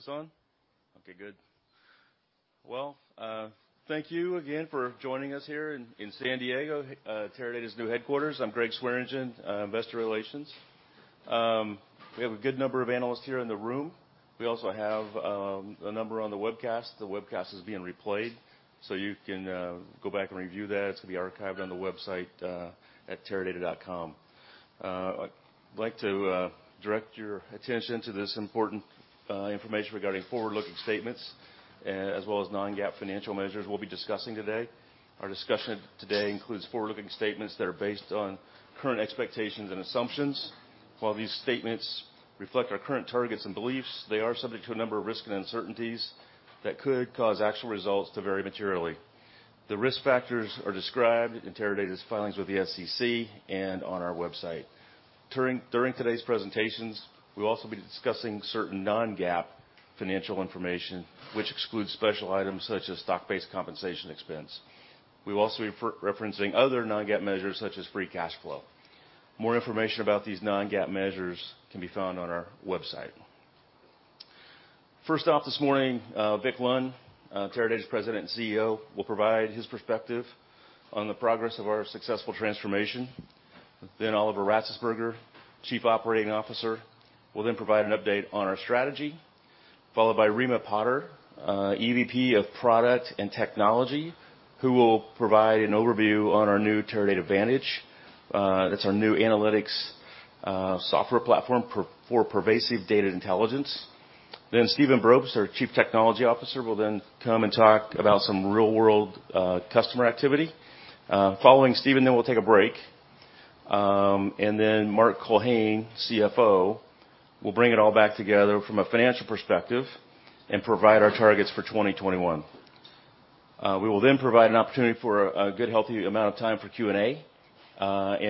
All right, everyone. This on? Okay, good. Well, thank you again for joining us here in San Diego, Teradata's new headquarters. I'm Gregg Swearingen, investor relations. We have a good number of analysts here in the room. We also have a number on the webcast. The webcast is being replayed, so you can go back and review that. It'll be archived on the website at teradata.com. I'd like to direct your attention to this important information regarding forward-looking statements, as well as non-GAAP financial measures we'll be discussing today. Our discussion today includes forward-looking statements that are based on current expectations and assumptions. While these statements reflect our current targets and beliefs, they are subject to a number of risks and uncertainties that could cause actual results to vary materially. The risk factors are described in Teradata's filings with the SEC and on our website. During today's presentations, we'll also be discussing certain non-GAAP financial information, which excludes special items such as stock-based compensation expense. We will also be referencing other non-GAAP measures such as free cash flow. More information about these non-GAAP measures can be found on our website. First off, this morning, Victor Lund, Teradata's President and Chief Executive Officer, will provide his perspective on the progress of our successful transformation. Oliver Ratzesberger, Chief Operating Officer, will then provide an update on our strategy, followed by Reema Poddar, EVP of Product and Technology, who will provide an overview on our new Teradata Vantage. That's our new analytics software platform for pervasive data intelligence. Stephen Brobst, our Chief Technology Officer, will then come and talk about some real-world customer activity. Following Stephen, we'll take a break. Mark Culhane, CFO, will bring it all back together from a financial perspective and provide our targets for 2021. We will then provide an opportunity for a good healthy amount of time for Q&A.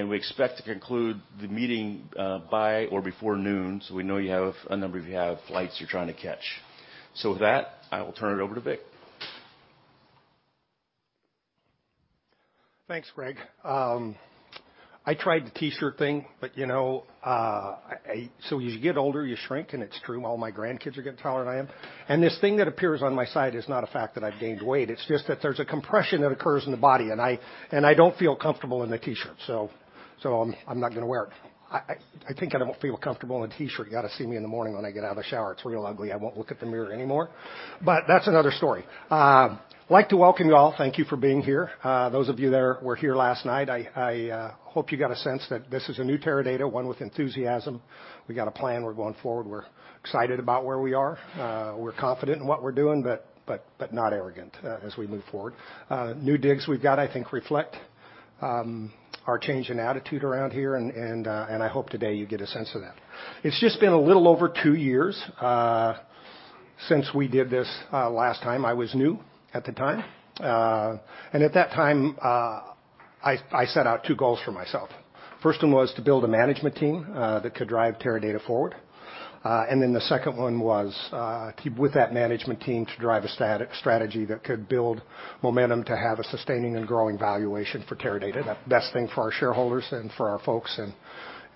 We expect to conclude the meeting by or before noon, so we know you have a number of you have flights you're trying to catch. With that, I will turn it over to Vic. Thanks, Gregg. I tried the T-shirt thing, but so as you get older, you shrink, and it's true. All my grandkids are getting taller than I am. This thing that appears on my side is not a fact that I've gained weight. It's just that there's a compression that occurs in the body, and I don't feel comfortable in the T-shirt, so I'm not going to wear it. I think I don't feel comfortable in a T-shirt. You got to see me in the morning when I get out of the shower. It's real ugly. I won't look at the mirror anymore, but that's another story. I'd like to welcome you all. Thank you for being here. Those of you that were here last night, I hope you got a sense that this is a new Teradata, one with enthusiasm. We got a plan. We're going forward. We're excited about where we are. We're confident in what we're doing, but not arrogant as we move forward. New digs we've got, I think, reflect our change in attitude around here, and I hope today you get a sense of that. It's just been a little over two years, since we did this last time. I was new at the time. At that time, I set out two goals for myself. First one was to build a management team that could drive Teradata forward. The second one was, with that management team, to drive a strategy that could build momentum to have a sustaining and growing valuation for Teradata, the best thing for our shareholders and for our folks.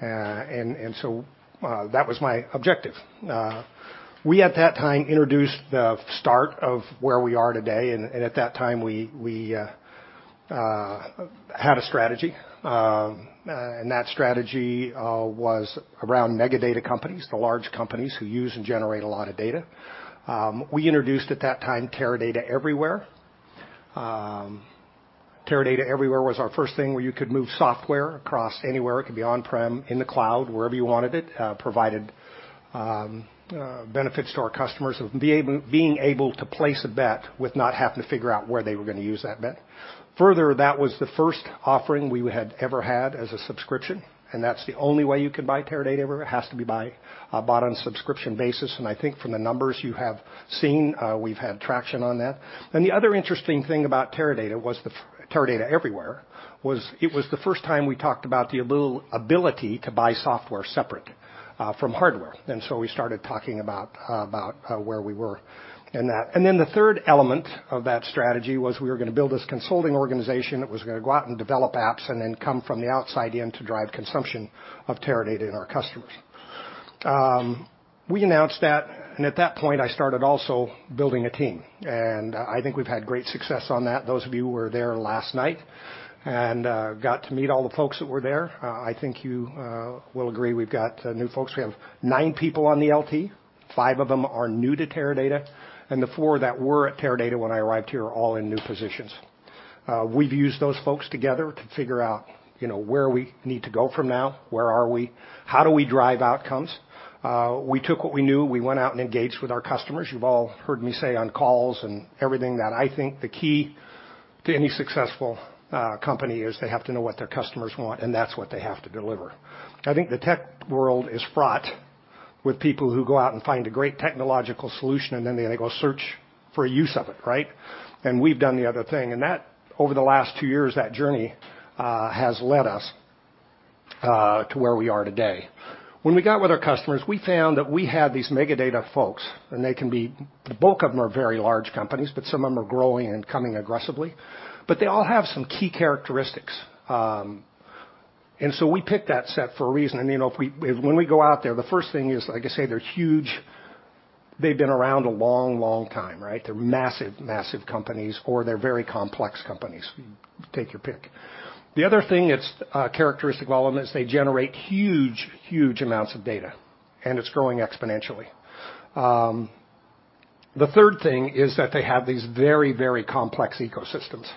That was my objective. We at that time introduced the start of where we are today, and at that time, we had a strategy. That strategy was around mega data companies, the large companies who use and generate a lot of data. We introduced at that time Teradata Everywhere. Teradata Everywhere was our first thing where you could move software across anywhere. It could be on-prem, in the cloud, wherever you wanted it, provided benefits to our customers of being able to place a bet with not having to figure out where they were going to use that bet. Further, that was the first offering we had ever had as a subscription, and that's the only way you can buy Teradata Everywhere. It has to be bought on a subscription basis. I think from the numbers you have seen, we've had traction on that. The other interesting thing about Teradata Everywhere was it was the first time we talked about the ability to buy software separate from hardware. We started talking about where we were in that. The third element of that strategy was we were going to build this consulting organization that was going to go out and develop apps and then come from the outside in to drive consumption of Teradata in our customers. We announced that, and at that point, I started also building a team, and I think we've had great success on that. Those of you who were there last night and got to meet all the folks that were there, I think you will agree we've got new folks. We have nine people on the LT. Five of them are new to Teradata, and the four that were at Teradata when I arrived here are all in new positions. We've used those folks together to figure out where we need to go from now, where are we, how do we drive outcomes. We took what we knew. We went out and engaged with our customers. You've all heard me say on calls and everything that I think the key to any successful company is they have to know what their customers want, and that's what they have to deliver. I think the tech world is fraught with people who go out and find a great technological solution, and then they go search for a use of it, right? We've done the other thing, and that over the last two years, that journey has led us to where we are today. When we got with our customers, we found that we had these mega data folks, and the bulk of them are very large companies, but some of them are growing and coming aggressively. They all have some key characteristics. We picked that set for a reason. When we go out there, the first thing is, like I say, they're huge. They've been around a long time, right? They're massive companies, or they're very complex companies. Take your pick. The other thing, it's a characteristic of all of them, is they generate huge amounts of data, and it's growing exponentially. The third thing is that they have these very complex ecosystems.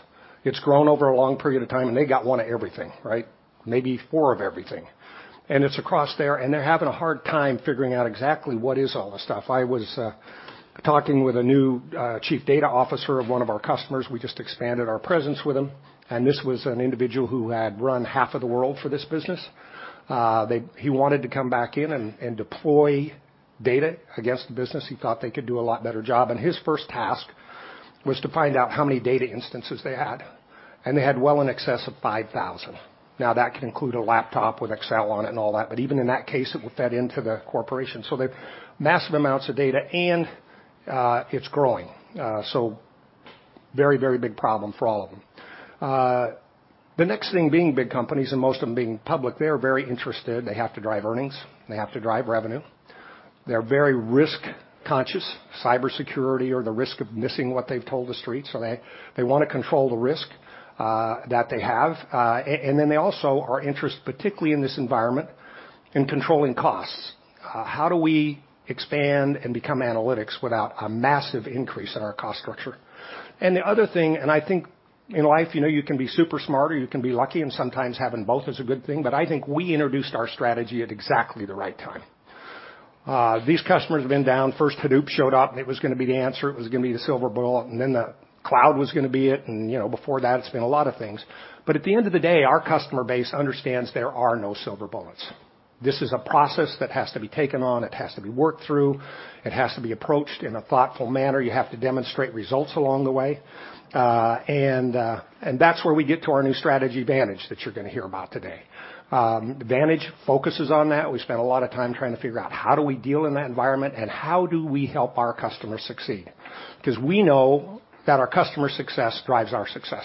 It's grown over a long period of time, and they got one of everything, right? Maybe four of everything. It's across there, and they're having a hard time figuring out exactly what is all the stuff. I was talking with a new chief data officer of one of our customers. We just expanded our presence with them, and this was an individual who had run half of the world for this business. He wanted to come back in and deploy data against the business. He thought they could do a lot better job, and his first task was to find out how many data instances they had, and they had well in excess of 5,000. That can include a laptop with Excel on it and all that, but even in that case, it would fed into the corporation. They've massive amounts of data, and it's growing. Very big problem for all of them. The next thing, being big companies and most of them being public, they're very interested. They have to drive earnings. They have to drive revenue. They're very risk-conscious. Cybersecurity or the risk of missing what they've told the street, they want to control the risk that they have. They also are interested, particularly in this environment, in controlling costs. How do we expand and become analytics without a massive increase in our cost structure? The other thing, and I think in life, you can be super smart or you can be lucky, and sometimes having both is a good thing, I think we introduced our strategy at exactly the right time. These customers have been down. First Hadoop showed up, and it was going to be the answer, it was going to be the silver bullet, and then the cloud was going to be it. Before that, it's been a lot of things. At the end of the day, our customer base understands there are no silver bullets. This is a process that has to be taken on. It has to be worked through. It has to be approached in a thoughtful manner. You have to demonstrate results along the way. That's where we get to our new strategy, Vantage, that you're going to hear about today. Vantage focuses on that. We spent a lot of time trying to figure out how do we deal in that environment and how do we help our customers succeed. We know that our customers' success drives our success.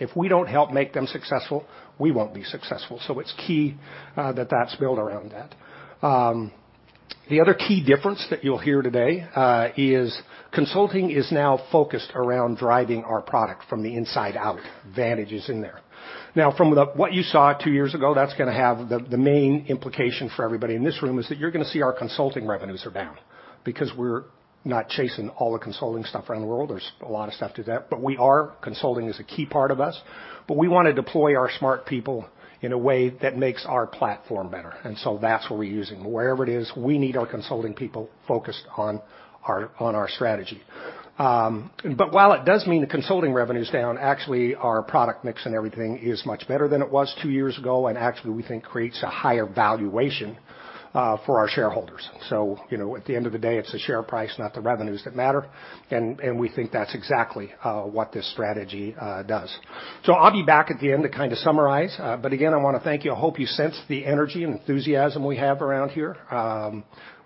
If we don't help make them successful, we won't be successful. It's key that's built around that. The other key difference that you'll hear today is consulting is now focused around driving our product from the inside out. Vantage is in there. From what you saw two years ago, that's going to have the main implication for everybody in this room is that you're going to see our consulting revenues are down because we're not chasing all the consulting stuff around the world. There's a lot of stuff to that. Consulting is a key part of us, we want to deploy our smart people in a way that makes our platform better. That's what we're using. Wherever it is, we need our consulting people focused on our strategy. While it does mean the consulting revenue's down, actually, our product mix and everything is much better than it was two years ago, and actually, we think creates a higher valuation for our shareholders. At the end of the day, it's the share price, not the revenues that matter, and we think that's exactly what this strategy does. I'll be back at the end to kind of summarize. Again, I want to thank you. I hope you sense the energy and enthusiasm we have around here.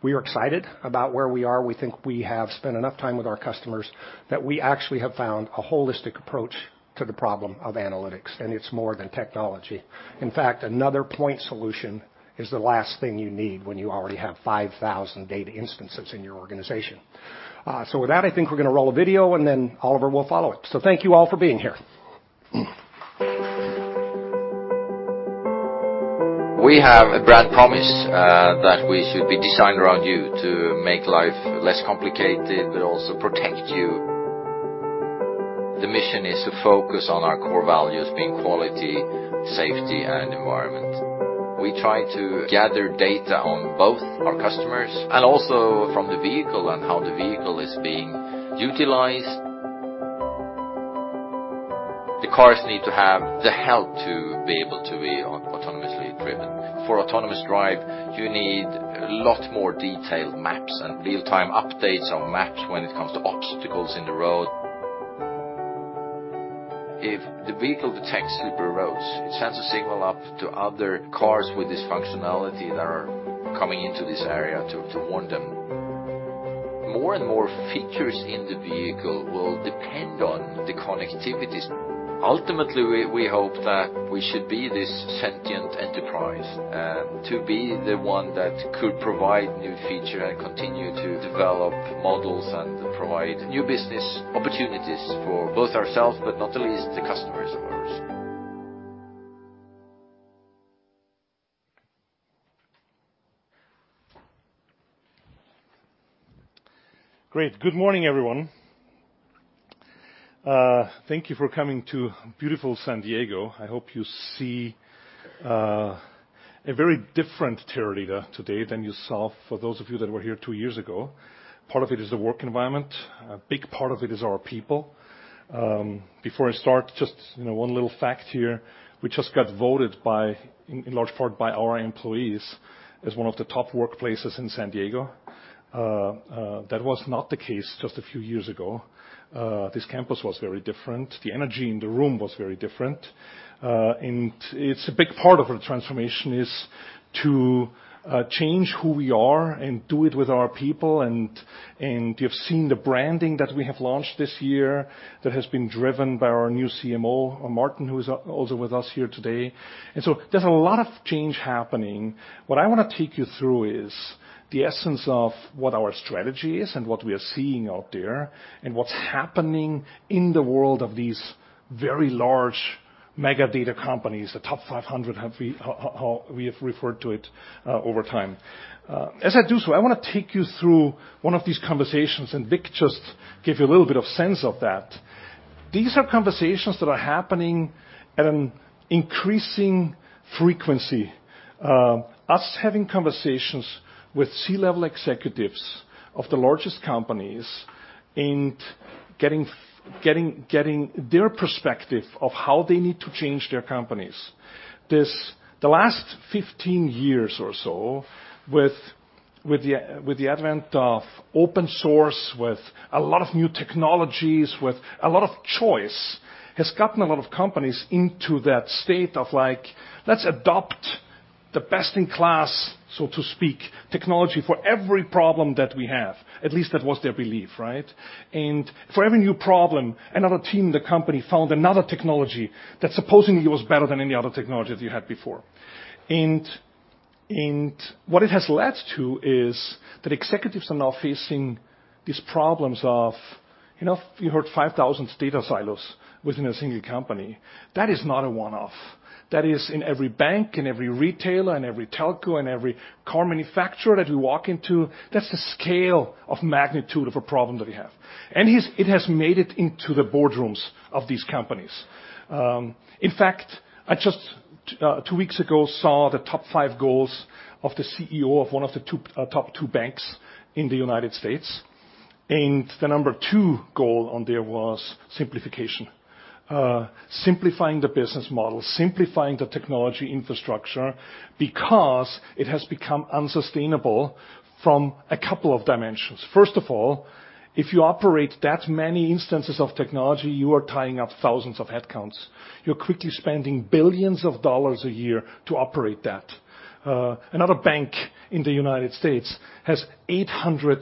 We are excited about where we are. We think we have spent enough time with our customers that we actually have found a holistic approach to the problem of analytics, and it's more than technology. In fact, another point solution is the last thing you need when you already have 5,000 data instances in your organization. With that, I think we're going to roll a video, and then Oliver will follow it. Thank you all for being here. We have a brand promise that we should be designed around you to make life less complicated, but also protect you. The mission is to focus on our core values being quality, safety, and environment. We try to gather data on both our customers and also from the vehicle and how the vehicle is being utilized. The cars need to have the help to be able to be autonomously driven. For autonomous drive, you need a lot more detailed maps and real-time updates on maps when it comes to obstacles in the road. If the vehicle detects slippery roads, it sends a signal up to other cars with this functionality that are coming into this area to warn them. More and more features in the vehicle will depend on the connectivities. Ultimately, we hope that we should be this sentient enterprise to be the one that could provide new feature and continue to develop models and provide new business opportunities for both ourselves, but not least, the customers of ours. Great. Good morning, everyone. Thank you for coming to beautiful San Diego. I hope you see a very different Teradata today than you saw for those of you that were here two years ago. Part of it is the work environment. A big part of it is our people. Before I start, just one little fact here. We just got voted by, in large part by our employees, as one of the top workplaces in San Diego. That was not the case just a few years ago. This campus was very different. The energy in the room was very different. It's a big part of our transformation is to change who we are and do it with our people, you've seen the branding that we have launched this year that has been driven by our new CMO, Martyn, who is also with us here today. There's a lot of change happening. What I want to take you through is the essence of what our strategy is and what we are seeing out there and what's happening in the world of these very large Mega data companies, the top 500, how we have referred to it over time. As I do so, I want to take you through one of these conversations, Vic just gave you a little bit of sense of that. These are conversations that are happening at an increasing frequency. Us having conversations with C-level executives of the largest companies and getting their perspective of how they need to change their companies. The last 15 years or so, with the advent of open source, with a lot of new technologies, with a lot of choice, has gotten a lot of companies into that state of, like, let's adopt the best-in-class, so to speak, technology for every problem that we have. At least that was their belief, right? For every new problem, another team in the company found another technology that supposedly was better than any other technology that you had before. What it has led to is that executives are now facing these problems of, you heard 5,000 data silos within a single company. That is not a one-off. That is in every bank, in every retailer, in every telco, in every car manufacturer that we walk into. That's the scale of magnitude of a problem that we have. It has made it into the boardrooms of these companies. In fact, I just, two weeks ago, saw the top five goals of the CEO of one of the top two banks in the United States, and the number two goal on there was simplification. Simplifying the business model, simplifying the technology infrastructure, because it has become unsustainable from a couple of dimensions. First of all, if you operate that many instances of technology, you are tying up thousands of headcounts. You're quickly spending billions of dollars a year to operate that. Another bank in the U.S. has 800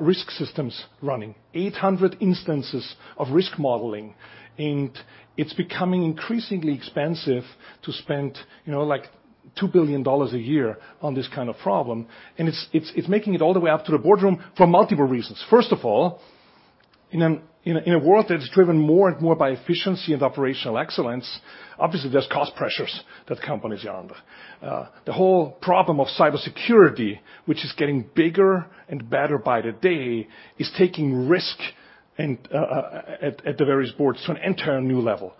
risk systems running, 800 instances of risk modeling, it's becoming increasingly expensive to spend $2 billion a year on this kind of problem. It's making it all the way up to the boardroom for multiple reasons. First of all, in a world that is driven more and more by efficiency and operational excellence, obviously, there's cost pressures that companies are under. The whole problem of cybersecurity, which is getting bigger and better by the day, is taking risk at the various boards to an entire new level.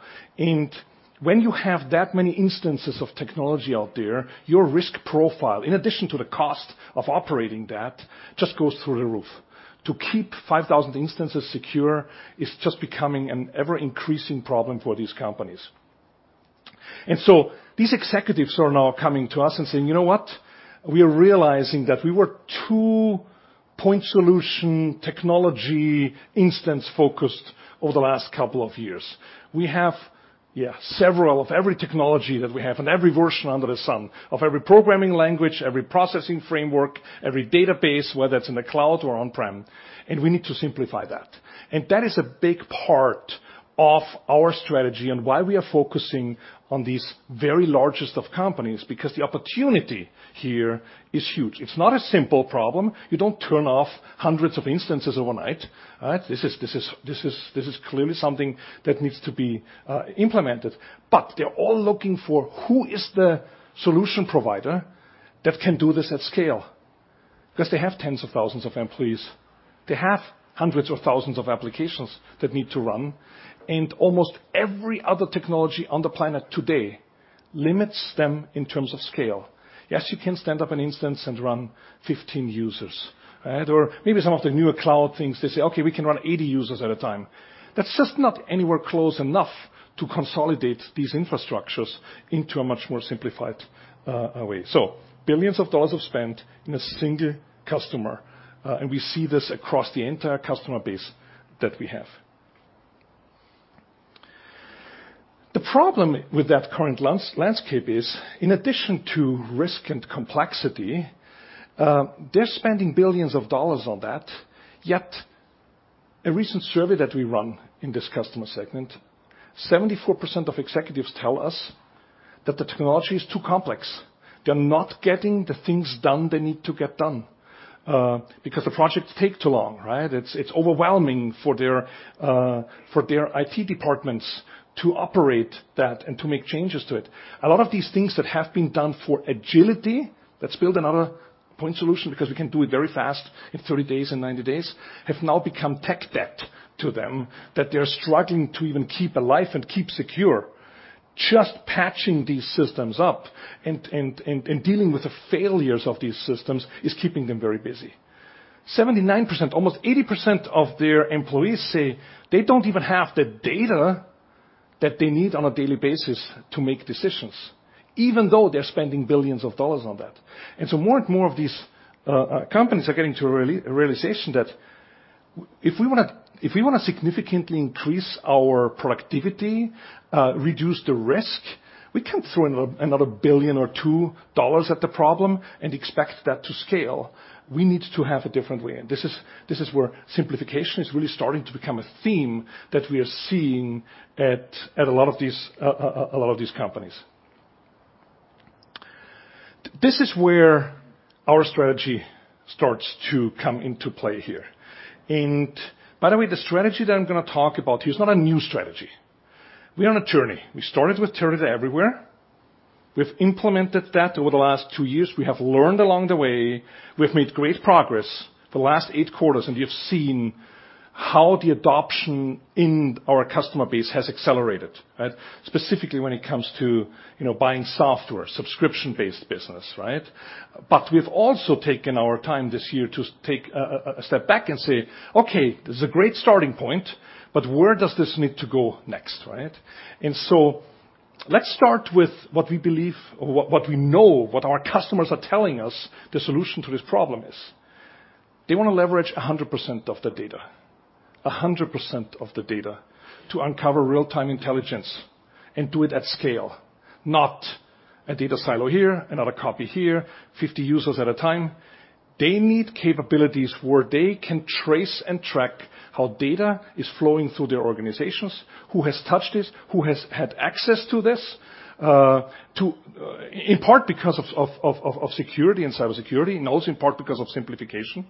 When you have that many instances of technology out there, your risk profile, in addition to the cost of operating that, just goes through the roof. To keep 5,000 instances secure is just becoming an ever-increasing problem for these companies. These executives are now coming to us and saying, "You know what? We are realizing that we were too point solution technology instance-focused over the last couple of years. We have several of every technology that we have and every version under the sun of every programming language, every processing framework, every database, whether it's in the cloud or on-prem, we need to simplify that." That is a big part of our strategy and why we are focusing on these very largest of companies, because the opportunity here is huge. It's not a simple problem. You don't turn off hundreds of instances overnight. This is clearly something that needs to be implemented. They're all looking for who is the solution provider that can do this at scale? Because they have tens of thousands of employees. They have hundreds of thousands of applications that need to run, and almost every other technology on the planet today limits them in terms of scale. Yes, you can stand up an instance and run 15 users. Or maybe some of the newer cloud things, they say, "Okay, we can run 80 users at a time." That's just not anywhere close enough to consolidate these infrastructures into a much more simplified way. Billions of dollars are spent in a single customer, and we see this across the entire customer base that we have. The problem with that current landscape is, in addition to risk and complexity, they're spending billions of dollars on that, yet a recent survey that we ran in this customer segment, 74% of executives tell us that the technology is too complex. They're not getting the things done they need to get done, because the projects take too long, right? It's overwhelming for their IT departments to operate that and to make changes to it. A lot of these things that have been done for agility, let's build another point solution because we can do it very fast in 30 days, in 90 days, have now become tech debt to them that they're struggling to even keep alive and keep secure. Just patching these systems up and dealing with the failures of these systems is keeping them very busy. 79%, almost 80% of their employees say they don't even have the data that they need on a daily basis to make decisions, even though they're spending billions of dollars on that. More and more of these companies are getting to a realization that if we want to significantly increase our productivity, reduce the risk, we can't throw another billion or $2 billion at the problem and expect that to scale. We need to have a different way. This is where simplification is really starting to become a theme that we are seeing at a lot of these companies. This is where our strategy starts to come into play here. By the way, the strategy that I'm going to talk about here is not a new strategy. We are on a journey. We started with Teradata Everywhere. We've implemented that over the last two years. We have learned along the way. We've made great progress the last eight quarters, and you've seen how the adoption in our customer base has accelerated, specifically when it comes to buying software, subscription-based business. We've also taken our time this year to take a step back and say, "Okay, this is a great starting point, but where does this need to go next?" Let's start with what we believe or what we know, what our customers are telling us the solution to this problem is. They want to leverage 100% of the data to uncover real-time intelligence and do it at scale, not a data silo here, another copy here, 50 users at a time. They need capabilities where they can trace and track how data is flowing through their organizations. Who has touched this? Who has had access to this? In part because of security and cybersecurity, also in part because of simplification.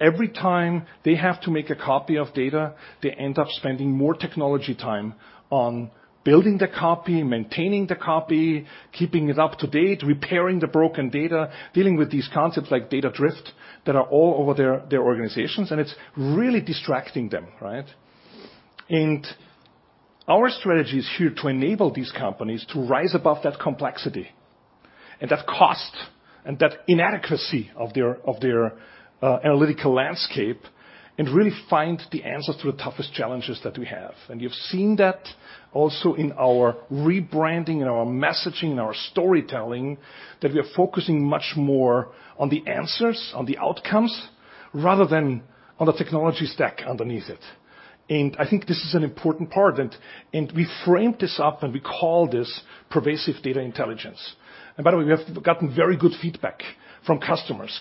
Every time they have to make a copy of data, they end up spending more technology time on building the copy, maintaining the copy, keeping it up to date, repairing the broken data, dealing with these concepts like data drift that are all over their organizations, it's really distracting them. Our strategy is here to enable these companies to rise above that complexity and that cost and that inadequacy of their analytical landscape, and really find the answers to the toughest challenges that we have. You've seen that also in our rebranding and our messaging and our storytelling, that we are focusing much more on the answers, on the outcomes, rather than on the technology stack underneath it. I think this is an important part. We framed this up, and we call this pervasive data intelligence. By the way, we have gotten very good feedback from customers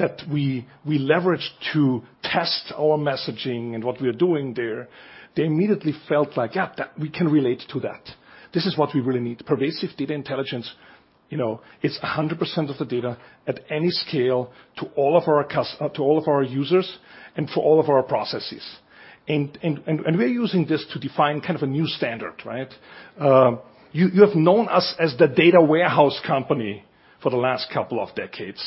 that we leverage to test our messaging and what we are doing there. They immediately felt like, "Yeah, we can relate to that. This is what we really need." pervasive data intelligence, it's 100% of the data at any scale to all of our users and for all of our processes. We're using this to define kind of a new standard. You have known us as the data warehouse company for the last couple of decades,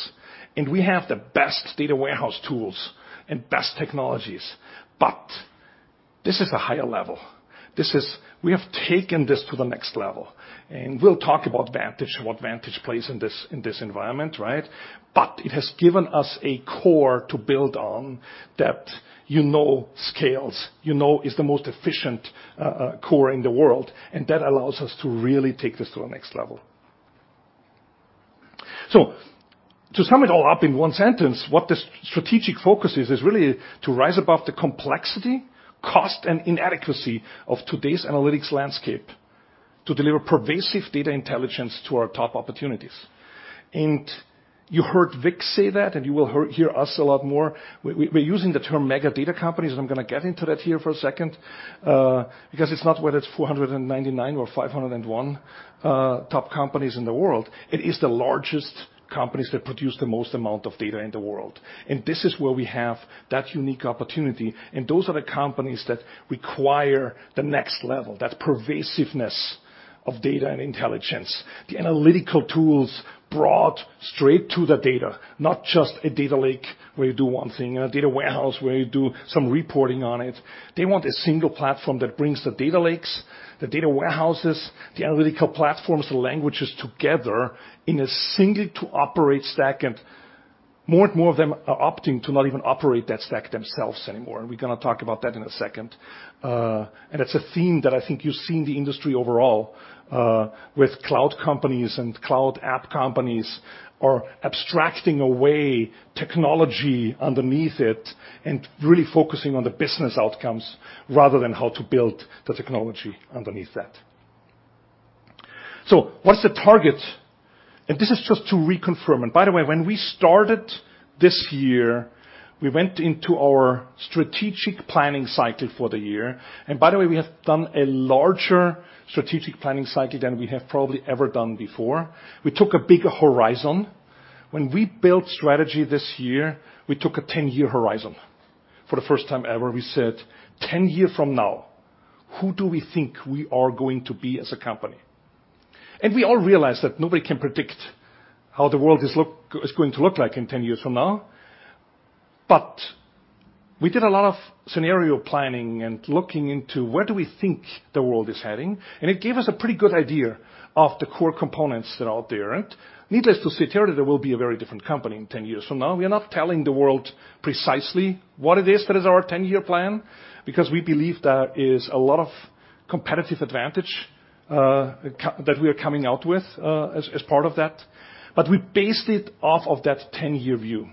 and we have the best data warehouse tools and best technologies. This is a higher level. We have taken this to the next level, and we'll talk about Vantage and what Vantage plays in this environment. It has given us a core to build on that you know scales, you know is the most efficient core in the world, and that allows us to really take this to the next level. To sum it all up in one sentence, what the strategic focus is really to rise above the complexity, cost, and inadequacy of today's analytics landscape to deliver pervasive data intelligence to our top opportunities. You heard Vic say that, and you will hear us a lot more. We're using the term mega data companies, and I'm going to get into that here for a second. It's not whether it's 499 or 501 top companies in the world. It is the largest companies that produce the most amount of data in the world. This is where we have that unique opportunity, and those are the companies that require the next level, that pervasiveness of data and intelligence, the analytical tools brought straight to the data, not just a data lake where you do one thing, a data warehouse where you do some reporting on it. They want a single platform that brings the data lakes, the data warehouses, the analytical platforms, the languages together in a single-to-operate stack. More and more of them are opting to not even operate that stack themselves anymore. We're going to talk about that in a second. It's a theme that I think you see in the industry overall, with cloud companies and cloud app companies are abstracting away technology underneath it and really focusing on the business outcomes rather than how to build the technology underneath that. What's the target? This is just to reconfirm. By the way, when we started this year, we went into our strategic planning cycle for the year. By the way, we have done a larger strategic planning cycle than we have probably ever done before. We took a bigger horizon. When we built strategy this year, we took a 10-year horizon. For the first time ever, we said, "10 year from now, who do we think we are going to be as a company?" We all realize that nobody can predict how the world is going to look like in 10 years from now. We did a lot of scenario planning and looking into where do we think the world is heading, and it gave us a pretty good idea of the core components that are out there. Needless to say, Teradata will be a very different company in 10 years from now. We are not telling the world precisely what it is that is our 10-year plan because we believe there is a lot of competitive advantage that we are coming out with as part of that. We based it off of that 10-year view.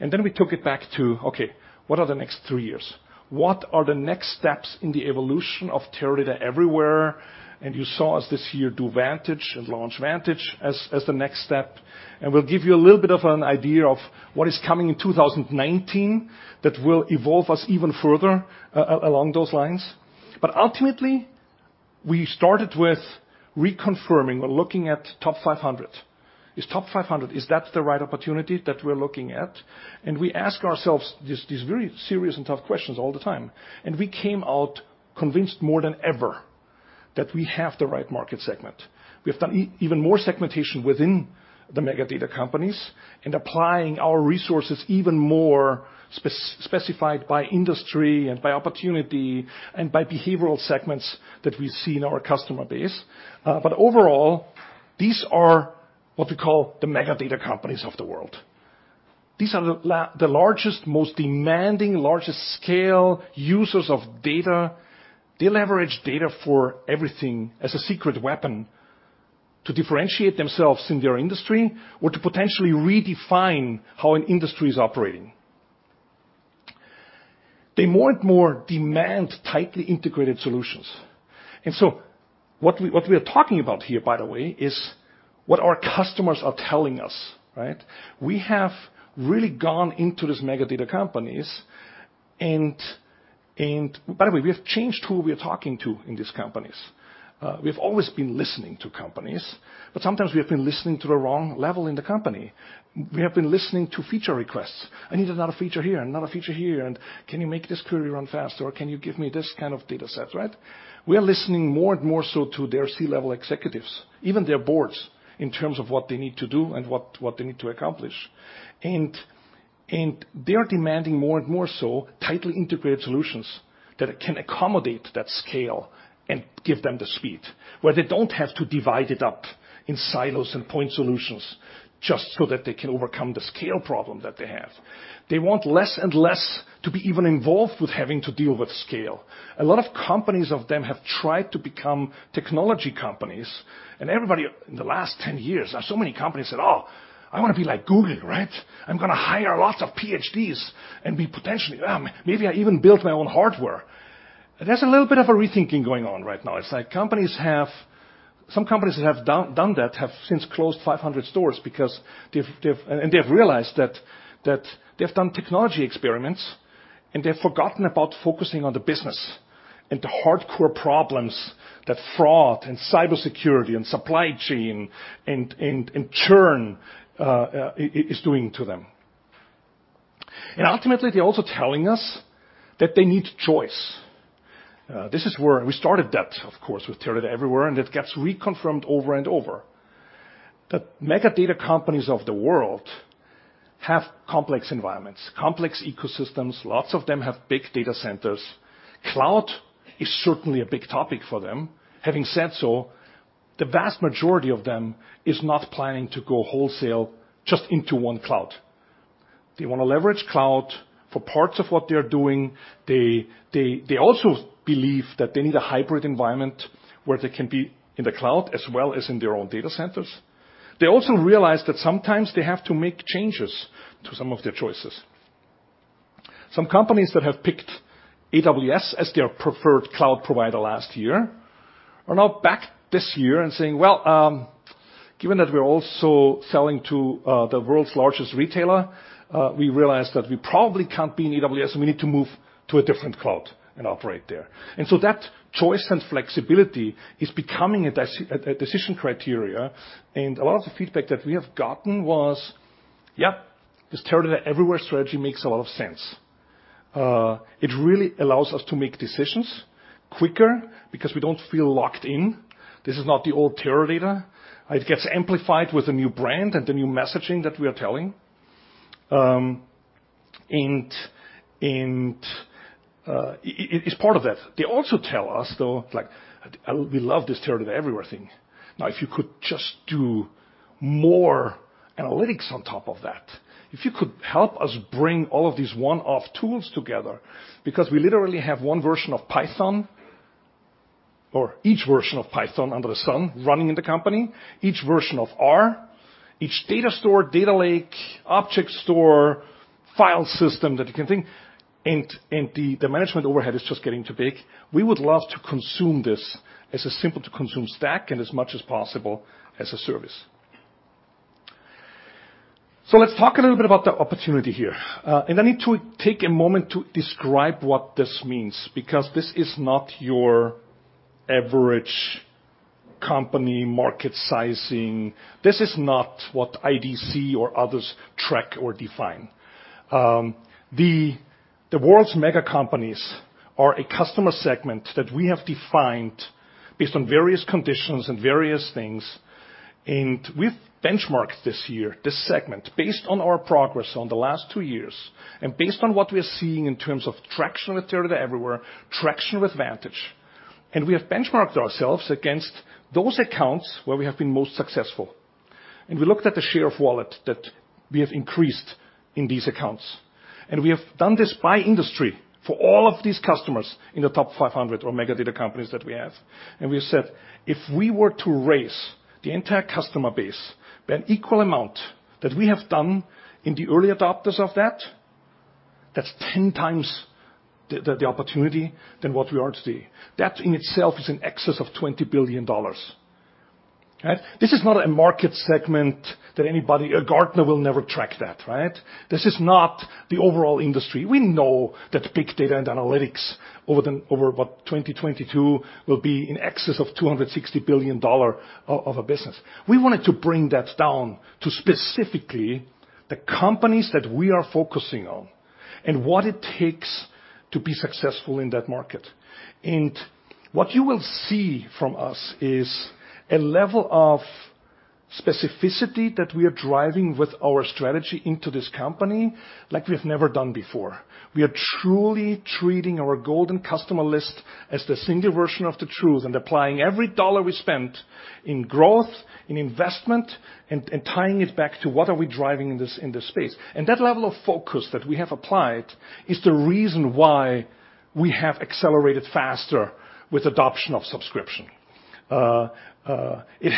Then we took it back to, okay, what are the next three years? What are the next steps in the evolution of Teradata Everywhere? You saw us this year do Vantage and launch Vantage as the next step. We'll give you a little bit of an idea of what is coming in 2019 that will evolve us even further along those lines. Ultimately, we started with reconfirming or looking at top 500. Is top 500, is that the right opportunity that we're looking at? We ask ourselves these very serious and tough questions all the time. We came out convinced more than ever that we have the right market segment. We have done even more segmentation within the mega data companies and applying our resources even more specified by industry and by opportunity and by behavioral segments that we see in our customer base. Overall, these are what we call the mega data companies of the world. These are the largest, most demanding, largest scale users of data. They leverage data for everything as a secret weapon to differentiate themselves in their industry or to potentially redefine how an industry is operating. They more and more demand tightly integrated solutions. What we are talking about here, by the way, is what our customers are telling us, right? We have really gone into these mega data companies. By the way, we have changed who we are talking to in these companies. We've always been listening to companies, but sometimes we have been listening to the wrong level in the company. We have been listening to feature requests. I need another feature here and another feature here, and can you make this query run faster? Can you give me this kind of data set, right? We are listening more and more so to their C-level executives, even their boards, in terms of what they need to do and what they need to accomplish. They are demanding more and more so tightly integrated solutions that can accommodate that scale and give them the speed where they don't have to divide it up in silos and point solutions just so that they can overcome the scale problem that they have. They want less and less to be even involved with having to deal with scale. A lot of companies of them have tried to become technology companies. Everybody in the last 10 years, so many companies said, "Oh, I want to be like Google. I'm going to hire lots of PhDs and maybe I even build my own hardware." There's a little bit of a rethinking going on right now. Some companies that have done that have since closed 500 stores. They have realized that they've done technology experiments. They've forgotten about focusing on the business and the hardcore problems that fraud and cybersecurity and supply chain and churn is doing to them. Ultimately, they're also telling us that they need choice. We started that, of course, with Teradata Everywhere, and it gets reconfirmed over and over. The mega data companies of the world have complex environments, complex ecosystems, lots of them have big data centers. Cloud is certainly a big topic for them. Having said so, the vast majority of them is not planning to go wholesale just into one cloud. They want to leverage cloud for parts of what they're doing. They also believe that they need a hybrid environment where they can be in the cloud as well as in their own data centers. They also realize that sometimes they have to make changes to some of their choices. Some companies that have picked AWS as their preferred cloud provider last year are now back this year and saying, "Well, given that we're also selling to the world's largest retailer, we realize that we probably can't be in AWS, and we need to move to a different cloud and operate there." That choice and flexibility is becoming a decision criteria, and a lot of the feedback that we have gotten was, yep, this Teradata Everywhere strategy makes a lot of sense. It really allows us to make decisions quicker because we don't feel locked in. This is not the old Teradata. It gets amplified with the new brand and the new messaging that we are telling. It's part of that. They also tell us, though, "We love this Teradata Everywhere thing. If you could just do more analytics on top of that, if you could help us bring all of these one-off tools together, because we literally have one version of Python or each version of Python under the sun running in the company, each version of R, each data store, data lake, object store, file system that you can think, and the management overhead is just getting too big. We would love to consume this as a simple to consume stack and as much as possible as a service." Let's talk a little bit about the opportunity here. I need to take a moment to describe what this means because this is not your average company market sizing. This is not what IDC or others track or define. The world's mega companies are a customer segment that we have defined based on various conditions and various things, we've benchmarked this year, this segment, based on our progress on the last two years, and based on what we're seeing in terms of traction with Teradata Everywhere, traction with Vantage. We have benchmarked ourselves against those accounts where we have been most successful. We looked at the share of wallet that we have increased in these accounts. We have done this by industry for all of these customers in the top 500 or mega data companies that we have. We have said, if we were to raise the entire customer base by an equal amount that we have done in the early adopters of that's 10 times the opportunity than what we are today. That in itself is in excess of $20 billion. Right? This is not a market segment that anybody Gartner will never track that, right? This is not the overall industry. We know that big data and analytics over what, 2022 will be in excess of $260 billion of a business. We wanted to bring that down to specifically the companies that we are focusing on, and what it takes to be successful in that market. What you will see from us is a level of specificity that we are driving with our strategy into this company like we've never done before. We are truly treating our golden customer list as the single version of the truth and applying every dollar we spend in growth, in investment, and tying it back to what are we driving in this space. That level of focus that we have applied is the reason why we have accelerated faster with adoption of subscription. It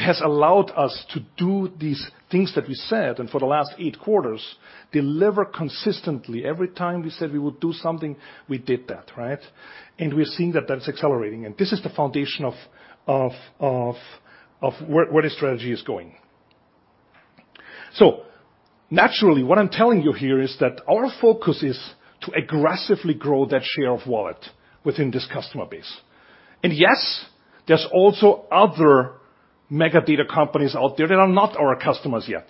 has allowed us to do these things that we said, for the last 8 quarters, deliver consistently. Every time we said we would do something, we did that, right? We're seeing that that's accelerating, and this is the foundation of where the strategy is going. Naturally, what I'm telling you here is that our focus is to aggressively grow that share of wallet within this customer base. Yes, there's also other mega data companies out there that are not our customers yet.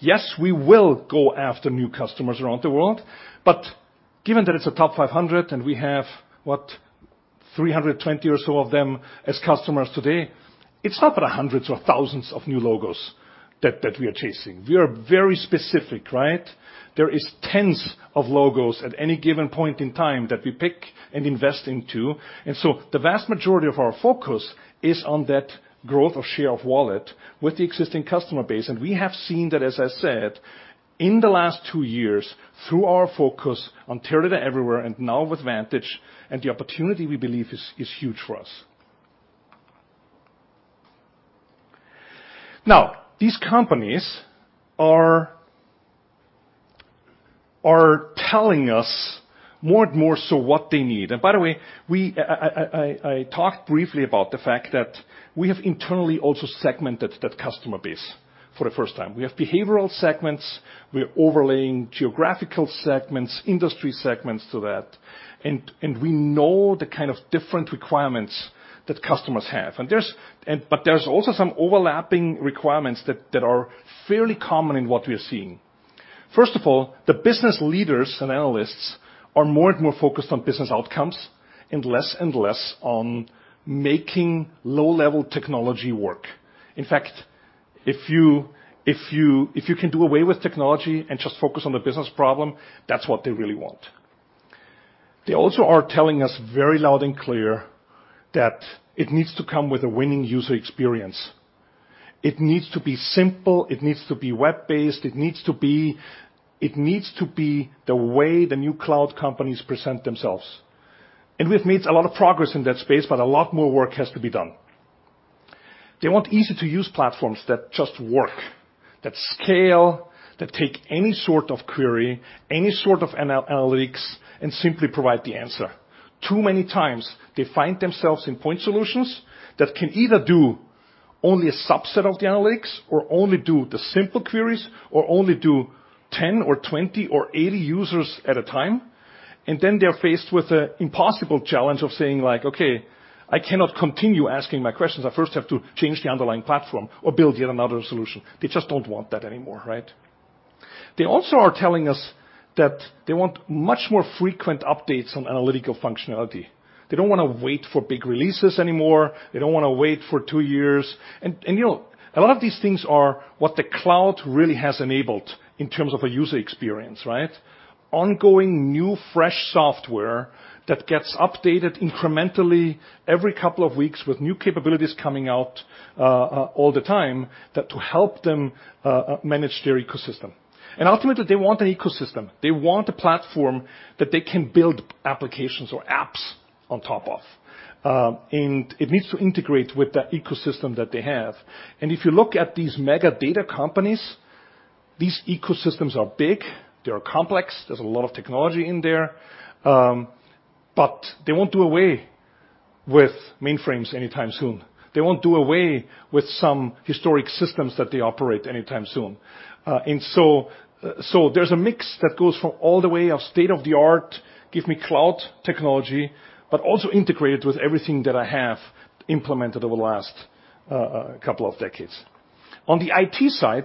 Yes, we will go after new customers around the world, but given that it's a top 500 and we have, what? 320 or so of them as customers today, it's not about hundreds or thousands of new logos that we are chasing. We are very specific, right? There is tens of logos at any given point in time that we pick and invest into. The vast majority of our focus is on that growth of share of wallet with the existing customer base. We have seen that, as I said, in the last two years through our focus on Teradata Everywhere and now with Vantage, the opportunity we believe is huge for us. These companies are telling us more and more so what they need. By the way, I talked briefly about the fact that we have internally also segmented that customer base for the first time. We have behavioral segments. We're overlaying geographical segments, industry segments to that, and we know the kind of different requirements that customers have. There's also some overlapping requirements that are fairly common in what we're seeing. First of all, the business leaders and analysts are more and more focused on business outcomes and less and less on making low-level technology work. In fact, if you can do away with technology and just focus on the business problem, that's what they really want. They also are telling us very loud and clear that it needs to come with a winning user experience. It needs to be simple. It needs to be web-based. It needs to be the way the new cloud companies present themselves. We've made a lot of progress in that space, but a lot more work has to be done. They want easy-to-use platforms that just work, that scale, that take any sort of query, any sort of analytics, and simply provide the answer. Too many times, they find themselves in point solutions that can either do only a subset of the analytics or only do the simple queries or only do 10 or 20 or 80 users at a time. Then they're faced with the impossible challenge of saying, like, "Okay, I cannot continue asking my questions. I first have to change the underlying platform or build yet another solution." They just don't want that anymore, right? They also are telling us that they want much more frequent updates on analytical functionality. They don't want to wait for big releases anymore. They don't want to wait for two years. A lot of these things are what the cloud really has enabled in terms of a user experience, right? Ongoing new fresh software that gets updated incrementally every couple of weeks with new capabilities coming out all the time to help them manage their ecosystem. Ultimately, they want an ecosystem. They want a platform that they can build applications or apps on top of. It needs to integrate with the ecosystem that they have. If you look at these mega data companies, these ecosystems are big. They are complex. There's a lot of technology in there. They won't do away with mainframes anytime soon. They won't do away with some historic systems that they operate anytime soon. There's a mix that goes from all the way of state-of-the-art give me cloud technology, but also integrated with everything that I have implemented over the last couple of decades. On the IT side,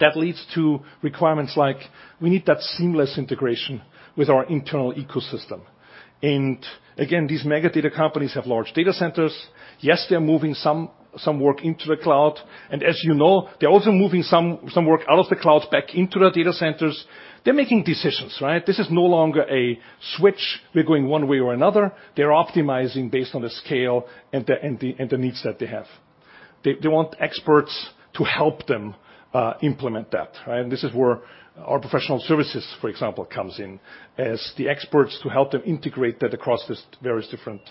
that leads to requirements like we need that seamless integration with our internal ecosystem. Again, these mega data companies have large data centers. Yes, they're moving some work into the cloud, and as you know, they're also moving some work out of the cloud back into their data centers. They're making decisions, right? This is no longer a switch. We're going one way or another. They're optimizing based on the scale and the needs that they have. They want experts to help them implement that, right? This is where our professional services, for example, comes in as the experts to help them integrate that across these various different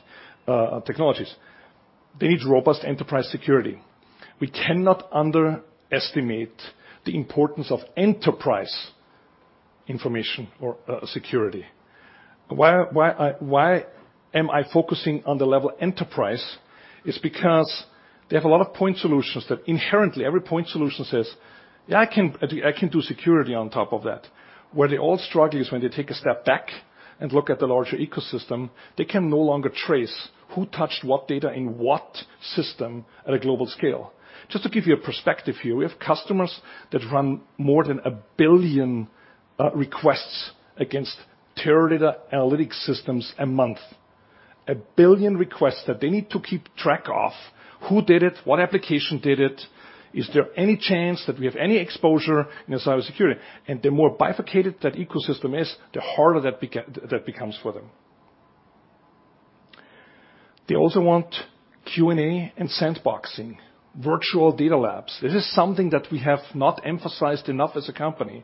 technologies. They need robust enterprise security. We cannot underestimate the importance of enterprise information or security. Why am I focusing on the level enterprise is because they have a lot of point solutions that inherently every point solution says, "Yeah, I can do security on top of that." Where they all struggle is when they take a step back and look at the larger ecosystem, they can no longer trace who touched what data in what system at a global scale. Just to give you a perspective here, we have customers that run more than a billion requests against Teradata analytic systems a month. A billion requests that they need to keep track of who did it, what application did it, is there any chance that we have any exposure in cybersecurity? The more bifurcated that ecosystem is, the harder that becomes for them. They also want Q&A and sandboxing, virtual data labs. This is something that we have not emphasized enough as a company.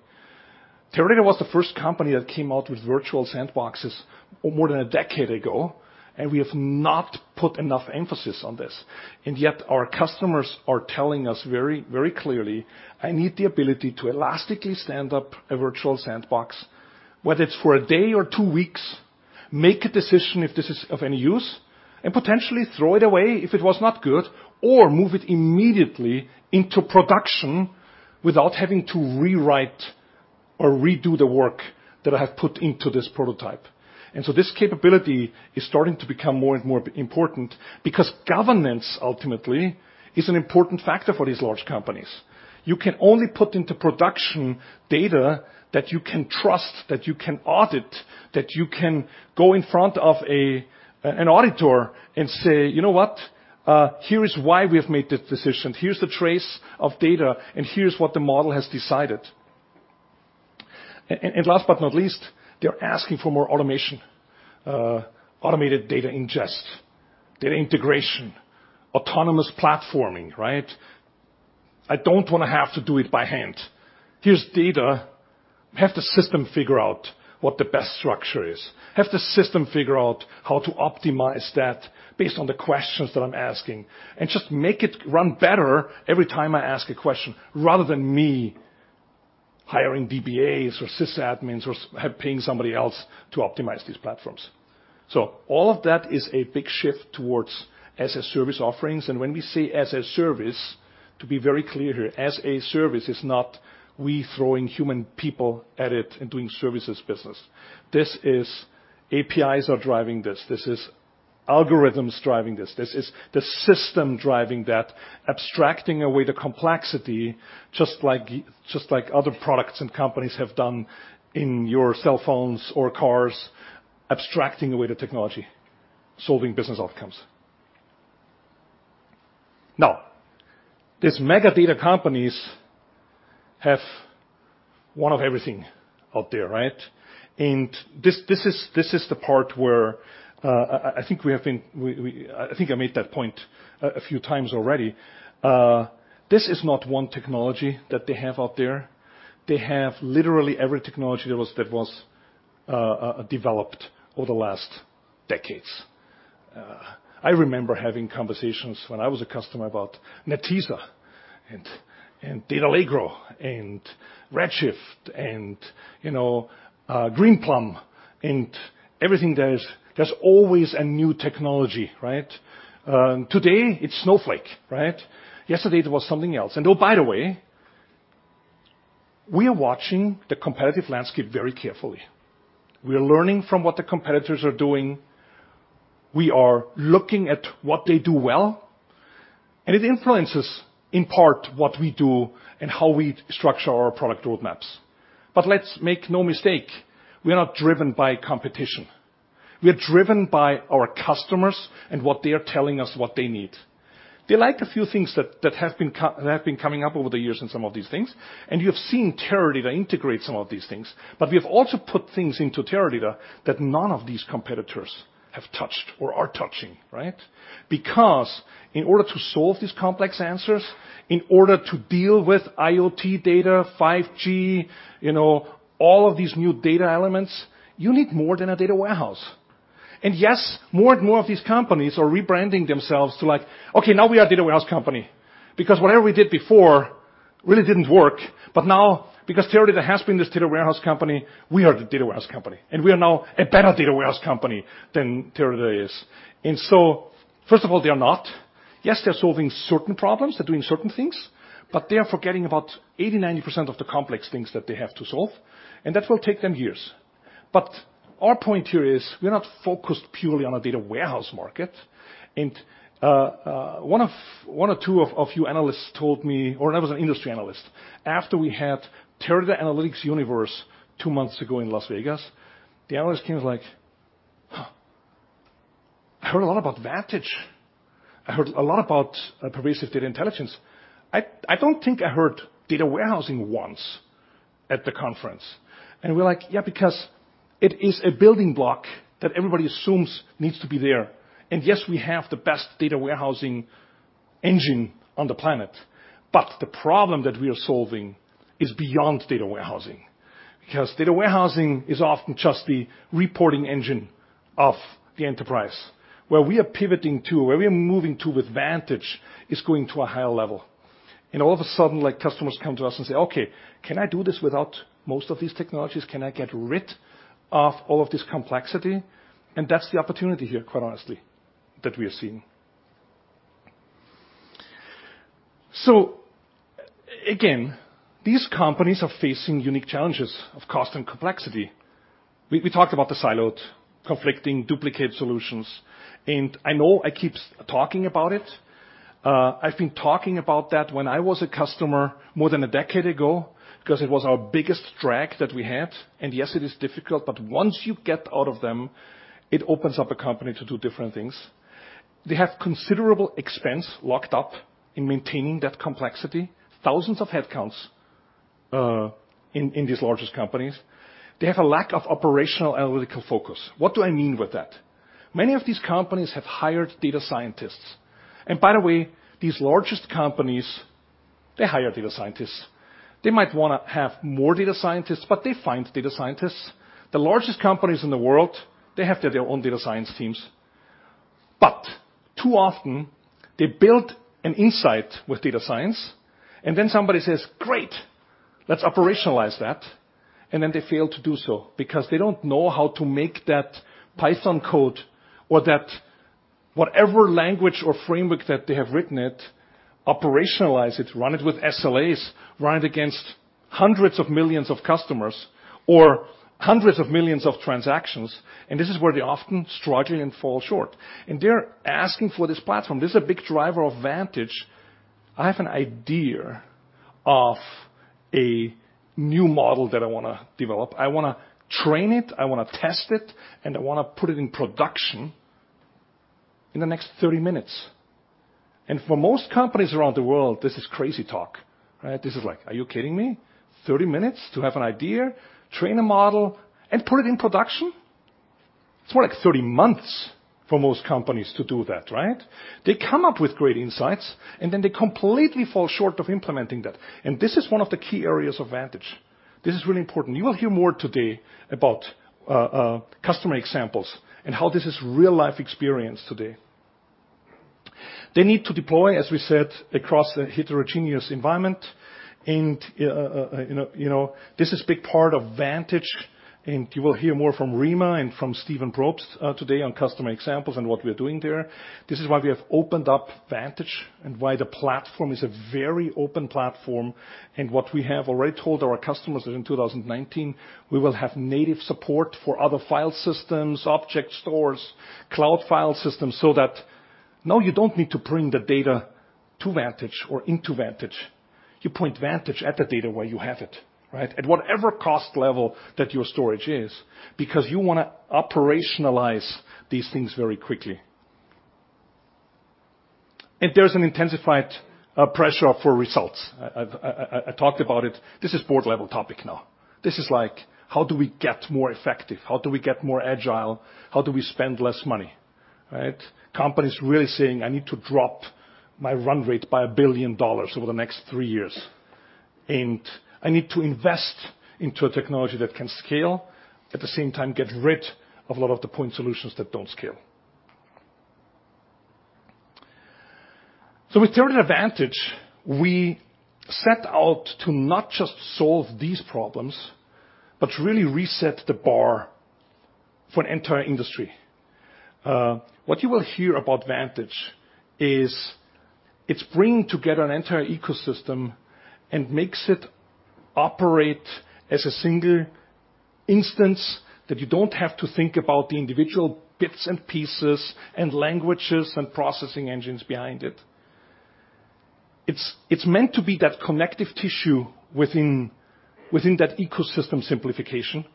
Teradata was the first company that came out with virtual sandboxes more than a decade ago, and we have not put enough emphasis on this. Yet our customers are telling us very clearly, "I need the ability to elastically stand up a virtual sandbox, whether it's for a day or two weeks, make a decision if this is of any use, and potentially throw it away if it was not good, or move it immediately into production without having to rewrite or redo the work that I have put into this prototype." This capability is starting to become more and more important because governance ultimately is an important factor for these large companies. You can only put into production data that you can trust, that you can audit, that you can go in front of an auditor and say, "You know what? Here is why we have made this decision. Here's the trace of data, and here's what the model has decided. Last but not least, they're asking for more automation, automated data ingest, data integration, autonomous platforming, right? I don't want to have to do it by hand. Here's data. Have the system figure out what the best structure is. Have the system figure out how to optimize that based on the questions that I'm asking, and just make it run better every time I ask a question, rather than me hiring DBAs or sys admins or paying somebody else to optimize these platforms. All of that is a big shift towards as a service offerings. When we say as a service, to be very clear here, as a service is not we throwing human people at it and doing services business. This is APIs are driving this. This is algorithms driving this. This is the system driving that, abstracting away the complexity, just like other products and companies have done in your cell phones or cars, abstracting away the technology, solving business outcomes. Now, these mega data companies have one of everything out there, right? This is the part where I think I made that point a few times already. This is not one technology that they have out there. They have literally every technology that was developed over the last decades. I remember having conversations when I was a customer about Netezza and DATAllegro and Redshift and Greenplum and everything. There's always a new technology, right? Today it's Snowflake, right? Yesterday it was something else. Oh, by the way, we are watching the competitive landscape very carefully. We are learning from what the competitors are doing. We are looking at what they do well, and it influences in part what we do and how we structure our product roadmaps. Let's make no mistake, we are not driven by competition. We are driven by our customers and what they are telling us what they need. They like a few things that have been coming up over the years in some of these things, and you have seen Teradata integrate some of these things. We have also put things into Teradata that none of these competitors have touched or are touching, right? Because in order to solve these complex answers, in order to deal with IoT data, 5G, all of these new data elements, you need more than a data warehouse. Yes, more and more of these companies are rebranding themselves to like, "Okay, now we are a data warehouse company because whatever we did before really didn't work. Now because Teradata has been this data warehouse company, we are the data warehouse company, and we are now a better data warehouse company than Teradata is." So, first of all, they are not. Yes, they're solving certain problems. They're doing certain things. They are forgetting about 80%, 90% of the complex things that they have to solve, and that will take them years. Our point here is we're not focused purely on a data warehouse market. One or two of you analysts told me, or that was an industry analyst, after we had Teradata Analytics Universe two months ago in Las Vegas, the analyst came and was like, "Huh, I heard a lot about Vantage. I heard a lot about Pervasive Data Intelligence. I don't think I heard data warehousing once at the conference." We're like, "Yeah, because it is a building block that everybody assumes needs to be there." Yes, we have the best data warehousing engine on the planet. The problem that we are solving is beyond data warehousing. Because data warehousing is often just the reporting engine of the enterprise. Where we are pivoting to, where we are moving to with Vantage is going to a higher level. All of a sudden, customers come to us and say, "Okay, can I do this without most of these technologies? Can I get rid of all of this complexity?" That's the opportunity here, quite honestly, that we are seeing. Again, these companies are facing unique challenges of cost and complexity. We talked about the silos, conflicting duplicate solutions. I know I keep talking about it. I've been talking about that when I was a customer more than a decade ago because it was our biggest drag that we had. Yes, it is difficult, but once you get out of them, it opens up a company to do different things. They have considerable expense locked up in maintaining that complexity. Thousands of headcounts, in these largest companies. They have a lack of operational analytical focus. What do I mean by that? Many of these companies have hired data scientists. By the way, these largest companies, they hire data scientists. They might want to have more data scientists, but they find data scientists. The largest companies in the world, they have their own data science teams. Too often they build an insight with data science and then somebody says, "Great, let's operationalize that," and then they fail to do so because they don't know how to make that Python code or that whatever language or framework that they have written it, operationalize it, run it with SLAs, run it against hundreds of millions of customers or hundreds of millions of transactions. This is where they often struggle and fall short. They're asking for this platform. This is a big driver of Vantage. I have an idea of a new model that I want to develop. I want to train it, I want to test it, and I want to put it in production in the next 30 minutes. For most companies around the world, this is crazy talk, right? This is like, are you kidding me? 30 minutes to have an idea, train a model, and put it in production. It's more like 30 months for most companies to do that, right? They come up with great insights and then they completely fall short of implementing that. This is one of the key areas of Vantage. This is really important. You will hear more today about customer examples and how this is real-life experience today. They need to deploy, as we said, across a heterogeneous environment. This is big part of Vantage, and you will hear more from Reema and from Stephen Brobst today on customer examples and what we're doing there. This is why we have opened up Vantage and why the platform is a very open platform. What we have already told our customers that in 2019, we will have native support for other file systems, object stores, cloud file systems, so that now you don't need to bring the data to Vantage or into Vantage. You point Vantage at the data where you have it, right? At whatever cost level that your storage is, because you want to operationalize these things very quickly. There's an intensified pressure for results. I talked about it. This is board level topic now. This is like, how do we get more effective? How do we get more agile? How do we spend less money, right? Companies really saying, "I need to drop my run rate by $1 billion over the next 3 years, and I need to invest into a technology that can scale. At the same time, get rid of a lot of the point solutions that don't scale." With Teradata Vantage, we set out to not just solve these problems, but really reset the bar for an entire industry. What you will hear about Vantage is it's bringing together an entire ecosystem and makes it operate as a single instance that you don't have to think about the individual bits and pieces and languages and processing engines behind it. It's meant to be that connective tissue within that ecosystem simplification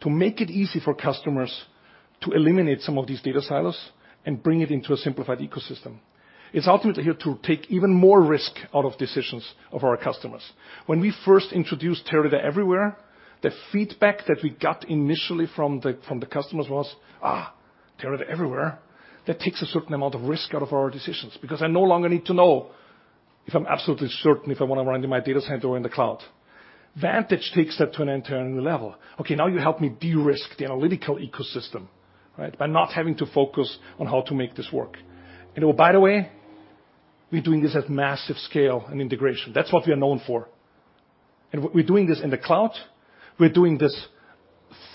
to make it easy for customers to eliminate some of these data silos and bring it into a simplified ecosystem. It's ultimately here to take even more risk out of decisions of our customers. When we first introduced Teradata Everywhere, the feedback that we got initially from the customers was, Teradata Everywhere. That takes a certain amount of risk out of our decisions because I no longer need to know if I'm absolutely certain if I want to run in my data center or in the cloud. Vantage takes that to an entirely new level. Okay, now you help me de-risk the analytical ecosystem, right? By not having to focus on how to make this work. Oh, by the way, we're doing this at massive scale and integration. That's what we are known for, and we're doing this in the cloud. We're doing this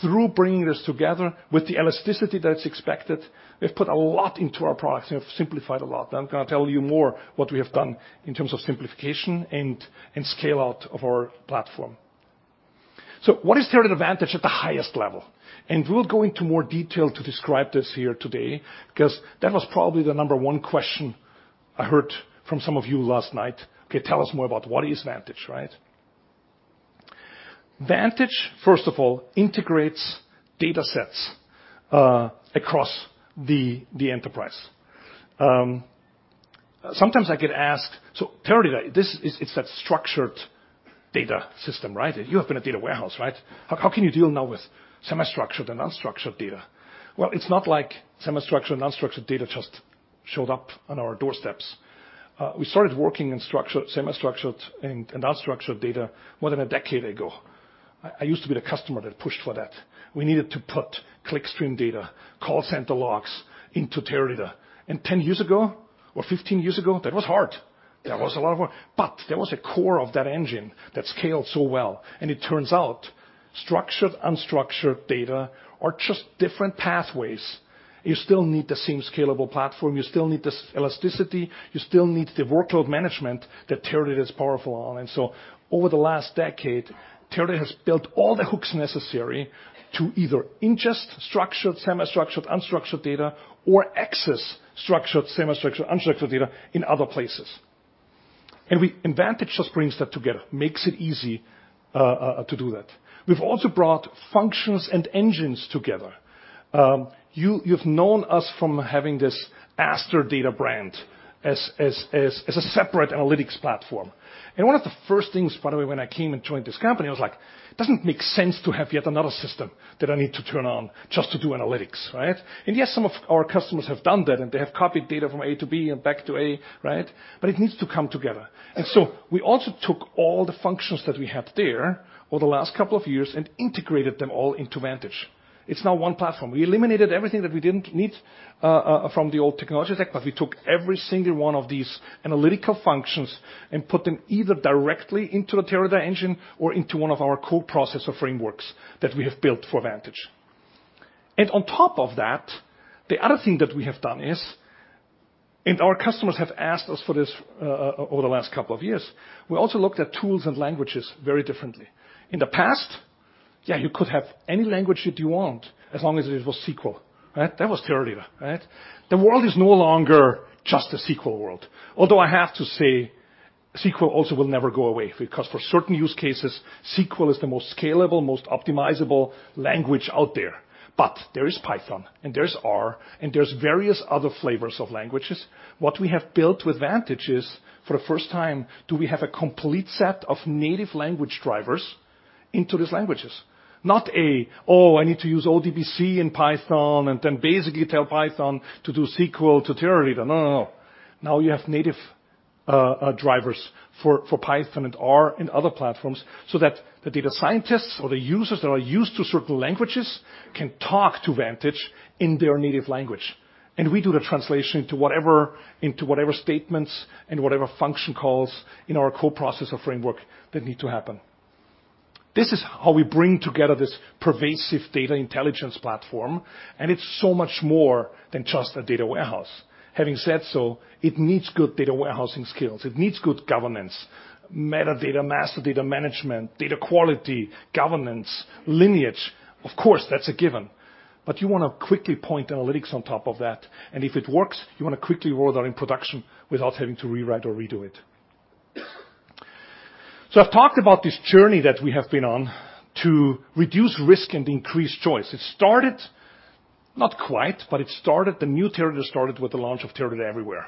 through bringing this together with the elasticity that is expected. We've put a lot into our products. We have simplified a lot. I'm going to tell you more what we have done in terms of simplification and scale-out of our platform. What is Teradata Vantage at the highest level? We'll go into more detail to describe this here today because that was probably the number 1 question I heard from some of you last night. Okay, tell us more about what is Vantage, right? Vantage, first of all, integrates data sets across the enterprise. Sometimes I get asked, "Teradata, it's that structured data system, right? You have been a data warehouse, right? How can you deal now with semi-structured and unstructured data?" Well, it's not like semi-structured and unstructured data just showed up on our doorsteps. We started working in structured, semi-structured, and unstructured data more than a decade ago. I used to be the customer that pushed for that. We needed to put clickstream data, call center logs into Teradata. 10 years ago or 15 years ago, that was hard. Yeah. That was a lot of work, there was a core of that engine that scaled so well, it turns out structured, unstructured data are just different pathways. You still need the same scalable platform. You still need this elasticity. You still need the workload management that Teradata is powerful on. Over the last decade, Teradata has built all the hooks necessary to either ingest structured, semi-structured, unstructured data or access structured, semi-structured, unstructured data in other places. Vantage just brings that together, makes it easy to do that. We've also brought functions and engines together. You've known us from having this Aster Data brand as a separate analytics platform. One of the first things, by the way, when I came and joined this company, I was like, "It doesn't make sense to have yet another system that I need to turn on just to do analytics." Right? Yes, some of our customers have done that, they have copied data from A to B and back to A, right? It needs to come together. We also took all the functions that we had there over the last couple of years and integrated them all into Vantage. It's now one platform. We eliminated everything that we didn't need from the old technology stack, but we took every single one of these analytical functions and put them either directly into the Teradata engine or into one of our co-processor frameworks that we have built for Vantage. On top of that, the other thing that we have done is, and our customers have asked us for this over the last couple of years, we also looked at tools and languages very differently. In the past, yeah, you could have any language that you want as long as it was SQL. Right? That was Teradata, right? The world is no longer just a SQL world. Although I have to say SQL also will never go away because for certain use cases, SQL is the most scalable, most optimizable language out there. There is Python and there's R and there's various other flavors of languages. What we have built with Vantage is for the first time do we have a complete set of native language drivers into these languages. Not a, oh, I need to use ODBC and Python and then basically tell Python to do SQL to Teradata. No, no. Now you have native drivers for Python and R and other platforms so that the data scientists or the users that are used to certain languages can talk to Vantage in their native language. We do the translation into whatever statements and whatever function calls in our co-processor framework that need to happen. This is how we bring together this pervasive data intelligence platform, and it's so much more than just a data warehouse. Having said so, it needs good data warehousing skills. It needs good governance, metadata, master data management, data quality, governance, lineage. Of course, that's a given. You want to quickly point analytics on top of that. If it works, you want to quickly roll that in production without having to rewrite or redo it. I've talked about this journey that we have been on to reduce risk and increase choice. It started, not quite, but it started, the new Teradata started with the launch of Teradata Everywhere.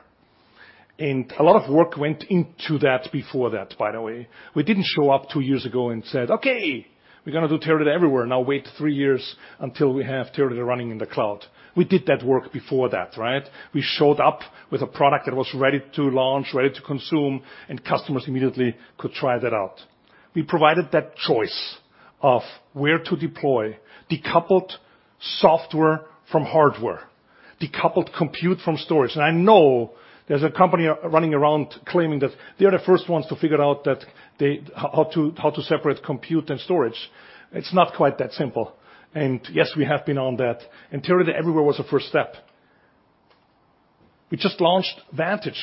A lot of work went into that before that, by the way. We didn't show up two years ago and said, "Okay, we're going to do Teradata Everywhere. Now wait three years until we have Teradata running in the cloud." We did that work before that, right? We showed up with a product that was ready to launch, ready to consume, and customers immediately could try that out. We provided that choice of where to deploy decoupled software from hardware, decoupled compute from storage. I know there's a company running around claiming that they are the first ones to figure out how to separate compute and storage. It's not quite that simple. Yes, we have been on that, and Teradata Everywhere was the first step. We just launched Vantage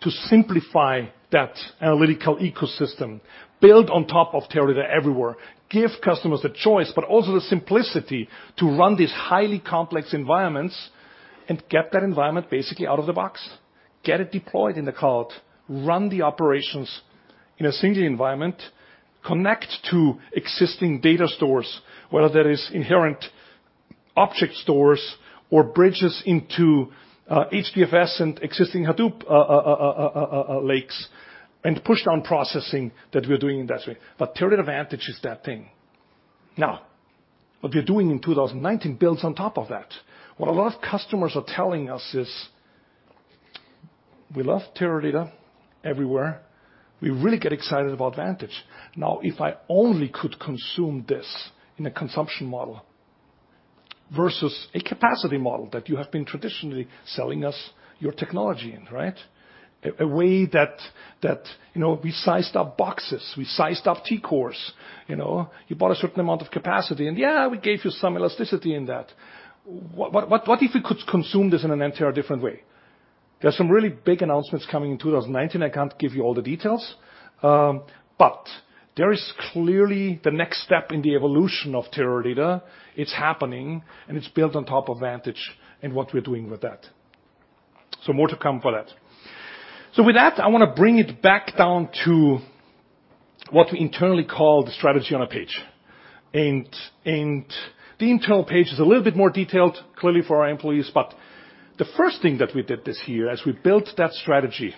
to simplify that analytical ecosystem built on top of Teradata Everywhere. Give customers the choice, but also the simplicity to run these highly complex environments and get that environment basically out of the box, get it deployed in the cloud, run the operations in a single environment, connect to existing data stores, whether that is inherent object stores or bridges into HDFS and existing Hadoop lakes, and push down processing that we're doing in that way. Teradata Vantage is that thing. What we're doing in 2019 builds on top of that. What a lot of customers are telling us is, "We love Teradata Everywhere. We really get excited about Vantage. If I only could consume this in a consumption model versus a capacity model that you have been traditionally selling us your technology in, right? A way that we sized up boxes, we sized up TCores. You bought a certain amount of capacity, and yeah, we gave you some elasticity in that. What if we could consume this in an entire different way?" There's some really big announcements coming in 2019. I can't give you all the details, but there is clearly the next step in the evolution of Teradata. It's happening, and it's built on top of Vantage and what we're doing with that. More to come for that. I want to bring it back down to what we internally call the strategy on a page. The internal page is a little bit more detailed, clearly for our employees, but the first thing that we did this year as we built that strategy.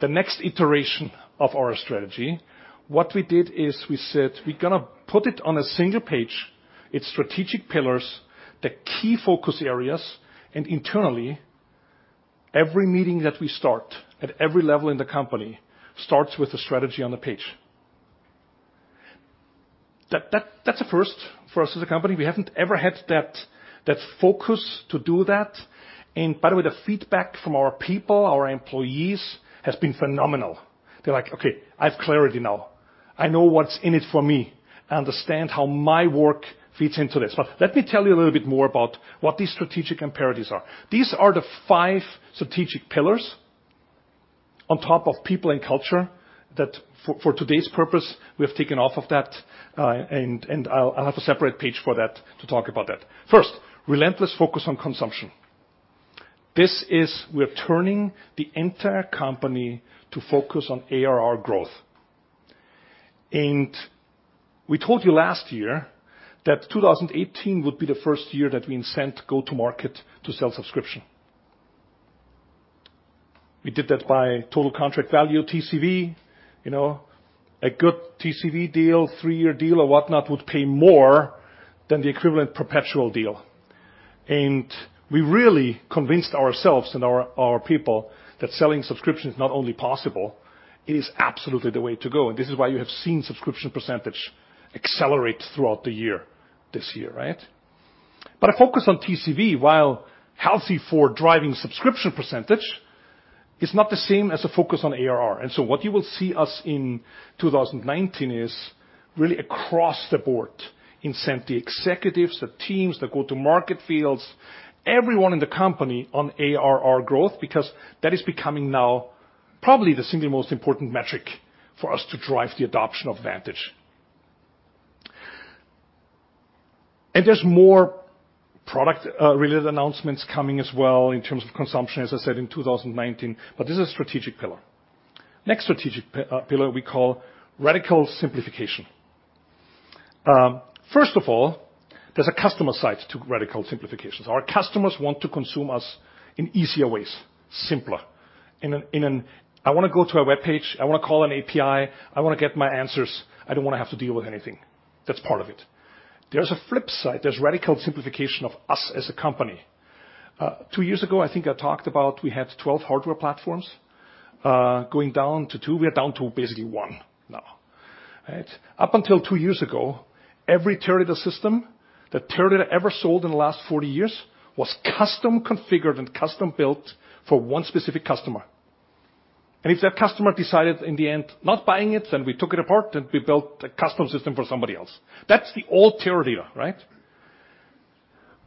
The next iteration of our strategy, what we did is we said, "We're going to put it on a single page, its strategic pillars, the key focus areas," internally, every meeting that we start at every level in the company starts with a strategy on the page. That's a first for us as a company. We haven't ever had that focus to do that, and by the way, the feedback from our people, our employees, has been phenomenal. They're like, "Okay, I have clarity now. I know what's in it for me. I understand how my work fits into this." Let me tell you a little bit more about what these strategic imperatives are. These are the five strategic pillars on top of people and culture that for today's purpose, we have taken off of that, and I'll have a separate page for that to talk about that. First, relentless focus on consumption. This is we're turning the entire company to focus on ARR growth. We told you last year that 2018 would be the first year that we incent go-to-market to sell subscription. We did that by total contract value, TCV. A good TCV deal, three-year deal or whatnot, would pay more than the equivalent perpetual deal, we really convinced ourselves and our people that selling subscription is not only possible, it is absolutely the way to go, this is why you have seen subscription percentage accelerate throughout the year, this year. A focus on TCV, while healthy for driving subscription percentage, is not the same as a focus on ARR. What you will see us in 2019 is really across the board incent the executives, the teams, the go-to-market fields, everyone in the company on ARR growth because that is becoming now probably the single most important metric for us to drive the adoption of Vantage. There's more product-related announcements coming as well in terms of consumption, as I said, in 2019, but this is a strategic pillar. Next strategic pillar we call radical simplification. First of all, there's a customer side to radical simplifications. Our customers want to consume us in easier ways, simpler. I want to go to a webpage, I want to call an API, I want to get my answers. I don't want to have to deal with anything. That's part of it. There's a flip side. There's radical simplification of us as a company. Two years ago, I think I talked about we had 12 hardware platforms, going down to two. We are down to basically one now. Up until two years ago, every Teradata system that Teradata ever sold in the last 40 years was custom-configured and custom-built for one specific customer. If that customer decided in the end not buying it, then we took it apart and we built a custom system for somebody else. That's the old Teradata.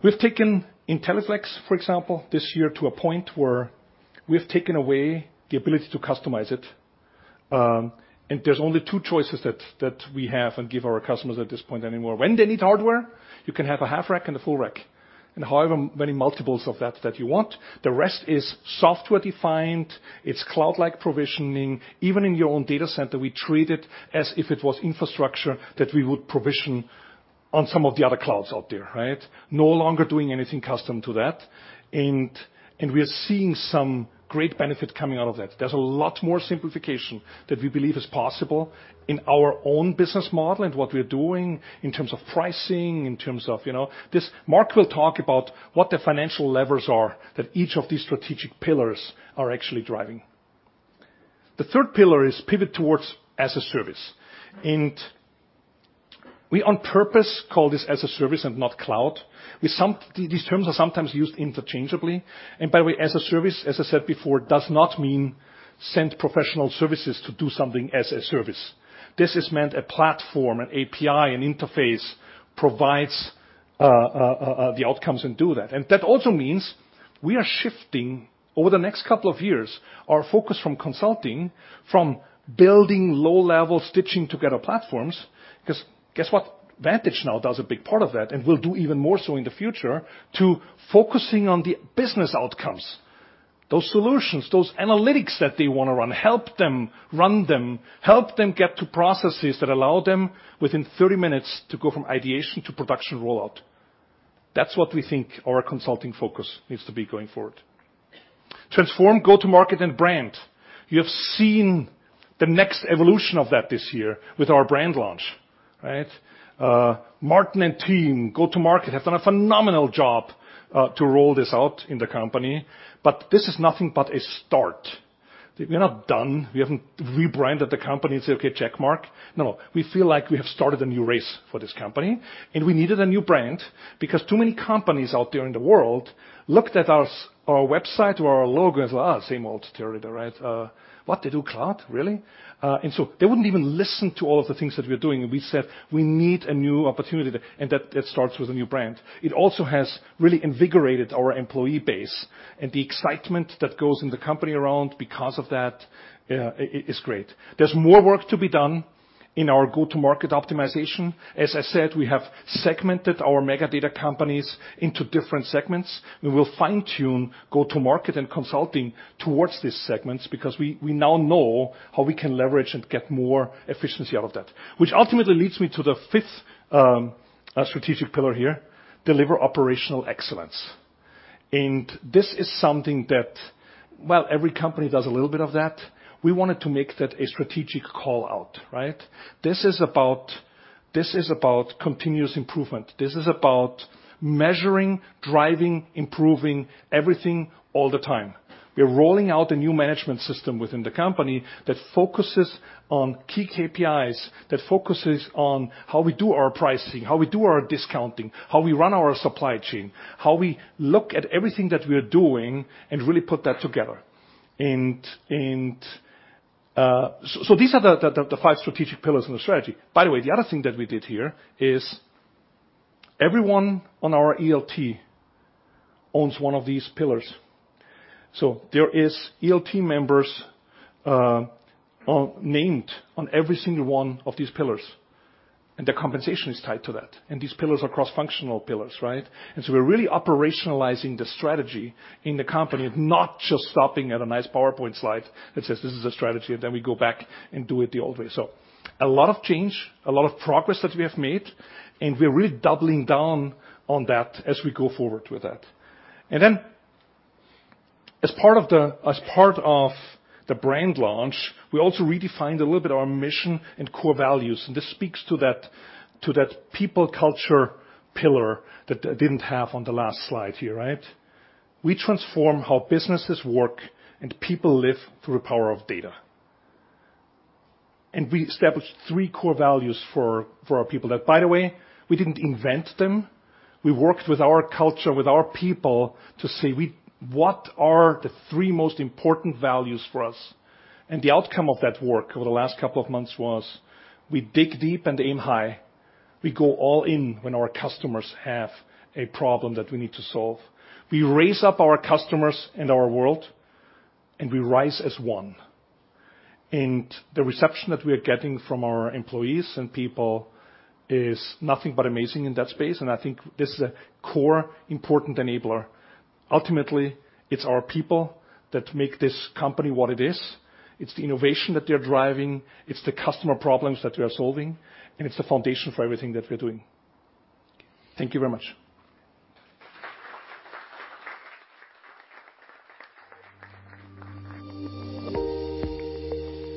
We've taken IntelliFlex, for example, this year to a point where we've taken away the ability to customize it, and there's only two choices that we have and give our customers at this point anymore. When they need hardware, you can have a half rack and a full rack, and however many multiples of that that you want. The rest is software defined. It's cloud-like provisioning. Even in your own data center, we treat it as if it was infrastructure that we would provision on some of the other clouds out there. No longer doing anything custom to that, we are seeing some great benefit coming out of that. There's a lot more simplification that we believe is possible in our own business model and what we're doing in terms of pricing. Mark will talk about what the financial levers are that each of these strategic pillars are actually driving. The third pillar is pivot towards as-a-service, and we on purpose call this as-a-service and not cloud. These terms are sometimes used interchangeably, and by the way, as-a-service, as I said before, does not mean send professional services to do something as-a-service. This is meant a platform, an API, an interface provides the outcomes and do that. That also means we are shifting over the next couple of years our focus from consulting, from building low-level, stitching-together platforms, because guess what? Vantage now does a big part of that and will do even more so in the future to focusing on the business outcomes. Those solutions, those analytics that they want to run, help them run them, help them get to processes that allow them within 30 minutes to go from ideation to production rollout. That's what we think our consulting focus needs to be going forward. Transform go-to-market and brand. You have seen the next evolution of that this year with our brand launch. Martyn and team go-to-market have done a phenomenal job to roll this out in the company, but this is nothing but a start. We're not done. We haven't rebranded the company and say, okay, check mark. No. We feel like we have started a new race for this company, and we needed a new brand because too many companies out there in the world looked at our website or our logo as, same old Teradata. What they do cloud, really? They wouldn't even listen to all of the things that we're doing, and we said, we need a new opportunity, and that starts with a new brand. It also has really invigorated our employee base, and the excitement that goes in the company around because of that is great. There's more work to be done in our go-to-market optimization. As I said, we have segmented our mega data companies into different segments, and we'll fine-tune go-to-market and consulting towards these segments because we now know how we can leverage and get more efficiency out of that, which ultimately leads me to the fifth strategic pillar here, deliver operational excellence. This is something that, well, every company does a little bit of that. We wanted to make that a strategic call-out, right? This is about continuous improvement. This is about measuring, driving, improving everything all the time. We're rolling out a new management system within the company that focuses on key KPIs, that focuses on how we do our pricing, how we do our discounting, how we run our supply chain, how we look at everything that we are doing and really put that together. These are the five strategic pillars in the strategy. By the way, the other thing that we did here is everyone on our ELT owns one of these pillars. There is ELT members named on every single one of these pillars, and their compensation is tied to that. These pillars are cross-functional pillars, right? We're really operationalizing the strategy in the company and not just stopping at a nice PowerPoint slide that says, "This is a strategy," and then we go back and do it the old way. A lot of change, a lot of progress that we have made, and we're really doubling down on that as we go forward with that. As part of the brand launch, we also redefined a little bit our mission and core values. This speaks to that people culture pillar that I didn't have on the last slide here, right? We transform how businesses work and people live through the power of data. We established three core values for our people that, by the way, we didn't invent them. We worked with our culture, with our people to say, "What are the three most important values for us?" The outcome of that work over the last couple of months was we dig deep and aim high. We go all in when our customers have a problem that we need to solve. We raise up our customers and our world, and we rise as one. The reception that we are getting from our employees and people is nothing but amazing in that space, and I think this is a core important enabler. Ultimately, it's our people that make this company what it is. It's the innovation that they're driving, it's the customer problems that we are solving, and it's the foundation for everything that we're doing. Thank you very much.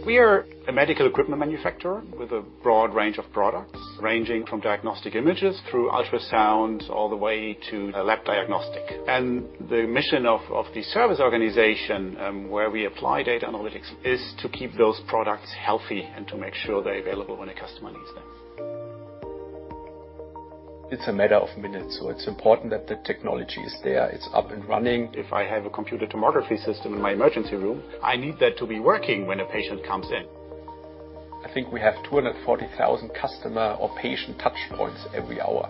We are a medical equipment manufacturer with a broad range of products, ranging from diagnostic images through ultrasound, all the way to a lab diagnostic. The mission of the service organization, where we apply data analytics, is to keep those products healthy and to make sure they're available when a customer needs them. It's a matter of minutes, it's important that the technology is there, it's up and running. If I have a computer tomography system in my emergency room, I need that to be working when a patient comes in. I think we have 240,000 customer or patient touch points every hour.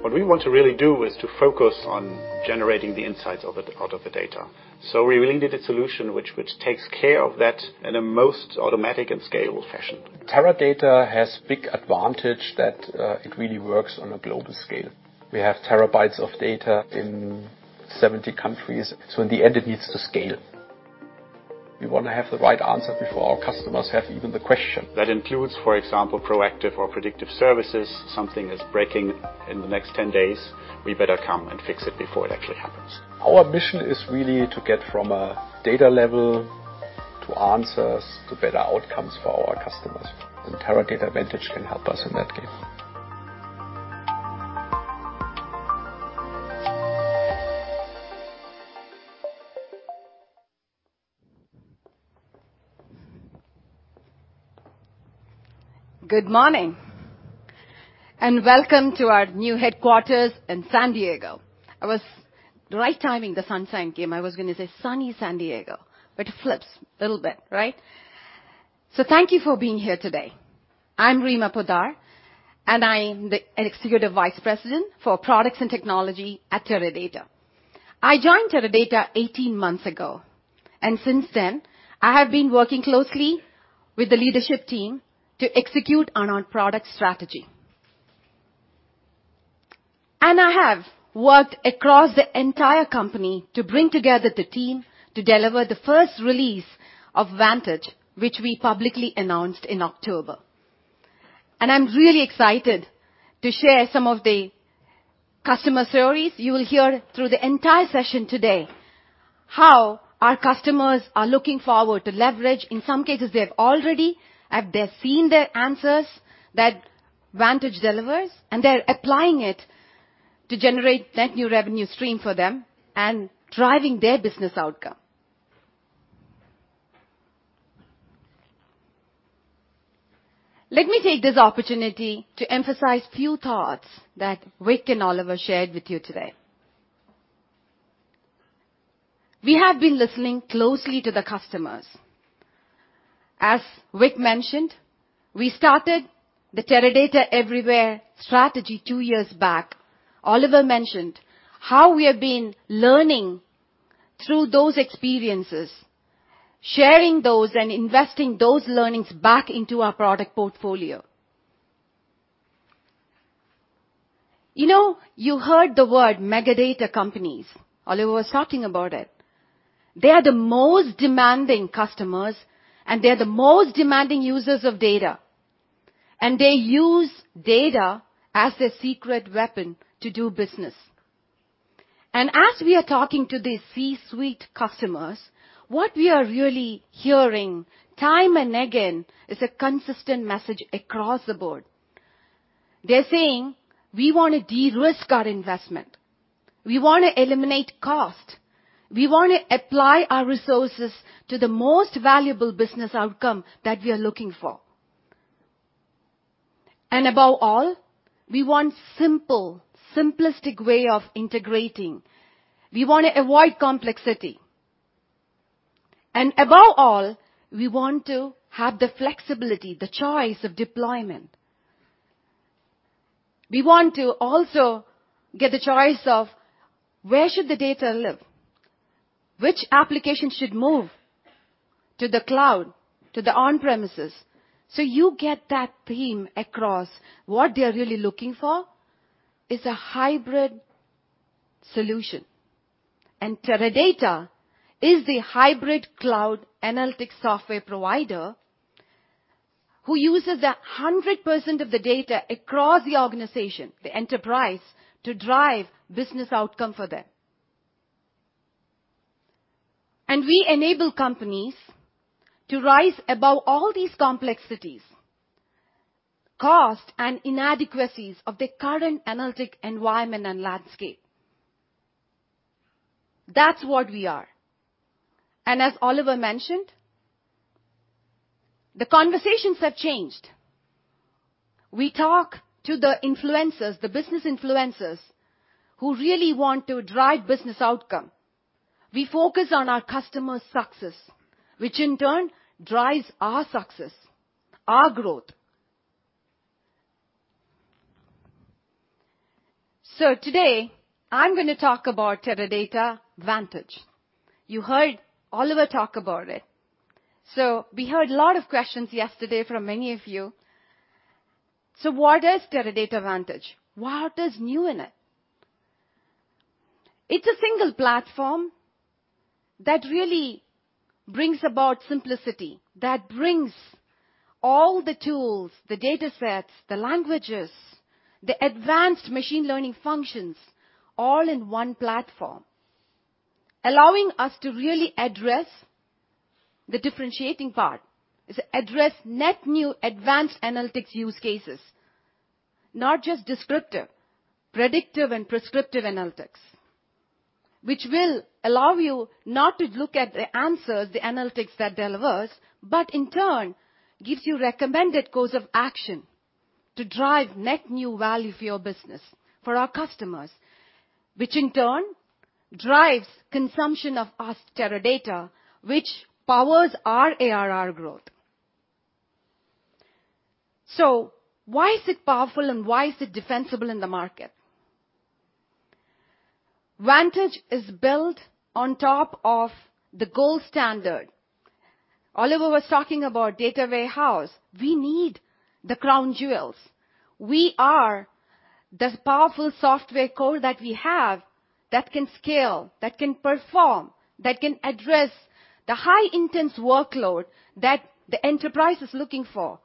What we want to really do is to focus on generating the insights out of the data. We really need a solution which takes care of that in a most automatic and scalable fashion. Teradata has big advantage that it really works on a global scale. We have terabytes of data in 70 countries. In the end it needs to scale. We want to have the right answer before our customers have even the question. That includes, for example, proactive or predictive services. Something is breaking in the next 10 days, we better come and fix it before it actually happens. Our mission is really to get from a data level to answers to better outcomes for our customers. Teradata Vantage can help us in that game. Good morning, and welcome to our new headquarters in San Diego. Right timing, the sunshine came. I was going to say sunny San Diego, but it flips a little bit, right? Thank you for being here today. I'm Reema Poddar, and I'm the Executive Vice President for Products and Technology at Teradata. I joined Teradata 18 months ago, and since then, I have been working closely with the leadership team to execute on our product strategy. I have worked across the entire company to bring together the team to deliver the first release of Vantage, which we publicly announced in October. I'm really excited to share some of the customer stories. You will hear through the entire session today how our customers are looking forward to leverage. In some cases, they have already. They've seen the answers that Vantage delivers, they're applying it to generate that new revenue stream for them and driving their business outcome. Let me take this opportunity to emphasize few thoughts that Vic and Oliver shared with you today. We have been listening closely to the customers. As Vic mentioned, we started the Teradata Everywhere strategy two years back. Oliver mentioned how we have been learning through those experiences, sharing those, and investing those learnings back into our product portfolio. You heard the word mega data companies. Oliver was talking about it. They are the most demanding customers, they are the most demanding users of data. They use data as their secret weapon to do business. As we are talking to the C-suite customers, what we are really hearing time and again is a consistent message across the board. They're saying: We want to de-risk our investment. We want to eliminate cost. We want to apply our resources to the most valuable business outcome that we are looking for. Above all, we want simple, simplistic way of integrating. We want to avoid complexity. Above all, we want to have the flexibility, the choice of deployment. We want to also get the choice of where should the data live, which application should move to the cloud, to the on-premises. You get that theme across. What they're really looking for is a hybrid solution. Teradata is the hybrid cloud analytics software provider who uses 100% of the data across the organization, the enterprise, to drive business outcome for them. We enable companies to rise above all these complexities, cost, and inadequacies of the current analytic environment and landscape. That's what we are. As Oliver mentioned, the conversations have changed. We talk to the influencers, the business influencers, who really want to drive business outcome. We focus on our customers' success, which in turn drives our success, our growth. Today, I'm going to talk about Teradata Vantage. You heard Oliver talk about it. We heard a lot of questions yesterday from many of you. What is Teradata Vantage? What is new in it? It's a single platform that really brings about simplicity, that brings all the tools, the datasets, the languages, the advanced machine learning functions, all in one platform, allowing us to really address the differentiating part, is address net new advanced analytics use cases. Not just descriptive, predictive and prescriptive analytics. Which will allow you not to look at the answers, the analytics that delivers, but in turn gives you recommended course of action to drive net new value for your business, for our customers, which in turn drives consumption of ask Teradata, which powers our ARR growth. Why is it powerful and why is it defensible in the market? Vantage is built on top of the gold standard. Oliver was talking about data warehouse. We need the crown jewels. We are the powerful software core that we have that can scale, that can perform, that can address the high intense workload that the enterprise is looking for,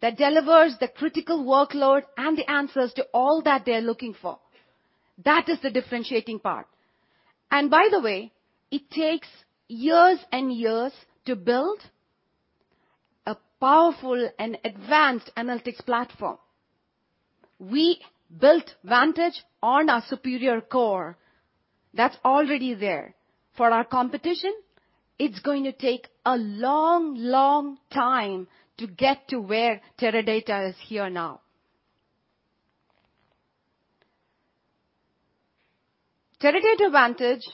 that delivers the critical workload and the answers to all that they're looking for. That is the differentiating part. By the way, it takes years and years to build a powerful and advanced analytics platform. We built Vantage on our superior core that's already there. For our competition, it's going to take a long, long time to get to where Teradata is here now. Teradata Vantage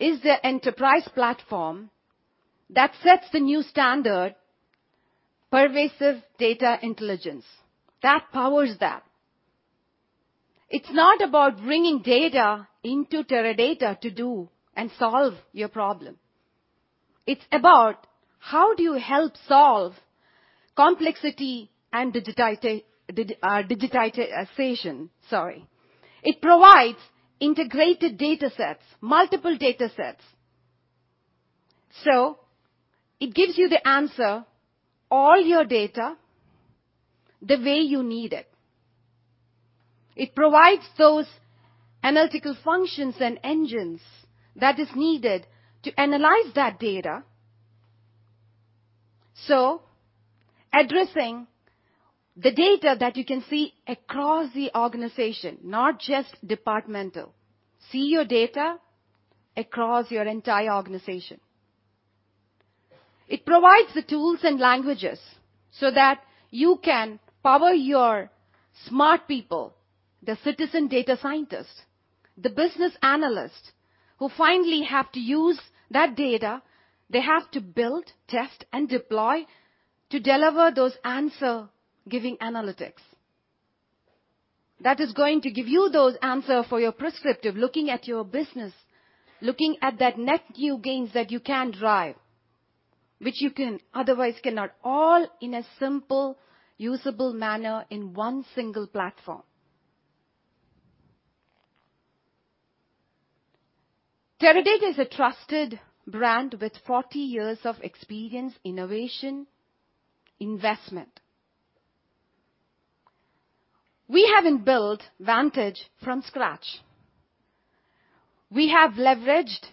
is the enterprise platform that sets the new standard, pervasive data intelligence that powers that. It's not about bringing data into Teradata to do and solve your problem. It's about how do you help solve complexity and digitization. Sorry. It provides integrated datasets, multiple datasets. It gives you the answer, all your data, the way you need it. It provides those analytical functions and engines that is needed to analyze that data. Addressing the data that you can see across the organization, not just departmental. See your data across your entire organization. It provides the tools and languages so that you can power your smart people, the citizen data scientists, the business analysts, who finally have to use that data. They have to build, test, and deploy to deliver those answer giving analytics. That is going to give you those answer for your prescriptive, looking at your business, looking at that net new gains that you can drive, which you can otherwise cannot. All in a simple, usable manner in one single platform. Teradata is a trusted brand with 40 years of experience, innovation, investment. We haven't built Vantage from scratch. We have leveraged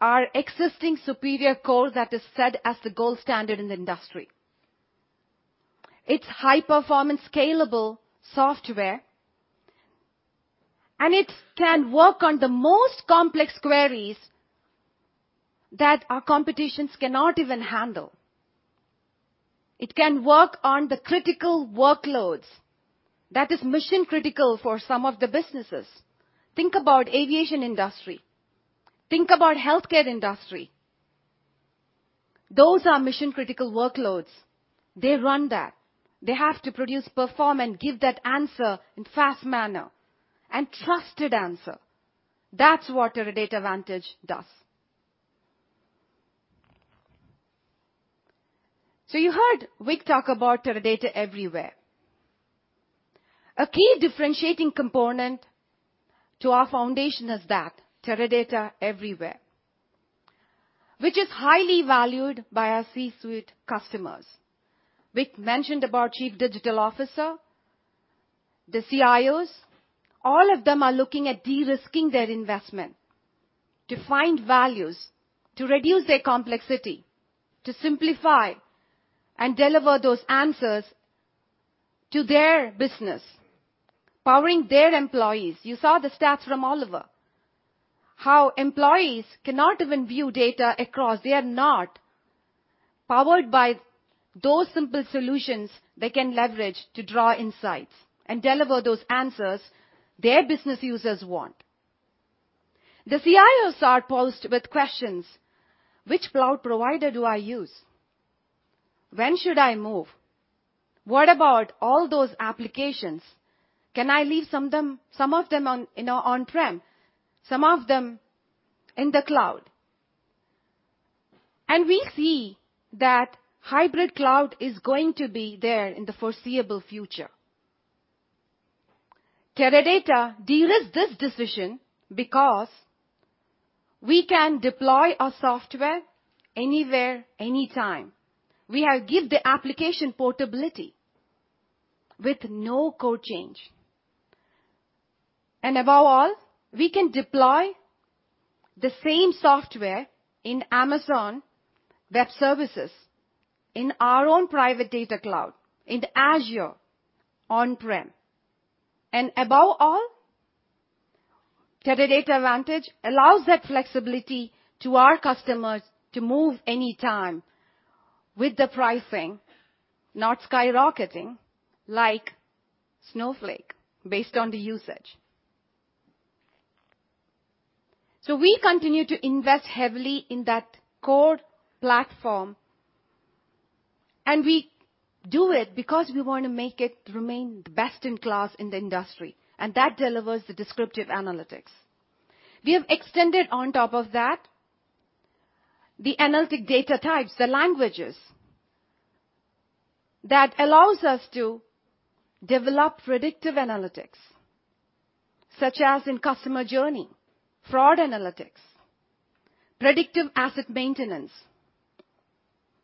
our existing superior code that is set as the gold standard in the industry. It's high-performance, scalable software, and it can work on the most complex queries that our competitions cannot even handle. It can work on the critical workloads that is mission-critical for some of the businesses. Think about aviation industry. Think about healthcare industry. Those are mission-critical workloads. They run that. They have to produce, perform, and give that answer in fast manner, and trusted answer. That's what Teradata Vantage does. You heard Vic talk about Teradata Everywhere. A key differentiating component to our foundation is that, Teradata Everywhere, which is highly valued by our C-suite customers. Vic mentioned about chief digital officer, the CIOs, all of them are looking at de-risking their investment to find values, to reduce their complexity, to simplify and deliver those answers to their business, powering their employees. You saw the stats from Oliver, how employees cannot even view data across. They are not powered by those simple solutions they can leverage to draw insights and deliver those answers their business users want. The CIOs are posed with questions. Which cloud provider do I use? When should I move? What about all those applications? Can I leave some of them on-prem, some of them in the cloud? We see that hybrid cloud is going to be there in the foreseeable future. Teradata de-risks this decision because we can deploy our software anywhere, anytime. We give the application portability with no code change. Above all, we can deploy the same software in Amazon Web Services, in our own private data cloud, in Azure, on-prem. Above all, Teradata Vantage allows that flexibility to our customers to move any time with the pricing not skyrocketing like Snowflake based on the usage. We continue to invest heavily in that core platform, and we do it because we want to make it remain best in class in the industry, and that delivers the descriptive analytics. We have extended on top of that the analytic data types, the languages that allows us to develop predictive analytics, such as in customer journey, fraud analytics, predictive asset maintenance.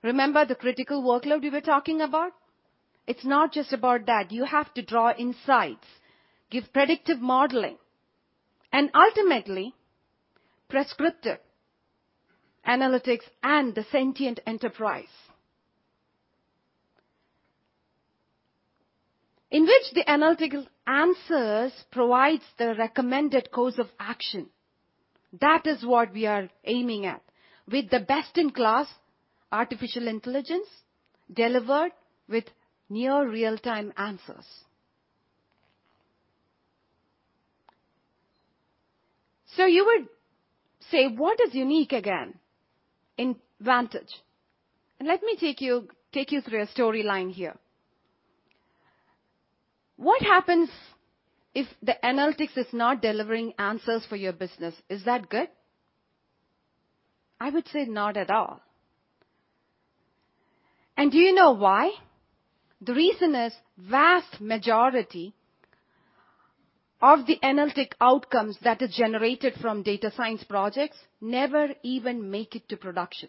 Remember the critical workload we were talking about? It's not just about that. You have to draw insights, give predictive modeling, and ultimately prescriptive analytics and the sentient enterprise, in which the analytical answers provides the recommended course of action. That is what we are aiming at with the best-in-class artificial intelligence delivered with near real-time answers. You would say, what is unique again in Vantage? Let me take you through a storyline here. What happens if the analytics is not delivering answers for your business? Is that good? I would say not at all. Do you know why? The reason is vast majority of the analytic outcomes that are generated from data science projects never even make it to production.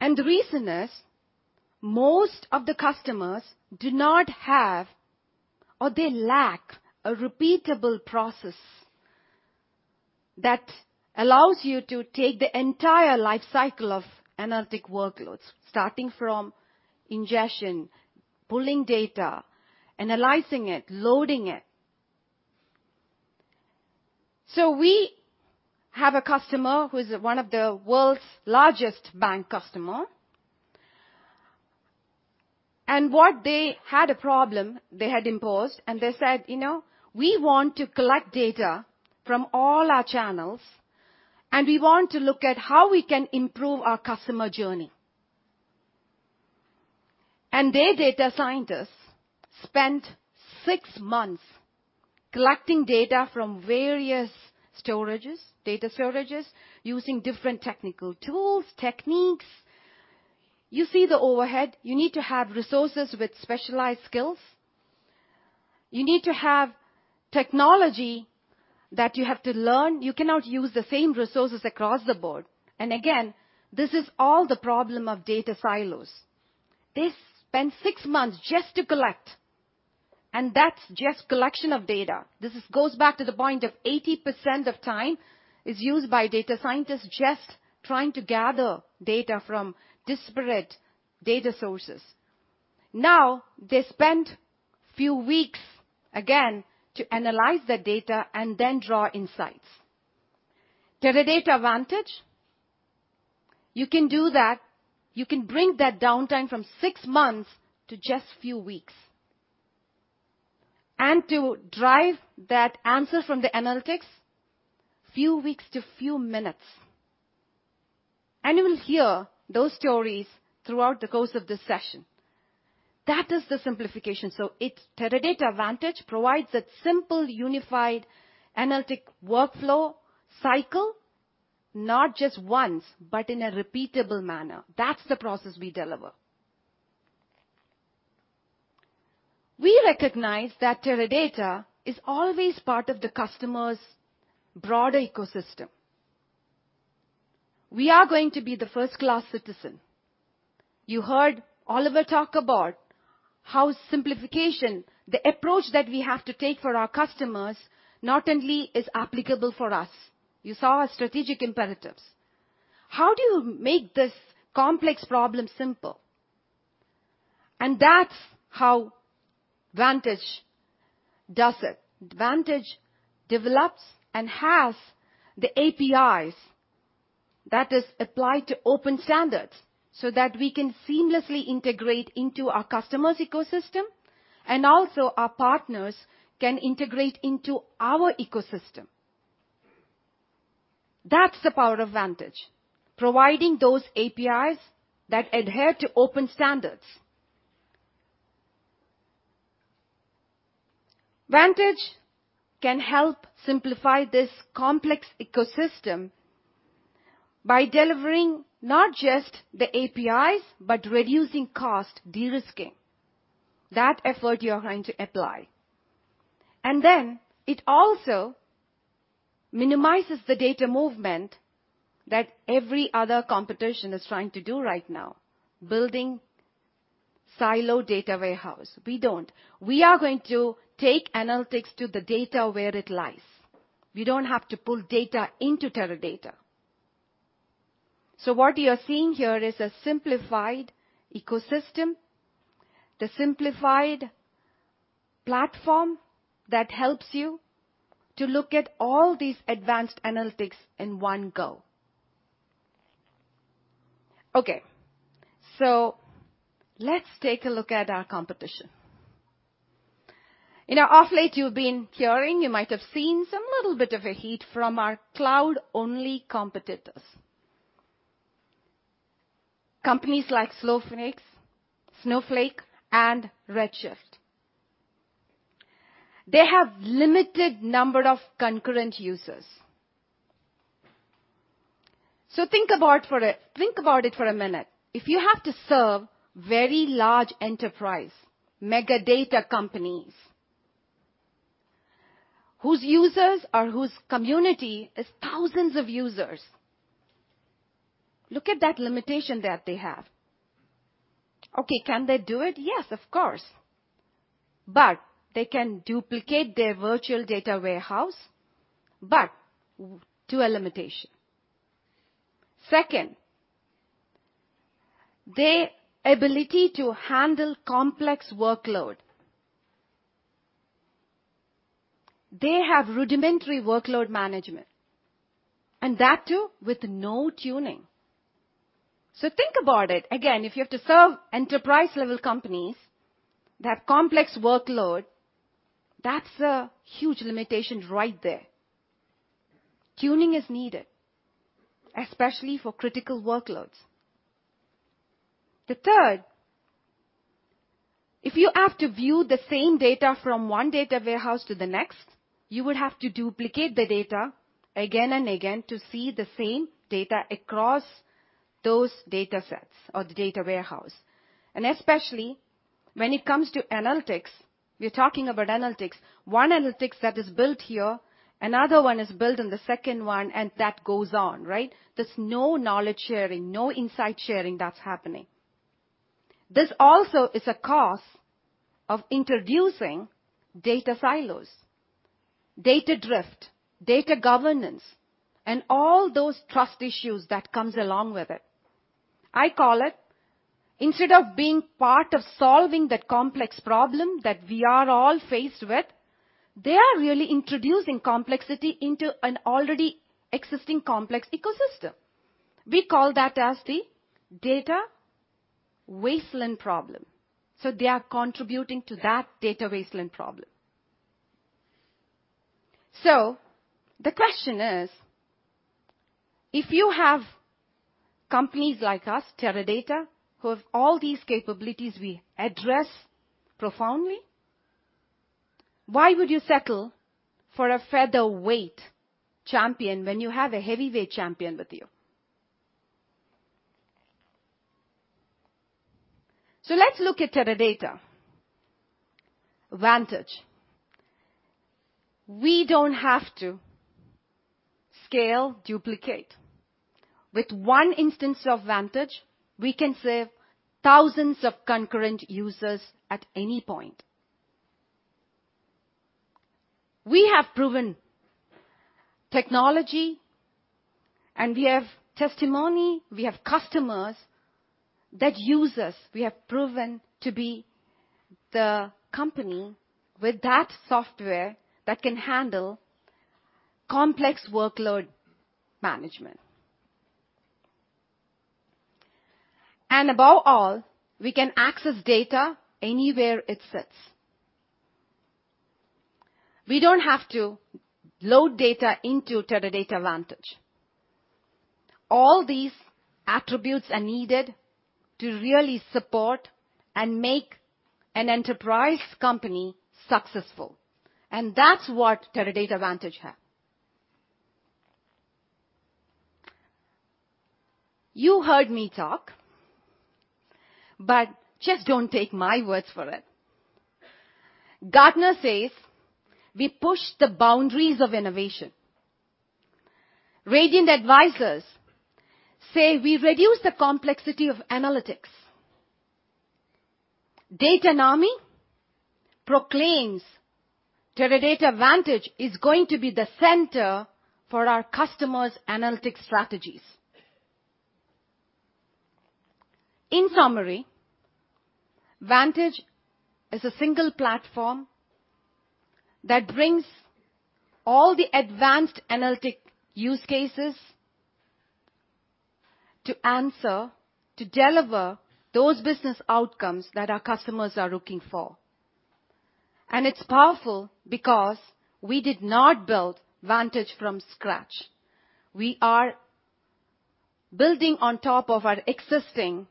The reason is most of the customers do not have, or they lack a repeatable process that allows you to take the entire life cycle of analytic workloads, starting from ingestion, pulling data, analyzing it, loading it. We have a customer who's one of the world's largest bank customer, and what they had a problem they had imposed, and they said, "We want to collect data from all our channels, and we want to look at how we can improve our customer journey." Their data scientists spent six months collecting data from various data storages using different technical tools, techniques. You see the overhead. You need to have resources with specialized skills. You need to have technology that you have to learn. You cannot use the same resources across the board. Again, this is all the problem of data silos. They spend six months just to collect, and that's just collection of data. This goes back to the point of 80% of time is used by data scientists just trying to gather data from disparate data sources. They spend few weeks again to analyze the data and then draw insights. Teradata Vantage, you can do that. You can bring that downtime from six months to just few weeks. To drive that answer from the analytics, few weeks to few minutes. You will hear those stories throughout the course of this session. That is the simplification. Teradata Vantage provides a simple, unified analytic workflow cycle, not just once, but in a repeatable manner. That's the process we deliver. We recognize that Teradata is always part of the customer's broader ecosystem. We are going to be the first-class citizen. You heard Oliver talk about how simplification, the approach that we have to take for our customers, not only is applicable for us. You saw our strategic imperatives. How do you make this complex problem simple? That's how Vantage does it. Vantage develops and has the APIs that is applied to open standards so that we can seamlessly integrate into our customer's ecosystem, and also our partners can integrate into our ecosystem. That's the power of Vantage, providing those APIs that adhere to open standards. Vantage can help simplify this complex ecosystem by delivering not just the APIs, but reducing cost, de-risking. That effort you are going to apply. It also minimizes the data movement that every other competition is trying to do right now, building silo data warehouse. We don't. We are going to take analytics to the data where it lies. We don't have to pull data into Teradata. What you are seeing here is a simplified ecosystem, the simplified platform that helps you to look at all these advanced analytics in one go. Let's take a look at our competition. Of late, you've been hearing, you might have seen some little bit of a heat from our cloud-only competitors. Companies like Snowflake and Redshift. They have limited number of concurrent users. Think about it for a minute. If you have to serve very large enterprise, mega data companies, whose users or whose community is thousands of users, look at that limitation that they have. Can they do it? Yes, of course. They can duplicate their virtual data warehouse, but to a limitation. Second, their ability to handle complex workload. They have rudimentary workload management, and that too with no tuning. Think about it. Again, if you have to serve enterprise level companies that complex workload, that's a huge limitation right there. Tuning is needed, especially for critical workloads. Third, if you have to view the same data from one data warehouse to the next, you would have to duplicate the data again and again to see the same data across those datasets or the data warehouse. Especially when it comes to analytics, we're talking about analytics. One analytics that is built here, another one is built on the second one, and that goes on, right? There's no knowledge sharing, no insight sharing that's happening. This also is a cause of introducing data silos, data drift, data governance, and all those trust issues that come along with it. I call it, instead of being part of solving that complex problem that we are all faced with, they are really introducing complexity into an already existing complex ecosystem. We call that as the data wasteland problem. They are contributing to that data wasteland problem. The question is, if you have companies like us, Teradata, who have all these capabilities we address profoundly. Why would you settle for a featherweight champion when you have a heavyweight champion with you? Let's look at Teradata Vantage. We don't have to scale duplicate. With one instance of Vantage, we can serve thousands of concurrent users at any point. We have proven technology, and we have testimony, we have customers that use us. We have proven to be the company with that software that can handle complex workload management. Above all, we can access data anywhere it sits. We don't have to load data into Teradata Vantage. All these attributes are needed to really support and make an enterprise company successful. That's what Teradata Vantage has. You heard me talk, but just don't take my words for it. Gartner says we push the boundaries of innovation. Radiant Advisors say we reduce the complexity of analytics. Datanami proclaims Teradata Vantage is going to be the center for our customers' analytics strategies. In summary, Vantage is a single platform that brings all the advanced analytic use cases to answer, to deliver those business outcomes that our customers are looking for. It's powerful because we did not build Vantage from scratch. We are building on top of our existing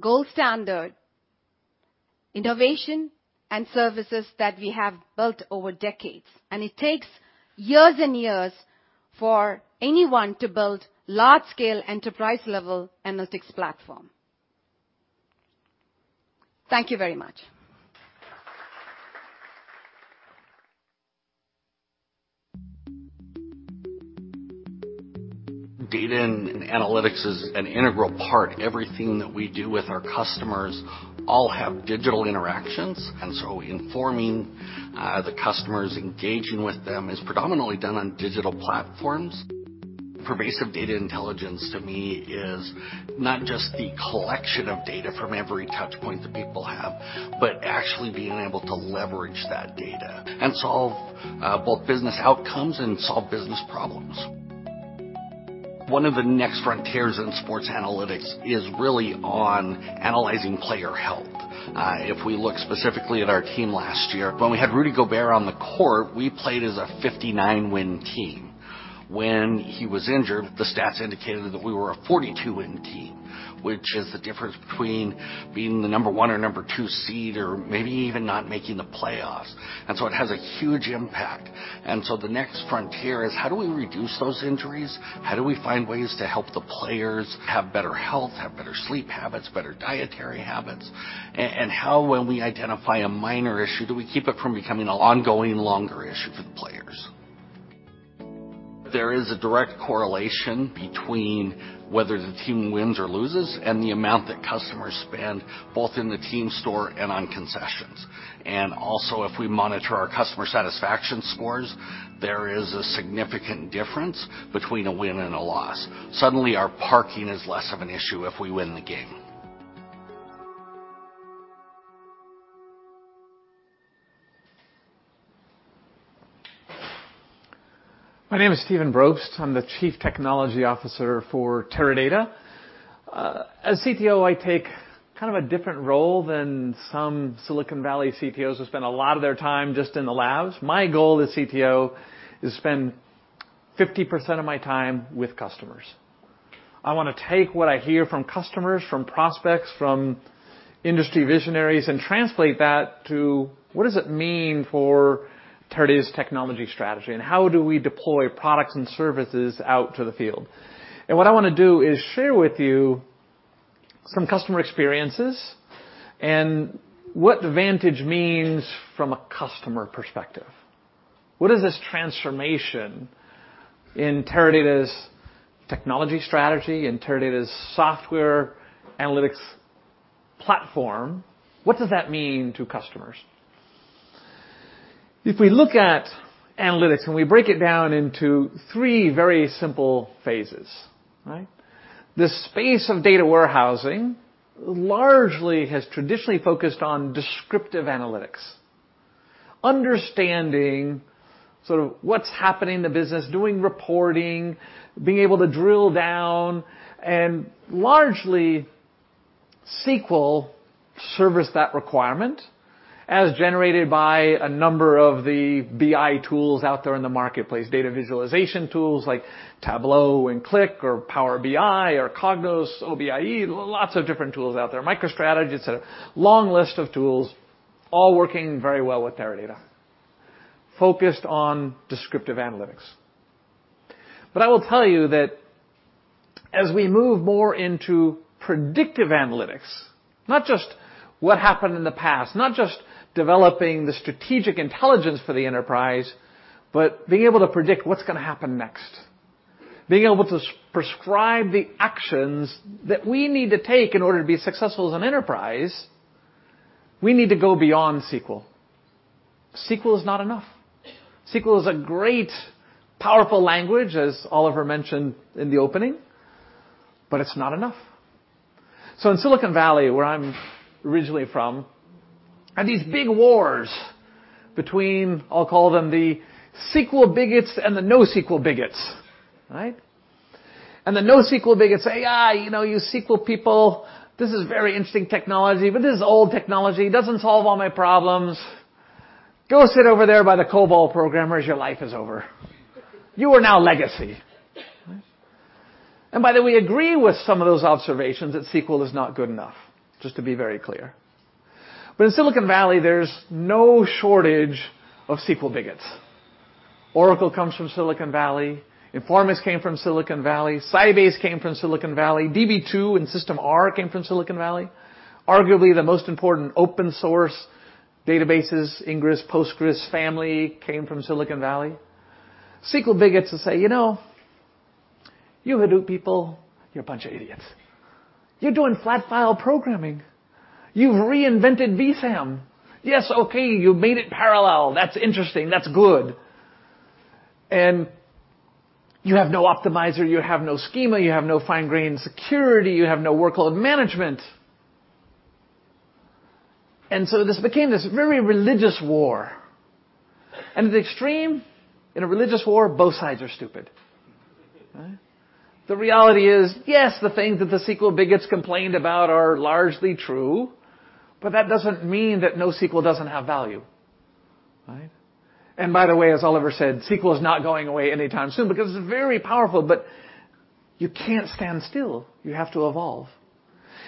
gold standard innovation and services that we have built over decades. It takes years and years for anyone to build large-scale enterprise-level analytics platform. Thank you very much. Data and analytics is an integral part. Everything that we do with our customers all have digital interactions. Informing the customers, engaging with them is predominantly done on digital platforms. Pervasive data intelligence to me is not just the collection of data from every touch point that people have, but actually being able to leverage that data and solve both business outcomes and solve business problems. One of the next frontiers in sports analytics is really on analyzing player health. If we look specifically at our team last year, when we had Rudy Gobert on the court, we played as a 59-win team. When he was injured, the stats indicated that we were a 42-win team, which is the difference between being the number 1 or number 2 seed or maybe even not making the playoffs. It has a huge impact. The next frontier is how do we reduce those injuries? How do we find ways to help the players have better health, have better sleep habits, better dietary habits? How, when we identify a minor issue, do we keep it from becoming an ongoing longer issue for the players? There is a direct correlation between whether the team wins or loses and the amount that customers spend both in the team store and on concessions. Also, if we monitor our customer satisfaction scores, there is a significant difference between a win and a loss. Suddenly, our parking is less of an issue if we win the game. My name is Stephen Brobst. I'm the Chief Technology Officer for Teradata. As CTO, I take kind of a different role than some Silicon Valley CTOs who spend a lot of their time just in the labs. My goal as CTO is to spend 50% of my time with customers. I want to take what I hear from customers, from prospects, from industry visionaries and translate that to what does it mean for Teradata's technology strategy, and how do we deploy products and services out to the field? What I want to do is share with you some customer experiences and what the Vantage means from a customer perspective. What does this transformation in Teradata's technology strategy, in Teradata's software analytics platform, what does that mean to customers? If we look at analytics and we break it down into 3 very simple phases. The space of data warehousing largely has traditionally focused on descriptive analytics. Understanding what's happening in the business, doing reporting, being able to drill down, and largely SQL serviced that requirement as generated by a number of the BI tools out there in the marketplace. Data visualization tools like Tableau and Qlik or Power BI or Cognos, OBIEE, lots of different tools out there. MicroStrategy, et cetera. Long list of tools, all working very well with Teradata, focused on descriptive analytics. I will tell you that as we move more into predictive analytics, not just what happened in the past, not just developing the strategic intelligence for the enterprise, but being able to predict what's going to happen next, being able to prescribe the actions that we need to take in order to be successful as an enterprise, we need to go beyond SQL. SQL is not enough. SQL is a great, powerful language, as Oliver mentioned in the opening, it's not enough. In Silicon Valley, where I'm originally from, and these big wars between, I'll call them the SQL bigots and the NoSQL bigots. The NoSQL bigots say, "You SQL people, this is very interesting technology, but this is old technology. Doesn't solve all my problems. Go sit over there by the COBOL programmers. Your life is over." "You are now legacy." By the way, agree with some of those observations that SQL is not good enough, just to be very clear. In Silicon Valley, there's no shortage of SQL bigots. Oracle comes from Silicon Valley. Informix came from Silicon Valley. Sybase came from Silicon Valley. Db2 and System R came from Silicon Valley. Arguably, the most important open source databases, Ingres, Postgres family, came from Silicon Valley. SQL bigots will say, "You Hadoop people, you're a bunch of idiots. You're doing flat file programming. You've reinvented VSAM. Yes, okay, you made it parallel. That's interesting. That's good. You have no optimizer. You have no schema. You have no fine grain security. You have no workload management." This became this very religious war. At the extreme, in a religious war, both sides are stupid, right? The reality is, yes, the things that the SQL bigots complained about are largely true, that doesn't mean that NoSQL doesn't have value. Right? By the way, as Oliver said, SQL is not going away anytime soon because it's very powerful, but you can't stand still. You have to evolve.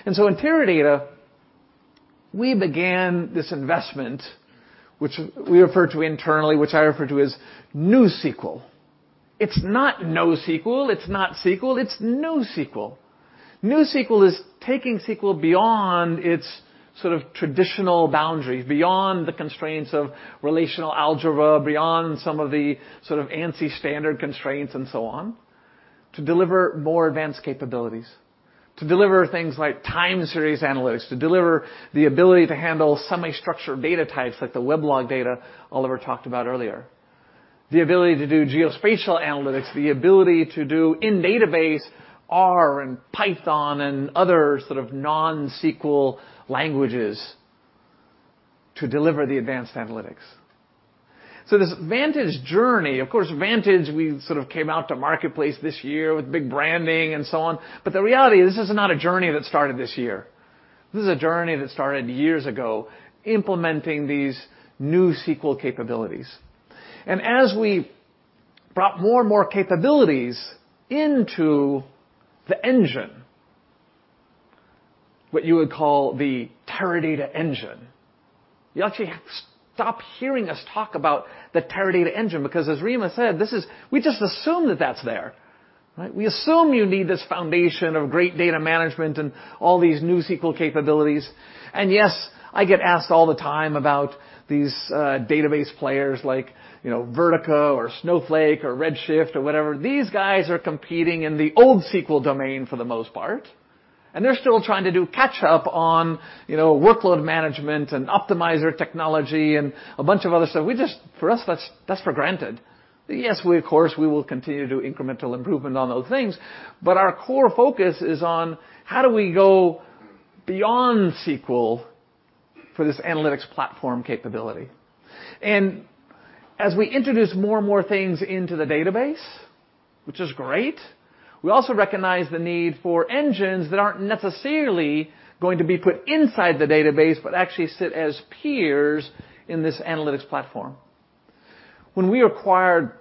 In Teradata, we began this investment, which we refer to internally, which I refer to as NewSQL. It's not NoSQL, it's not SQL, it's NewSQL. NewSQL is taking SQL beyond its traditional boundaries, beyond the constraints of relational algebra, beyond some of the ANSI standard constraints and so on, to deliver more advanced capabilities. To deliver things like time series analytics, to deliver the ability to handle semi-structured data types like the web log data Oliver talked about earlier. The ability to do geospatial analytics, the ability to do in-database R and Python and other non-SQL languages to deliver the advanced analytics. This Vantage journey, of course, Vantage, we came out to marketplace this year with big branding and so on. The reality is this is not a journey that started this year. This is a journey that started years ago, implementing these new SQL capabilities. As we brought more and more capabilities into the engine, what you would call the Teradata engine, you actually stop hearing us talk about the Teradata engine, because as Rima said, we just assume that that's there, right? We assume you need this foundation of great data management and all these NewSQL capabilities. I get asked all the time about these database players like Vertica or Snowflake or Amazon Redshift or whatever. These guys are competing in the old SQL domain for the most part, and they're still trying to do catch up on workload management and optimizer technology and a bunch of other stuff. For us, that's for granted. Of course, we will continue to do incremental improvement on those things, but our core focus is on how do we go beyond SQL for this analytics platform capability. As we introduce more and more things into the database, which is great, we also recognize the need for engines that aren't necessarily going to be put inside the database, but actually sit as peers in this analytics platform. When we acquired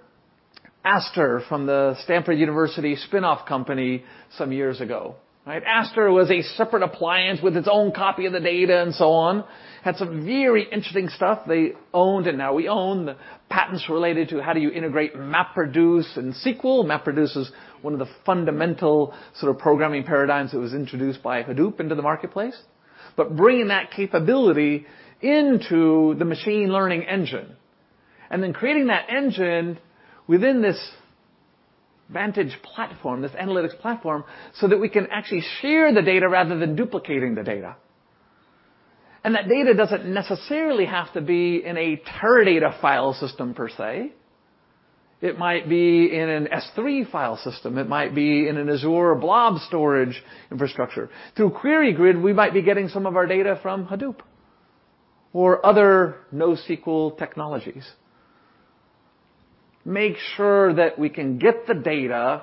Aster from the Stanford University spinoff company some years ago. Aster was a separate appliance with its own copy of the data and so on. Had some very interesting stuff. They owned, and now we own the patents related to how do you integrate MapReduce and SQL. MapReduce is one of the fundamental sort of programming paradigms that was introduced by Hadoop into the marketplace. Bringing that capability into the machine learning engine, and then creating that engine within this Vantage platform, this analytics platform, so that we can actually share the data rather than duplicating the data. That data doesn't necessarily have to be in a Teradata file system per se. It might be in an Amazon S3 file system. It might be in an Azure Blob Storage infrastructure. Through QueryGrid, we might be getting some of our data from Hadoop or other NoSQL technologies. Make sure that we can get the data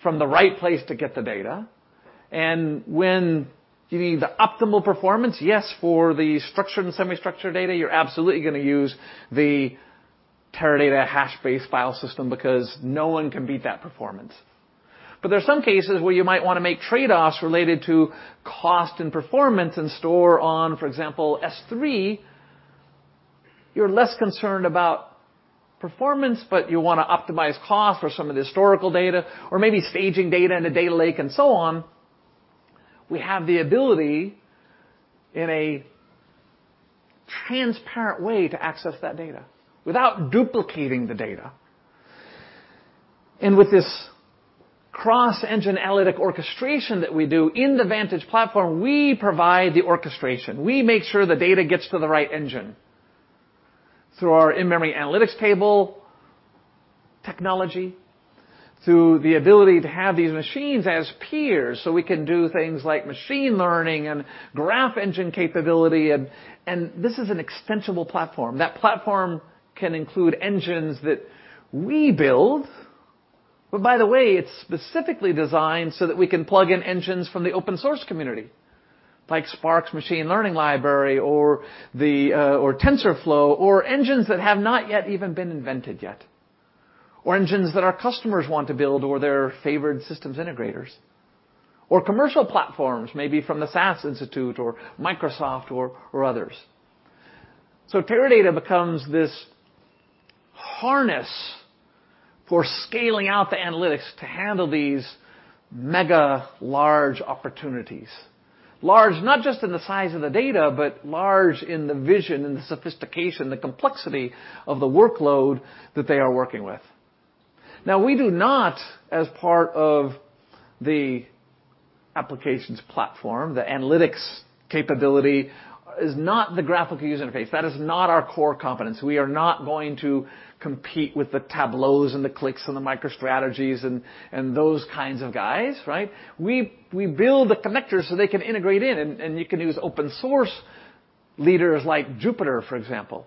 from the right place to get the data, and when you need the optimal performance, for the structured and semi-structured data, you're absolutely going to use the Teradata hash-based file system because no one can beat that performance. There are some cases where you might want to make trade-offs related to cost and performance and store on, for example, Amazon S3. You're less concerned about performance, but you want to optimize cost for some of the historical data or maybe staging data in a data lake and so on. We have the ability in a transparent way to access that data without duplicating the data. With this cross-engine analytic orchestration that we do in the Vantage platform, we provide the orchestration. We make sure the data gets to the right engine through our in-memory analytics table technology, through the ability to have these machines as peers so we can do things like machine learning and graph engine capability. This is an extensible platform. That platform can include engines that we build. By the way, it's specifically designed so that we can plug in engines from the open source community, like Spark's machine learning library or TensorFlow, or engines that have not yet even been invented yet. Or engines that our customers want to build or their favored systems integrators. Or commercial platforms, maybe from the SAS Institute or Microsoft or others. Teradata becomes this harness for scaling out the analytics to handle these mega large opportunities. Large, not just in the size of the data, but large in the vision and the sophistication, the complexity of the workload that they are working with. We do not, as part of the applications platform, the analytics capability is not the graphical user interface. That is not our core competence. We are not going to compete with the Tableau and the Qliks and the MicroStrategy and those kinds of guys, right? We build the connectors so they can integrate in, and you can use open source leaders like Jupyter, for example.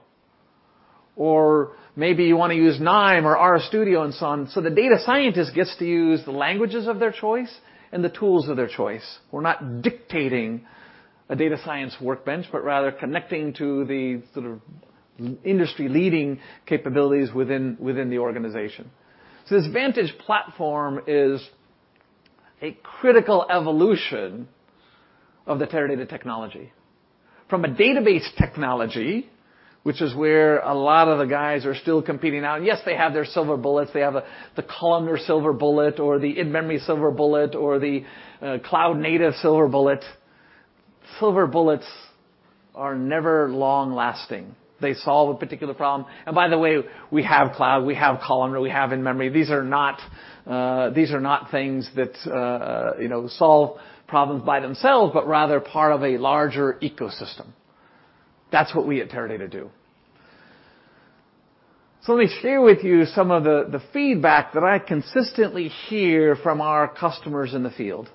Or maybe you want to use KNIME or RStudio and so on. The data scientist gets to use the languages of their choice and the tools of their choice. We're not dictating a data science workbench, but rather connecting to the industry-leading capabilities within the organization. This Vantage platform is a critical evolution of the Teradata technology. From a database technology, which is where a lot of the guys are still competing now, yes, they have their silver bullets, they have the columnar silver bullet or the in-memory silver bullet or the cloud-native silver bullet. Silver bullets are never long-lasting. They solve a particular problem. By the way, we have cloud, we have columnar, we have in-memory. These are not things that solve problems by themselves, but rather part of a larger ecosystem. That's what we at Teradata do. Let me share with you some of the feedback that I consistently hear from our customers in the field.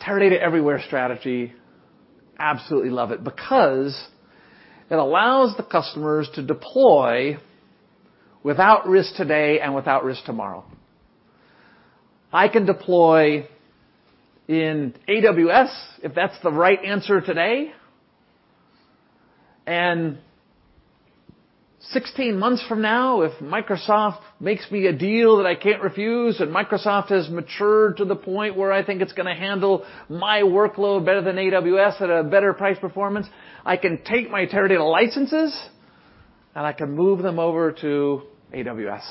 Teradata Everywhere strategy, absolutely love it because it allows the customers to deploy without risk today and without risk tomorrow. I can deploy in AWS if that's the right answer today, and 16 months from now, if Microsoft makes me a deal that I can't refuse, Microsoft has matured to the point where I think it's going to handle my workload better than AWS at a better price performance, I can take my Teradata licenses, I can move them over to AWS.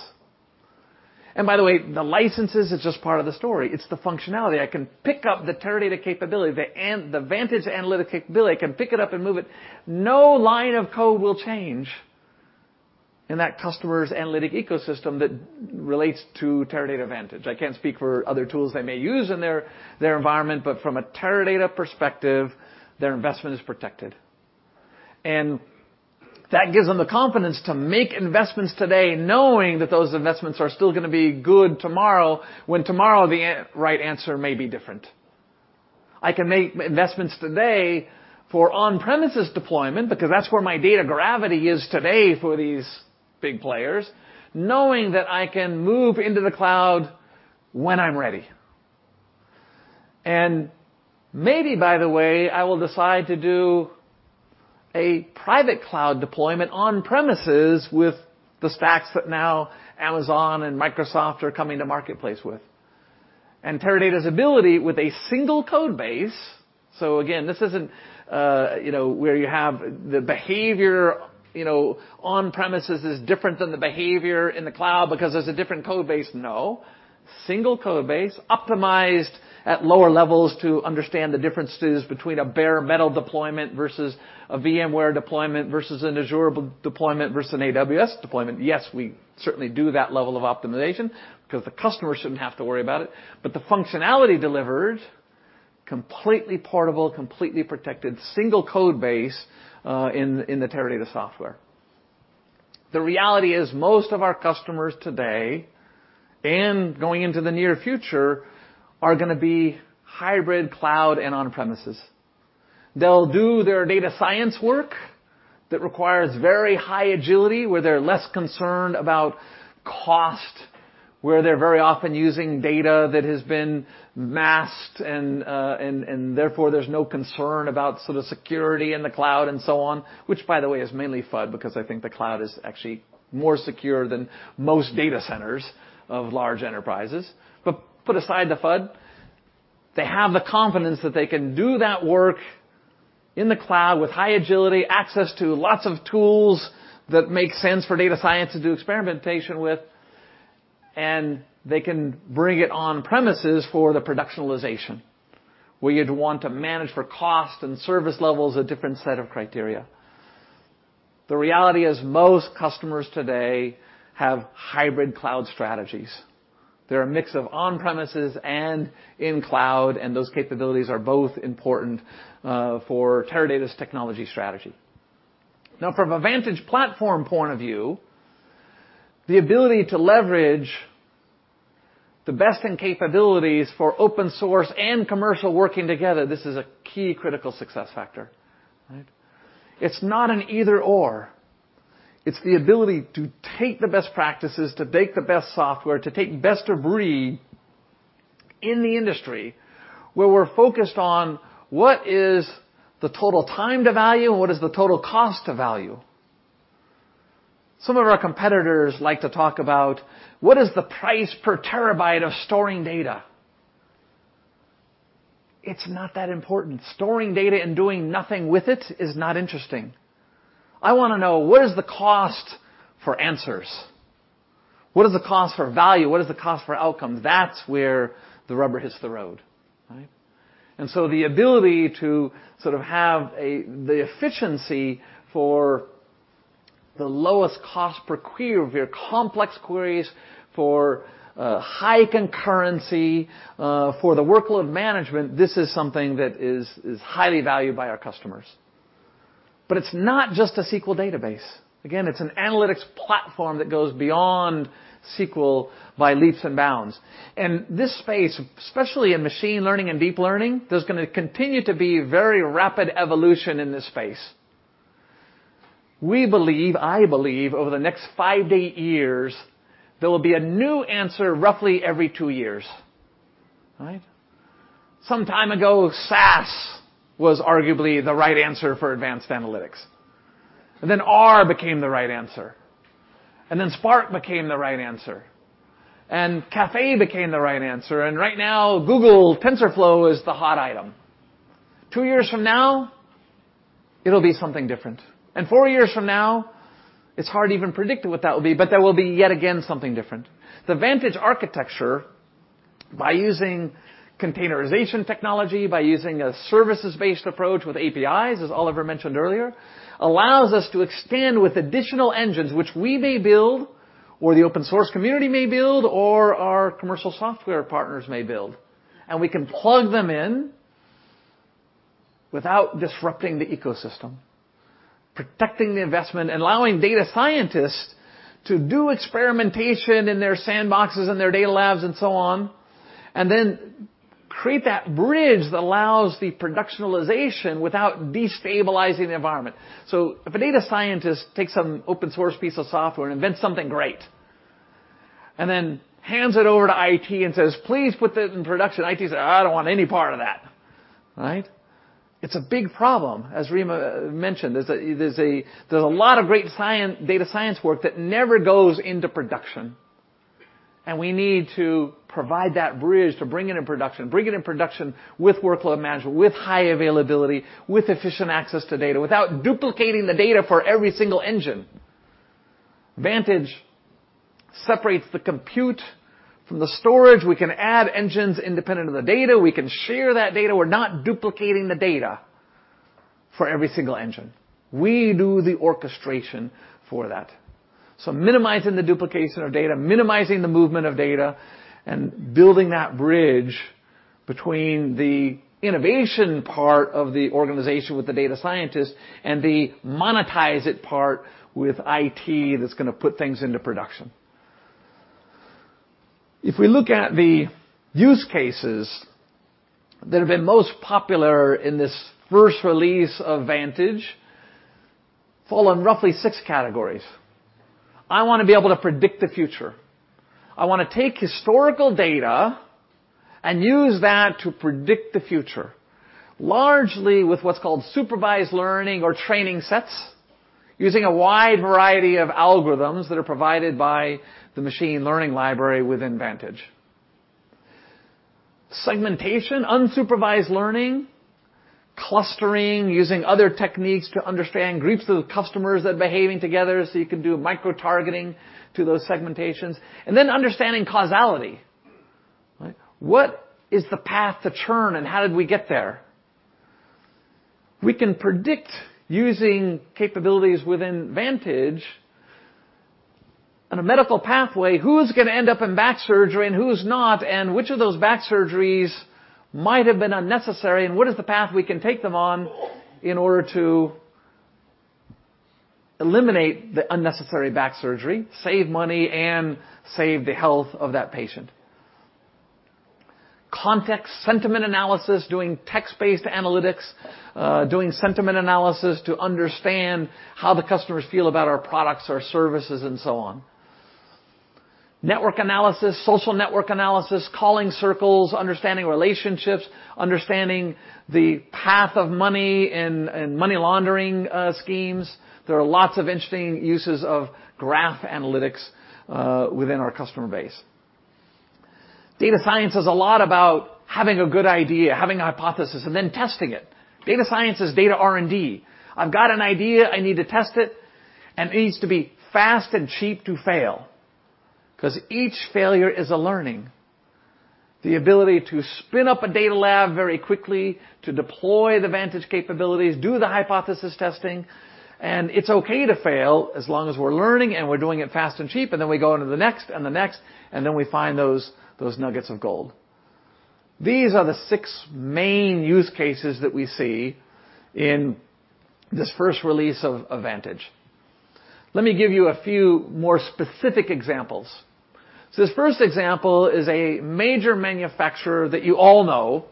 By the way, the licenses is just part of the story. It's the functionality. I can pick up the Teradata capability, the Vantage analytic capability. I can pick it up and move it. No line of code will change in that customer's analytic ecosystem that relates to Teradata Vantage. I can't speak for other tools they may use in their environment, but from a Teradata perspective, their investment is protected. That gives them the confidence to make investments today knowing that those investments are still going to be good tomorrow when tomorrow the right answer may be different. I can make investments today for on-premises deployment, because that's where my data gravity is today for these big players, knowing that I can move into the cloud when I'm ready. Maybe, by the way, I will decide to do a private cloud deployment on-premises with the stacks that now Amazon and Microsoft are coming to marketplace with. Teradata's ability with a single code base, again, this isn't where you have the behavior on-premises is different than the behavior in the cloud because there's a different code base. No. Single code base optimized at lower levels to understand the differences between a bare metal deployment versus a VMware deployment versus an Azure deployment versus an AWS deployment. Yes, we certainly do that level of optimization because the customer shouldn't have to worry about it. The functionality delivered, completely portable, completely protected, single code base, in the Teradata software. The reality is most of our customers today and going into the near future are going to be hybrid cloud and on-premises. They'll do their data science work that requires very high agility, where they're less concerned about cost, where they're very often using data that has been masked and therefore, there's no concern about sort of security in the cloud and so on, which by the way, is mainly FUD because I think the cloud is actually more secure than most data centers of large enterprises. Put aside the FUD. They have the confidence that they can do that work in the cloud with high agility, access to lots of tools that make sense for data science to do experimentation with, and they can bring it on-premises for the productionalization, where you'd want to manage for cost and service levels a different set of criteria. The reality is most customers today have hybrid cloud strategies. They're a mix of on-premises and in cloud, and those capabilities are both important for Teradata's technology strategy. From a Vantage platform point of view, the ability to leverage the best in capabilities for open source and commercial working together, this is a key critical success factor. It's not an either/or. It's the ability to take the best practices, to take the best software, to take best of breed in the industry, where we're focused on what is the total time to value, and what is the total cost to value. Some of our competitors like to talk about what is the price per terabyte of storing data. It's not that important. Storing data and doing nothing with it is not interesting. I want to know what is the cost for answers? What is the cost for value? What is the cost for outcome? That's where the rubber hits the road. The ability to sort of have the efficiency for the lowest cost per query, if you're complex queries for high concurrency, for the workload management, this is something that is highly valued by our customers. It's not just a SQL database. Again, it's an analytics platform that goes beyond SQL by leaps and bounds. This space, especially in machine learning and deep learning, there's going to continue to be very rapid evolution in this space. We believe, I believe over the next five to eight years, there will be a new answer roughly every two years. Some time ago, SAS was arguably the right answer for advanced analytics. Then R became the right answer. Then Spark became the right answer. Caffe became the right answer. Right now, Google TensorFlow is the hot item. Two years from now, it'll be something different. Four years from now, it's hard to even predict what that will be, but that will be yet again, something different. The Vantage architecture, by using containerization technology, by using a services-based approach with APIs, as Oliver mentioned earlier, allows us to extend with additional engines, which we may build, or the open source community may build, or our commercial software partners may build. We can plug them in without disrupting the ecosystem, protecting the investment, and allowing data scientists to do experimentation in their sandboxes and their data labs and so on, and then create that bridge that allows the productionalization without destabilizing the environment. If a data scientist takes some open source piece of software and invents something great, and then hands it over to IT and says, "Please put it in production." IT say, "I don't want any part of that." It's a big problem, as Rima mentioned. There's a lot of great data science work that never goes into production, and we need to provide that bridge to bring it in production. Bring it in production with workload management, with high availability, with efficient access to data, without duplicating the data for every single engine. Vantage separates the compute from the storage. We can add engines independent of the data. We can share that data. We're not duplicating the data for every single engine. We do the orchestration for that. Minimizing the duplication of data, minimizing the movement of data, and building that bridge between the innovation part of the organization with the data scientist and the monetize it part with IT that's going to put things into production. If we look at the use cases that have been most popular in this first release of Vantage, fall in roughly six categories. I want to be able to predict the future. I want to take historical data and use that to predict the future, largely with what's called supervised learning or training sets, using a wide variety of algorithms that are provided by the machine learning library within Vantage. Segmentation, unsupervised learning, clustering, using other techniques to understand groups of customers that are behaving together, so you can do micro-targeting to those segmentations. Understanding causality. What is the path to churn, and how did we get there? We can predict using capabilities within Vantage on a medical pathway, who's going to end up in back surgery and who's not, and which of those back surgeries might have been unnecessary, and what is the path we can take them on in order to eliminate the unnecessary back surgery, save money, and save the health of that patient. Context, sentiment analysis, doing text-based analytics, doing sentiment analysis to understand how the customers feel about our products, our services, and so on. Network analysis, social network analysis, calling circles, understanding relationships. Understanding the path of money in money laundering schemes. There are lots of interesting uses of graph analytics within our customer base. Data science is a lot about having a good idea, having a hypothesis, and then testing it. Data science is data R&D. I've got an idea. I need to test it, and it needs to be fast and cheap to fail, because each failure is a learning. The ability to spin up a data lab very quickly, to deploy the Vantage capabilities, do the hypothesis testing, and it's okay to fail as long as we're learning and we're doing it fast and cheap, then we go on to the next and the next, then we find those nuggets of gold. These are the six main use cases that we see in this first release of Vantage. Let me give you a few more specific examples. This first example is a major manufacturer that you all know.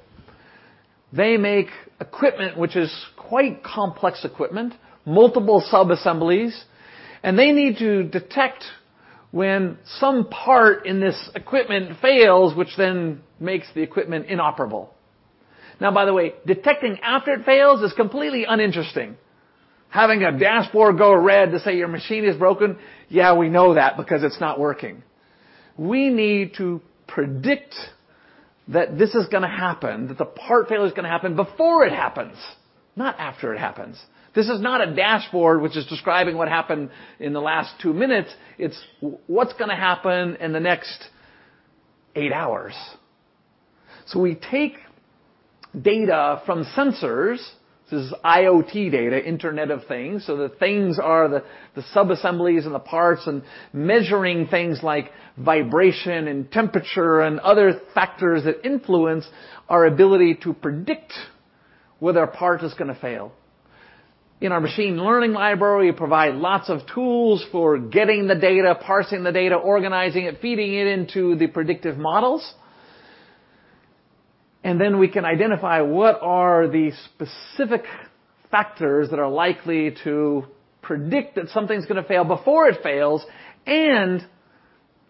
They make equipment which is quite complex equipment, multiple subassemblies, and they need to detect when some part in this equipment fails, which then makes the equipment inoperable. Now, by the way, detecting after it fails is completely uninteresting. Having a dashboard go red to say your machine is broken, yeah, we know that because it's not working. We need to predict that this is going to happen, that the part failure is going to happen before it happens, not after it happens. This is not a dashboard which is describing what happened in the last two minutes. It's what's going to happen in the next eight hours. We take data from sensors. This is IoT data, Internet of Things. The things are the subassemblies and the parts and measuring things like vibration and temperature and other factors that influence our ability to predict whether a part is going to fail. In our machine learning library, we provide lots of tools for getting the data, parsing the data, organizing it, feeding it into the predictive models. Then we can identify what are the specific factors that are likely to predict that something's going to fail before it fails, and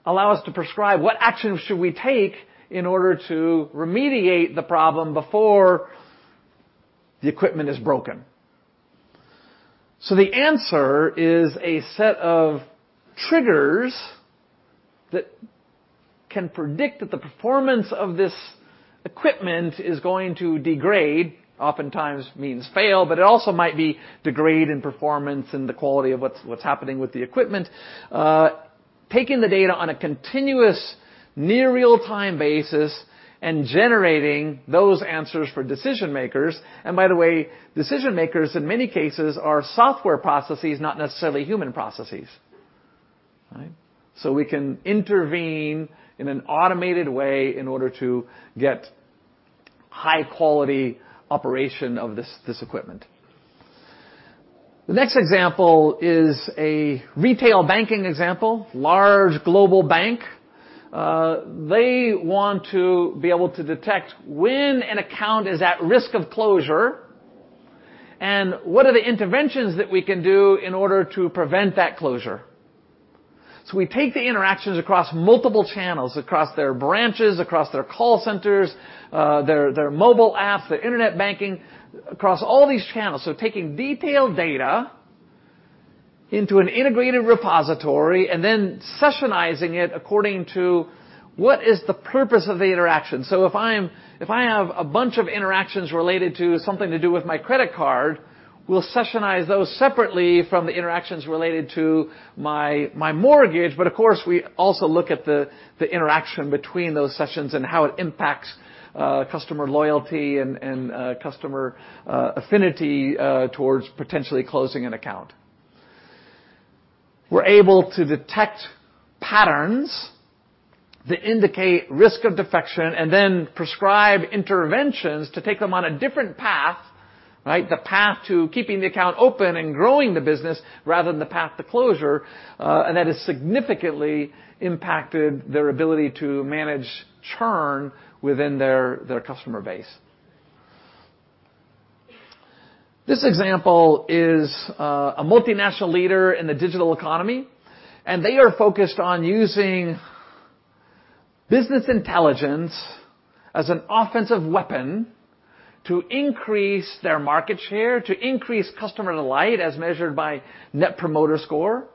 allow us to prescribe what actions should we take in order to remediate the problem before the equipment is broken. The answer is a set of triggers that can predict that the performance of this equipment is going to degrade, oftentimes means fail, but it also might be degrade in performance and the quality of what's happening with the equipment. Taking the data on a continuous near real-time basis and generating those answers for decision-makers. By the way, decision-makers in many cases are software processes, not necessarily human processes. Right? We can intervene in an automated way in order to get high-quality operation of this equipment. The next example is a retail banking example. Large global bank. They want to be able to detect when an account is at risk of closure and what are the interventions that we can do in order to prevent that closure. We take the interactions across multiple channels, across their branches, across their call centers, their mobile app, their internet banking, across all these channels. Taking detailed data into an integrated repository and then sessionizing it according to what is the purpose of the interaction. If I have a bunch of interactions related to something to do with my credit card, we'll sessionize those separately from the interactions related to my mortgage. Of course, we also look at the interaction between those sessions and how it impacts customer loyalty and customer affinity towards potentially closing an account. We're able to detect patterns that indicate risk of defection and then prescribe interventions to take them on a different path. Right. That has significantly impacted their ability to manage churn within their customer base. This example is a multinational leader in the digital economy. They are focused on using business intelligence as an offensive weapon to increase their market share, to increase customer delight as measured by Net Promoter Score.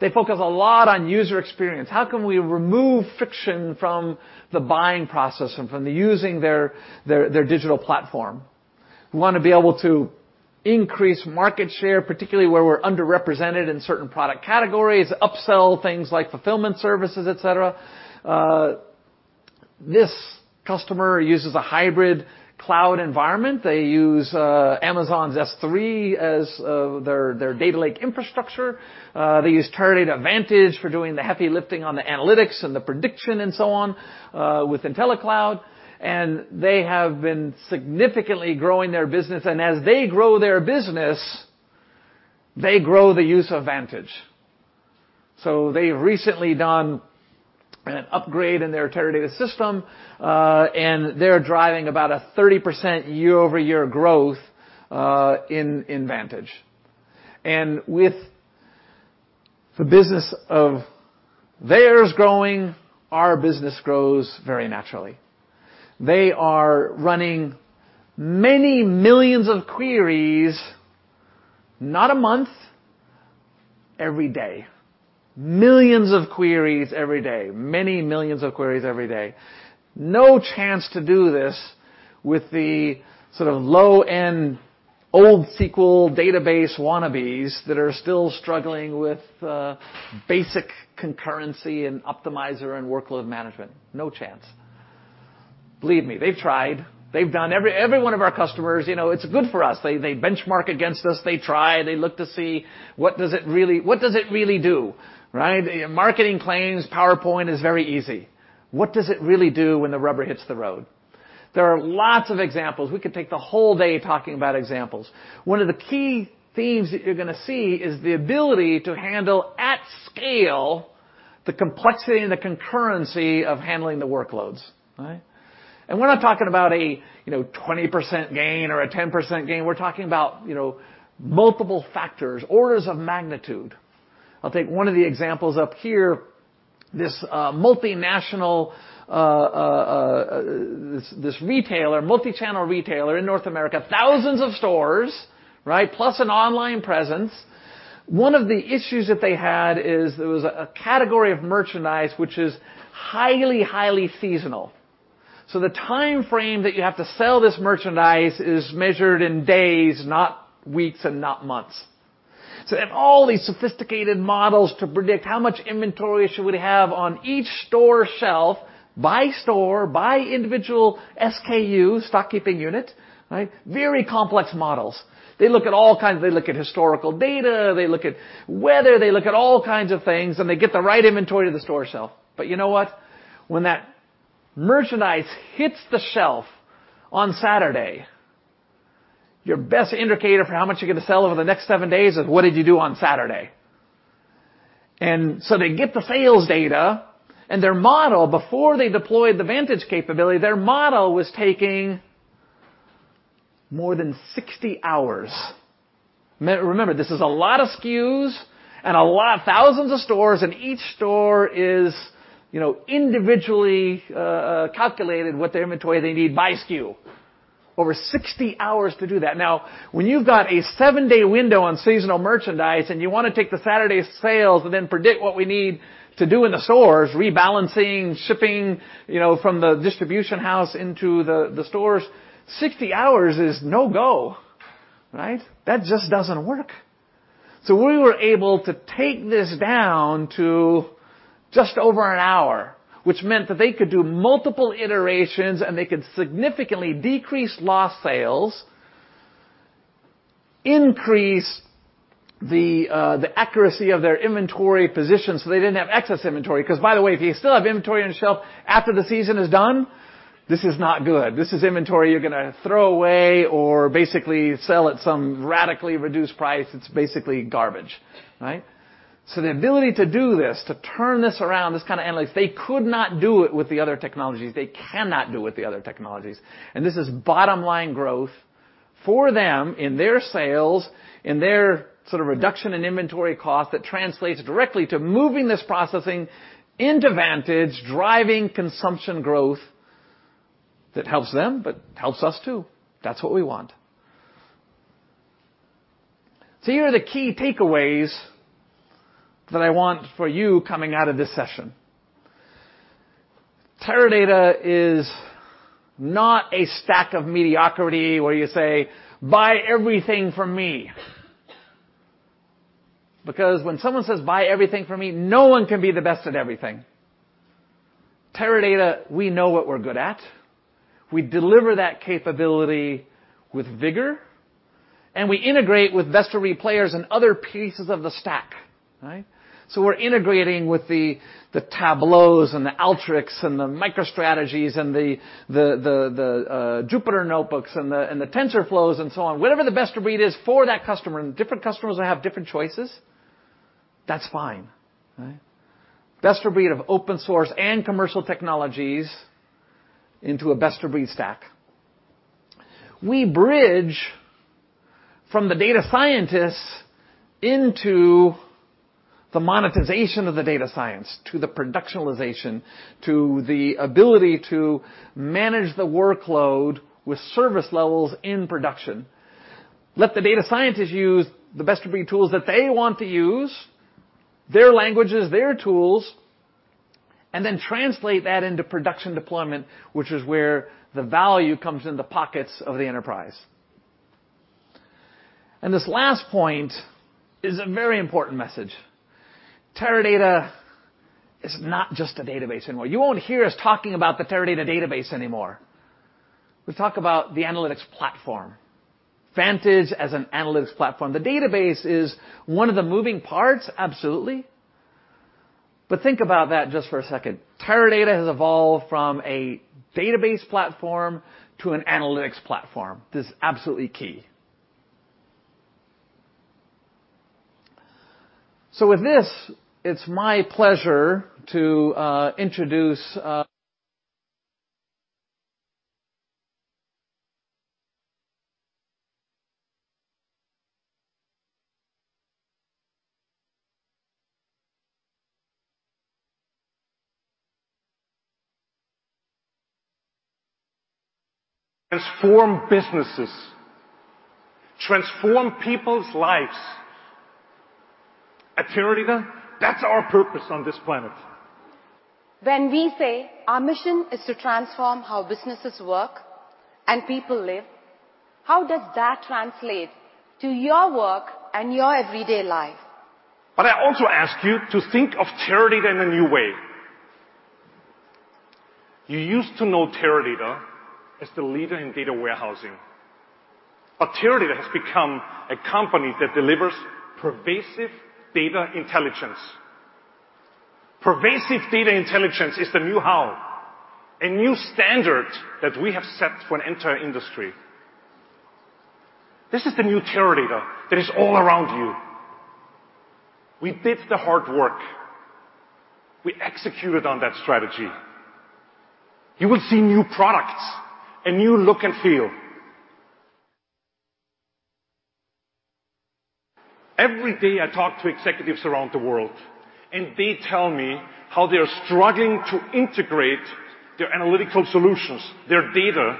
They focus a lot on user experience. How can we remove friction from the buying process and from the using their digital platform? We want to be able to increase market share, particularly where we're underrepresented in certain product categories, upsell things like fulfillment services, et cetera. This customer uses a hybrid cloud environment. They use Amazon S3 as their data lake infrastructure. They use Teradata Vantage for doing the heavy lifting on the analytics and the prediction and so on with IntelliCloud. They have been significantly growing their business. As they grow their business, they grow the use of Vantage. They've recently done an upgrade in their Teradata system. They're driving about a 30% year-over-year growth in Vantage. The business of theirs growing, our business grows very naturally. They are running many millions of queries, not a month, every day. Millions of queries every day. Many millions of queries every day. No chance to do this with the sort of low-end old SQL database wannabes that are still struggling with basic concurrency and optimizer and workload management. No chance. Believe me, they've tried. Every one of our customers, it's good for us. They benchmark against us. They try, they look to see what does it really do, right. Marketing claims PowerPoint is very easy. What does it really do when the rubber hits the road? There are lots of examples. We could take the whole day talking about examples. One of the key themes that you're going to see is the ability to handle, at scale, the complexity and the concurrency of handling the workloads, right. We're not talking about a 20% gain or a 10% gain. We're talking about multiple factors, orders of magnitude. I'll take one of the examples up here, this multinational, this retailer, multichannel retailer in North America, thousands of stores, right. Plus an online presence. One of the issues that they had is there was a category of merchandise which is highly seasonal. The timeframe that you have to sell this merchandise is measured in days, not weeks and not months. They have all these sophisticated models to predict how much inventory they should have on each store shelf by store, by individual SKU, stock keeping unit, right. Very complex models. They look at all kinds. They look at historical data, they look at weather, they look at all kinds of things. They get the right inventory to the store shelf. You know what. When that merchandise hits the shelf on Saturday, your best indicator for how much you're going to sell over the next seven days is what did you do on Saturday? They get the sales data and their model, before they deployed the Vantage capability, their model was taking more than 60 hours. Remember, this is a lot of SKUs and thousands of stores, and each store is individually calculated what their inventory they need by SKU. Over 60 hours to do that. When you've got a seven-day window on seasonal merchandise and you want to take the Saturday sales and then predict what we need to do in the stores, rebalancing, shipping from the distribution house into the stores, 60 hours is no go, right? That just doesn't work. We were able to take this down to just over an hour, which meant that they could do multiple iterations, and they could significantly decrease lost sales, increase the accuracy of their inventory position so they didn't have excess inventory, because, by the way, if you still have inventory on your shelf after the season is done, this is not good. This is inventory you're going to throw away or basically sell at some radically reduced price. It's basically garbage, right? The ability to do this, to turn this around, this kind of analytics, they could not do it with the other technologies. They cannot do it with the other technologies. This is bottom line growth for them in their sales, in their sort of reduction in inventory cost that translates directly to moving this processing into Vantage, driving consumption growth. That helps them, but helps us, too. That's what we want. Here are the key takeaways that I want for you coming out of this session. Teradata is not a stack of mediocrity where you say, "Buy everything from me." Because when someone says, "Buy everything from me," no one can be the best at everything. Teradata, we know what we're good at. We deliver that capability with vigor, we integrate with best-of-breed players and other pieces of the stack, right? We're integrating with the Tableau and the Alteryx and the MicroStrategy and the Jupyter Notebooks and the TensorFlow and so on. Whatever the best of breed is for that customer, and different customers have different choices, that's fine, right? Best of breed of open source and commercial technologies into a best-of-breed stack. We bridge from the data scientists into the monetization of the data science to the productionalization, to the ability to manage the workload with service levels in production. Let the data scientists use the best-of-breed tools that they want to use, their languages, their tools, and then translate that into production deployment, which is where the value comes in the pockets of the enterprise. This last point is a very important message. Teradata is not just a database anymore. You won't hear us talking about the Teradata Database anymore. We talk about the analytics platform, Vantage as an analytics platform. The database is one of the moving parts, absolutely. Think about that just for a second. Teradata has evolved from a database platform to an analytics platform. This is absolutely key. With this, it's my pleasure to introduce- Transform businesses, transform people's lives. At Teradata, that's our purpose on this planet. When we say our mission is to transform how businesses work and people live, how does that translate to your work and your everyday life? I also ask you to think of Teradata in a new way. You used to know Teradata as the leader in data warehousing. Teradata has become a company that delivers pervasive data intelligence. Pervasive data intelligence is the new how, a new standard that we have set for an entire industry. This is the new Teradata that is all around you. We did the hard work. We executed on that strategy. You will see new products, a new look and feel. Every day I talk to executives around the world, and they tell me how they're struggling to integrate their analytical solutions, their data,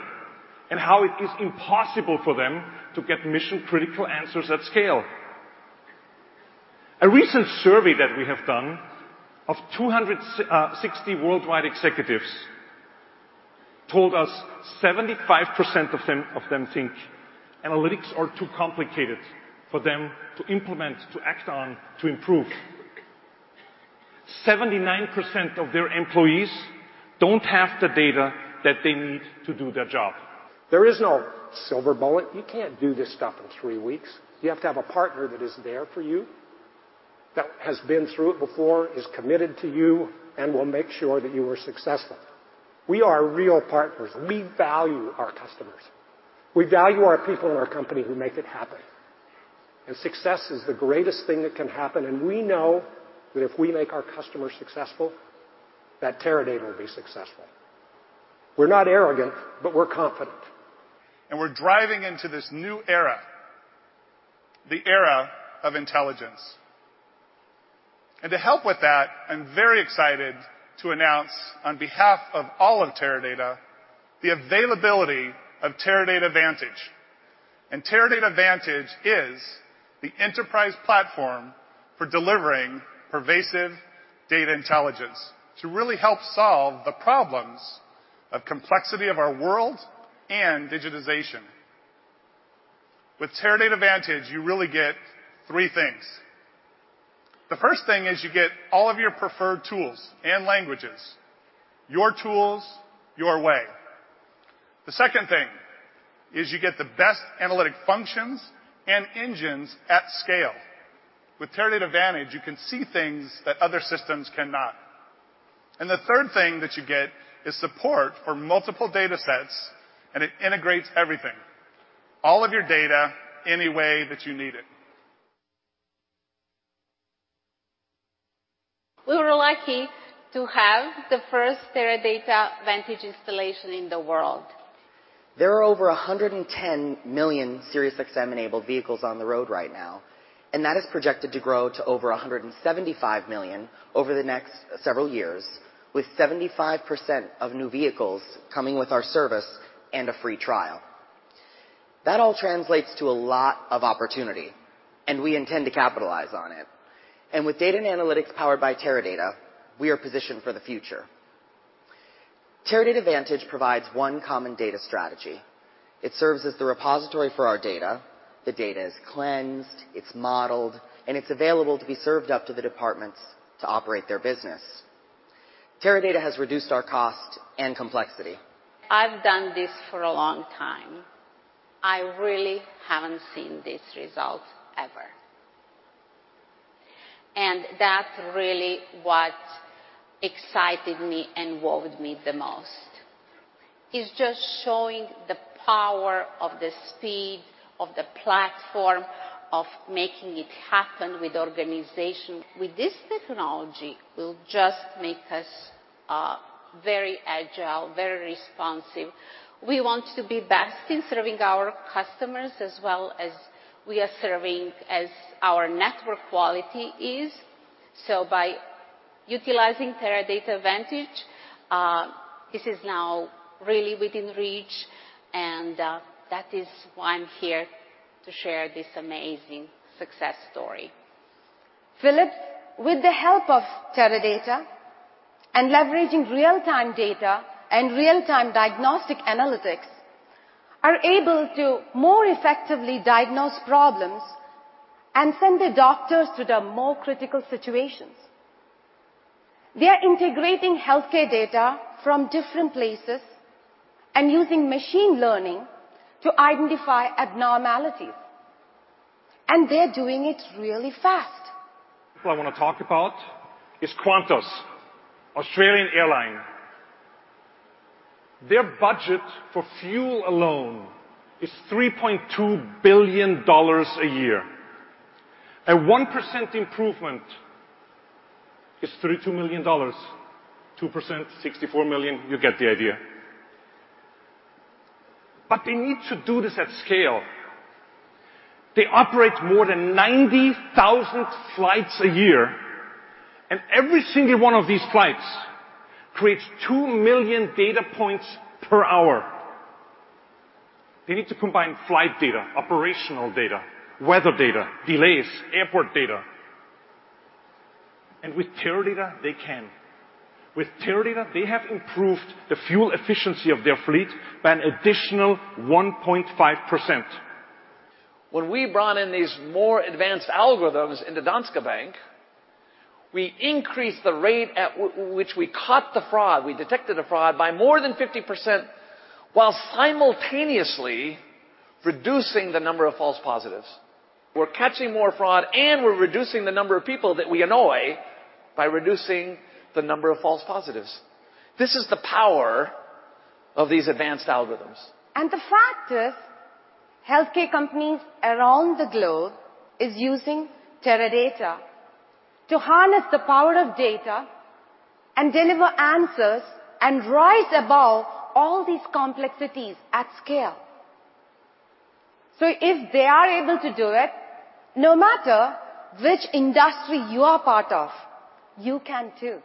and how it is impossible for them to get mission-critical answers at scale. A recent survey that we have done of 260 worldwide executives told us 75% of them think analytics are too complicated for them to implement, to act on, to improve. 79% of their employees don't have the data that they need to do their job. There is no silver bullet. You can't do this stuff in three weeks. You have to have a partner that is there for you, that has been through it before, is committed to you, and will make sure that you are successful. We are real partners. We value our customers. We value our people in our company who make it happen. Success is the greatest thing that can happen, and we know that if we make our customers successful, that Teradata will be successful. We're not arrogant, but we're confident. We're driving into this new era, the era of intelligence. To help with that, I'm very excited to announce, on behalf of all of Teradata, the availability of Teradata Vantage. Teradata Vantage is the enterprise platform for delivering pervasive data intelligence to really help solve the problems of complexity of our world and digitization. With Teradata Vantage, you really get three things. The first thing is you get all of your preferred tools and languages, your tools, your way. The second thing is you get the best analytic functions and engines at scale. With Teradata Vantage, you can see things that other systems cannot. The third thing that you get is support for multiple data sets, and it integrates everything, all of your data, any way that you need it. We were lucky to have the first Teradata Vantage installation in the world. There are over 110 million Sirius XM-enabled vehicles on the road right now, and that is projected to grow to over 175 million over the next several years, with 75% of new vehicles coming with our service and a free trial. That all translates to a lot of opportunity, and we intend to capitalize on it. With data and analytics powered by Teradata, we are positioned for the future. Teradata Vantage provides one common data strategy. It serves as the repository for our data. The data is cleansed, it's modeled, and it's available to be served up to the departments to operate their business. Teradata has reduced our cost and complexity. I've done this for a long time. I really haven't seen this result ever. That's really what excited me and wowed me the most. It's just showing the power of the speed of the platform, of making it happen with the organization. With this technology, will just make us very agile, very responsive. We want to be best in serving our customers, as well as we are serving, as our network quality is. By utilizing Teradata Vantage, this is now really within reach, and that is why I'm here to share this amazing success story. Philips, with the help of Teradata and leveraging real-time data and real-time diagnostic analytics, are able to more effectively diagnose problems and send the doctors to the more critical situations. They're integrating healthcare data from different places and using machine learning to identify abnormalities. They're doing it really fast. What I want to talk about is Qantas, Australian airline. Their budget for fuel alone is $3.2 billion a year. A 1% improvement. It's $32 million. 2%, $64 million, you get the idea. They need to do this at scale. They operate more than 90,000 flights a year, and every single one of these flights creates 2 million data points per hour. They need to combine flight data, operational data, weather data, delays, airport data. With Teradata, they can. With Teradata, they have improved the fuel efficiency of their fleet by an additional 1.5%. When we brought in these more advanced algorithms into Danske Bank, we increased the rate at which we caught the fraud, we detected a fraud by more than 50%, while simultaneously reducing the number of false positives. We're catching more fraud, we're reducing the number of people that we annoy by reducing the number of false positives. This is the power of these advanced algorithms. The fact is, healthcare companies around the globe are using Teradata to harness the power of data and deliver answers and rise above all these complexities at scale. If they are able to do it, no matter which industry you are part of, you can too.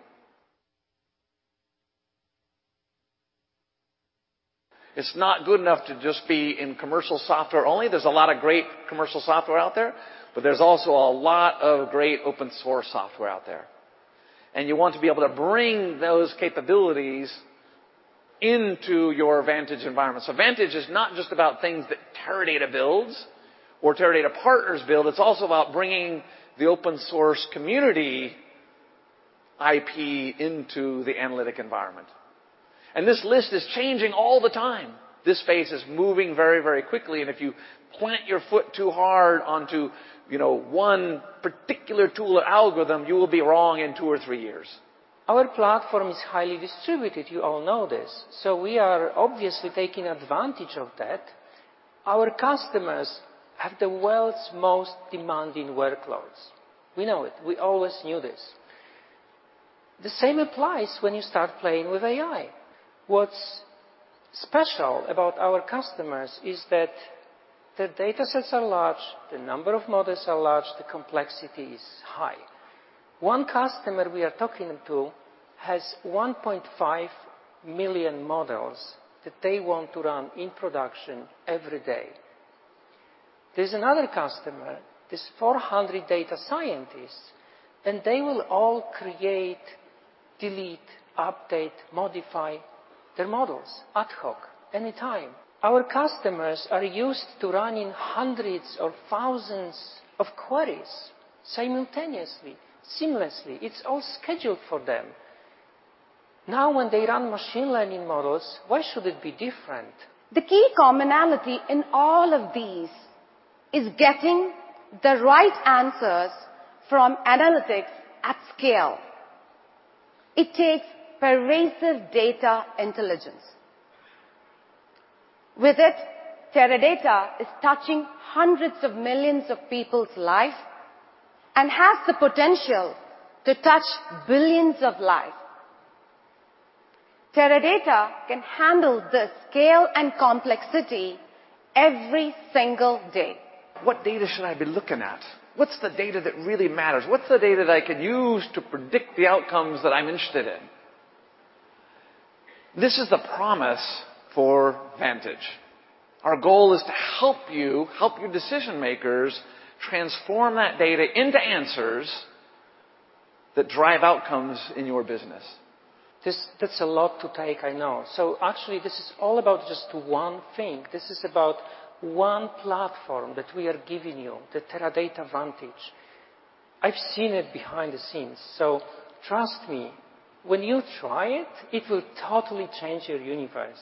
It's not good enough to just be in commercial software only. There's a lot of great commercial software out there, but there's also a lot of great open source software out there. You want to be able to bring those capabilities into your Vantage environment. Vantage is not just about things that Teradata builds or Teradata partners build, it's also about bringing the open source community IP into the analytic environment. This list is changing all the time. This space is moving very, very quickly, and if you plant your foot too hard onto one particular tool or algorithm, you will be wrong in two or three years. Our platform is highly distributed. You all know this. We are obviously taking advantage of that. Our customers have the world's most demanding workloads. We know it. We always knew this. The same applies when you start playing with AI. What's special about our customers is that the data sets are large, the number of models are large, the complexity is high. One customer we are talking to has 1.5 million models that they want to run in production every day. There's another customer with 400 data scientists, and they will all create, delete, update, modify their models ad hoc, anytime. Our customers are used to running hundreds of thousands of queries simultaneously, seamlessly. It's all scheduled for them. When they run machine learning models, why should it be different? The key commonality in all of these is getting the right answers from analytics at scale. It takes pervasive data intelligence. With it, Teradata is touching hundreds of millions of people's lives and has the potential to touch billions of lives. Teradata can handle the scale and complexity every single day. What data should I be looking at? What's the data that really matters? What's the data that I could use to predict the outcomes that I'm interested in? This is the promise for Vantage. Our goal is to help you, help your decision makers, transform that data into answers that drive outcomes in your business. That's a lot to take, I know. Actually, this is all about just one thing. This is about one platform that we are giving you, the Teradata Vantage. I've seen it behind the scenes, so trust me, when you try it will totally change your universe.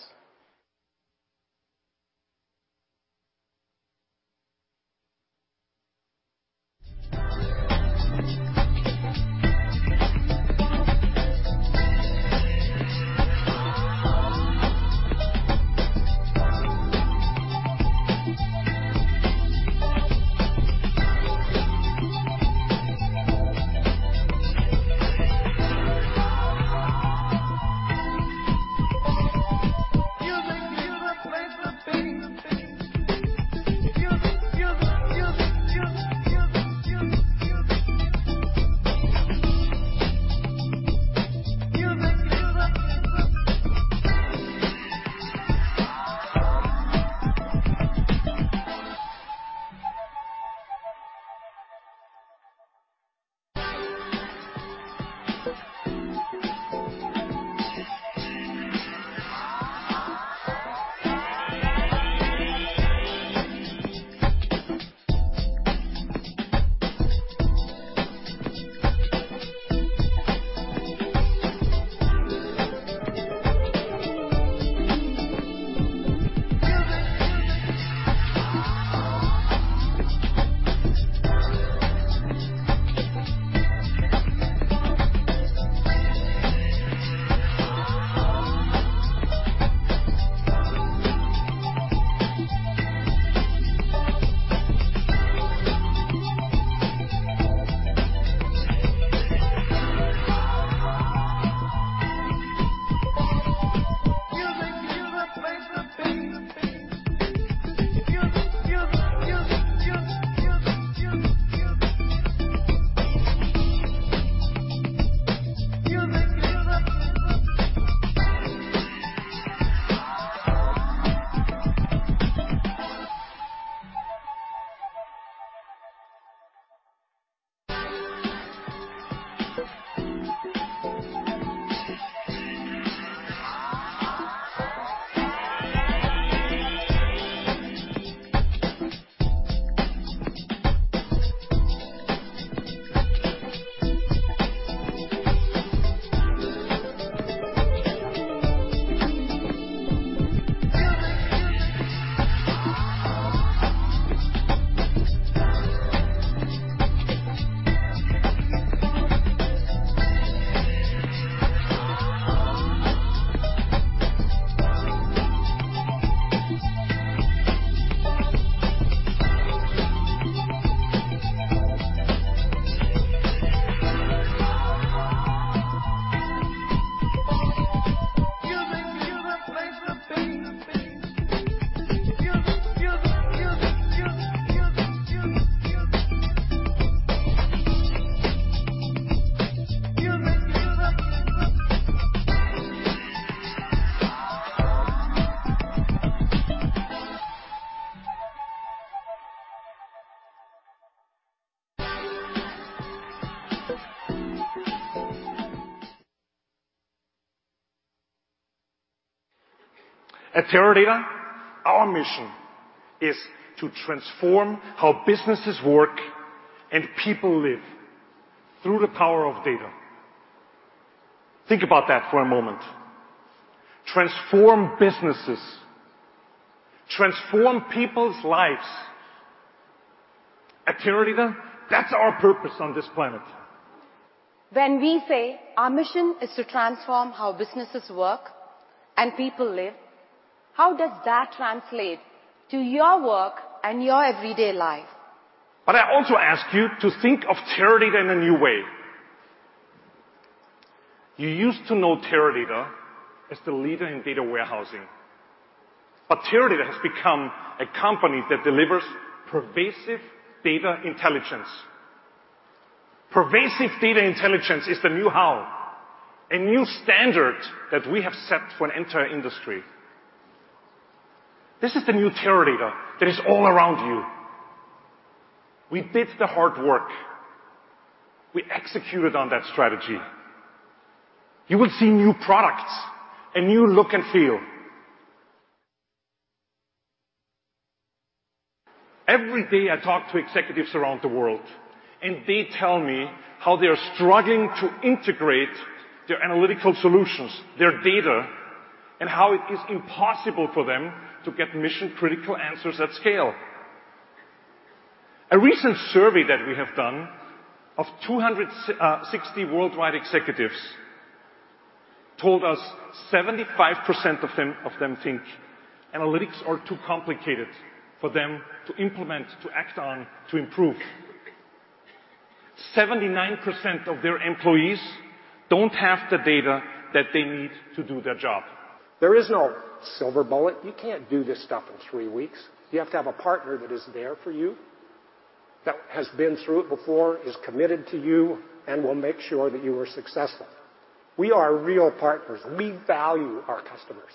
At Teradata, our mission is to transform how businesses work and people live through the power of data. Think about that for a moment. Transform businesses, transform people's lives. At Teradata, that's our purpose on this planet. When we say our mission is to transform how businesses work and people live, how does that translate to your work and your everyday life? I also ask you to think of Teradata in a new way. You used to know Teradata as the leader in data warehousing. Teradata has become a company that delivers pervasive data intelligence. Pervasive data intelligence is the new how, a new standard that we have set for an entire industry. This is the new Teradata that is all around you. We did the hard work. We executed on that strategy. You will see new products, a new look and feel. Every day I talk to executives around the world, and they tell me how they're struggling to integrate their analytical solutions, their data, and how it is impossible for them to get mission-critical answers at scale. A recent survey that we have done of 260 worldwide executives told us 75% of them think analytics are too complicated for them to implement, to act on, to improve. 79% of their employees don't have the data that they need to do their job. There is no silver bullet. You can't do this stuff in three weeks. You have to have a partner that is there for you, that has been through it before, is committed to you, and will make sure that you are successful. We are real partners. We value our customers.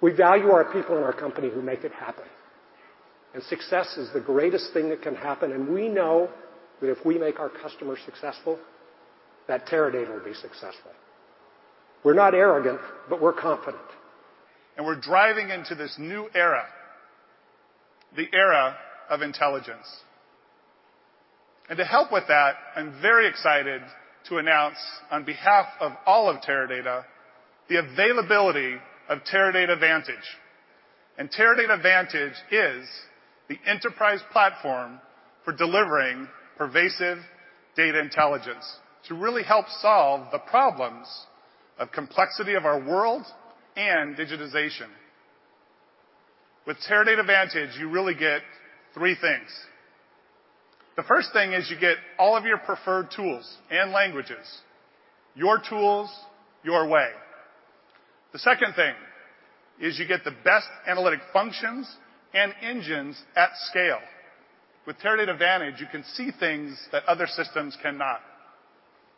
We value our people in our company who make it happen. Success is the greatest thing that can happen, and we know that if we make our customers successful, that Teradata will be successful. We're not arrogant, but we're confident. We're driving into this new era, the era of intelligence. To help with that, I'm very excited to announce, on behalf of all of Teradata, the availability of Teradata Vantage. Teradata Vantage is the enterprise platform for delivering pervasive data intelligence to really help solve the problems of complexity of our world and digitization. With Teradata Vantage, you really get three things. The first thing is you get all of your preferred tools and languages, your tools, your way. The second thing is you get the best analytic functions and engines at scale. With Teradata Vantage, you can see things that other systems cannot.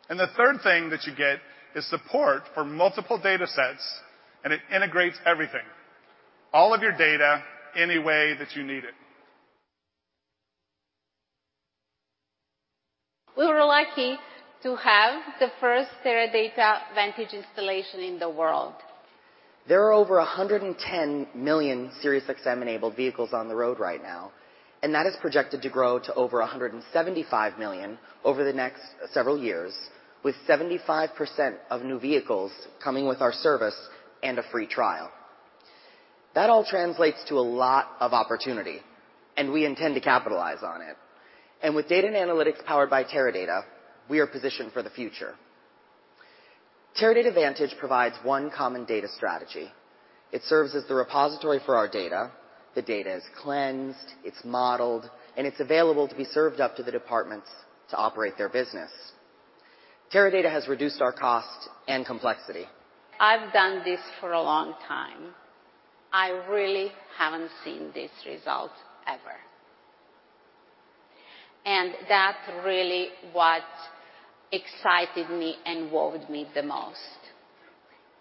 The third thing that you get is support for multiple data sets, and it integrates everything, all of your data, any way that you need it. We were lucky to have the first Teradata Vantage installation in the world. There are over 110 million Sirius XM-enabled vehicles on the road right now, that is projected to grow to over 175 million over the next several years, with 75% of new vehicles coming with our service and a free trial. That all translates to a lot of opportunity, we intend to capitalize on it. With data and analytics powered by Teradata, we are positioned for the future. Teradata Vantage provides one common data strategy. It serves as the repository for our data. The data is cleansed, it's modeled, and it's available to be served up to the departments to operate their business. Teradata has reduced our cost and complexity. I've done this for a long time. I really haven't seen this result ever. That's really what excited me and wowed me the most.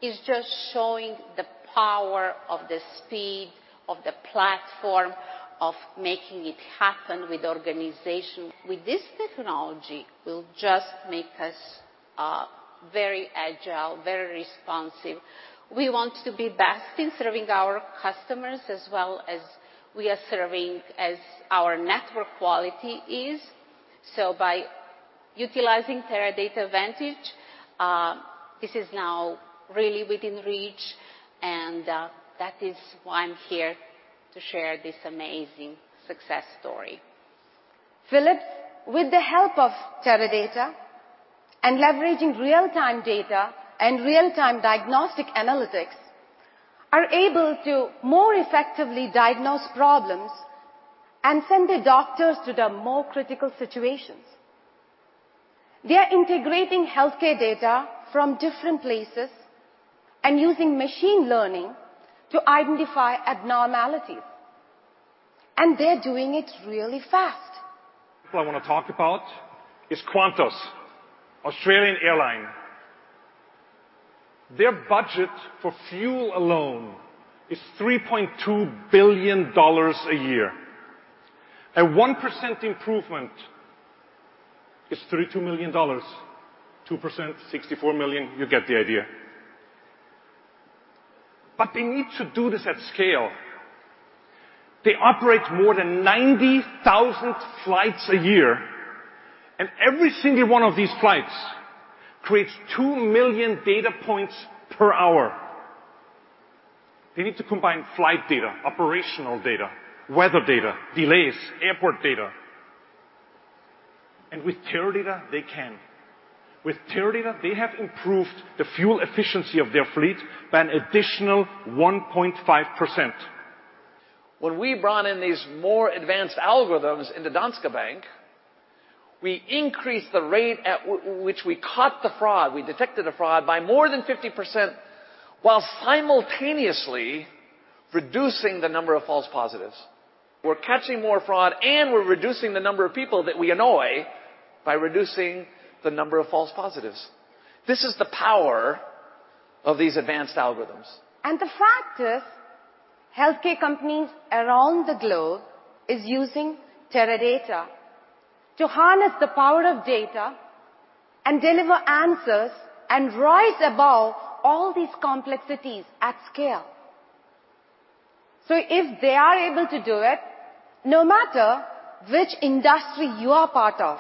It's just showing the power of the speed of the platform, of making it happen with the organization. With this technology, will just make us very agile, very responsive. We want to be best in serving our customers as well as we are serving, as our network quality is. By utilizing Teradata Vantage, this is now really within reach, and that is why I'm here to share this amazing success story. Philips, with the help of Teradata and leveraging real-time data and real-time diagnostic analytics, are able to more effectively diagnose problems and send the doctors to the more critical situations. They are integrating healthcare data from different places and using machine learning to identify abnormalities. They're doing it really fast. What I want to talk about is Qantas, Australian Airline. Their budget for fuel alone is $3.2 billion a year. A 1% improvement is $32 million. 2%, $64 million, you get the idea. They need to do this at scale. They operate more than 90,000 flights a year, every single one of these flights creates 2 million data points per hour. They need to combine flight data, operational data, weather data, delays, airport data. With Teradata, they can. With Teradata, they have improved the fuel efficiency of their fleet by an additional 1.5%. When we brought in these more advanced algorithms into Danske Bank, we increased the rate at which we caught the fraud, we detected the fraud by more than 50%, while simultaneously reducing the number of false positives. We're catching more fraud, and we're reducing the number of people that we annoy by reducing the number of false positives. This is the power of these advanced algorithms. The fact is, healthcare companies around the globe is using Teradata to harness the power of data and deliver answers and rise above all these complexities at scale. If they are able to do it, no matter which industry you are part of,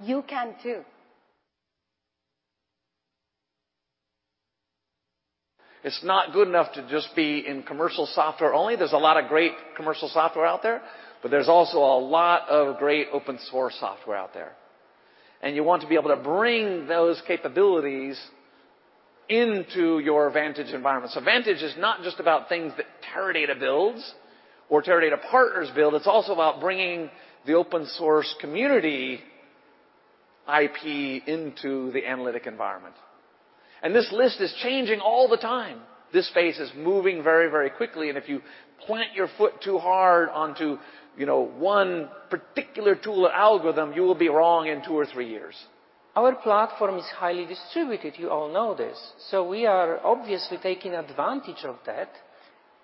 you can too. It's not good enough to just be in commercial software only. There's a lot of great commercial software out there, but there's also a lot of great open source software out there. You want to be able to bring those capabilities into your Vantage environment. Vantage is not just about things that Teradata builds or Teradata partners build, it's also about bringing the open source community IP into the analytic environment. This list is changing all the time. This space is moving very, very quickly, and if you plant your foot too hard onto one particular tool or algorithm, you will be wrong in two or three years. Our platform is highly distributed. You all know this. We are obviously taking advantage of that.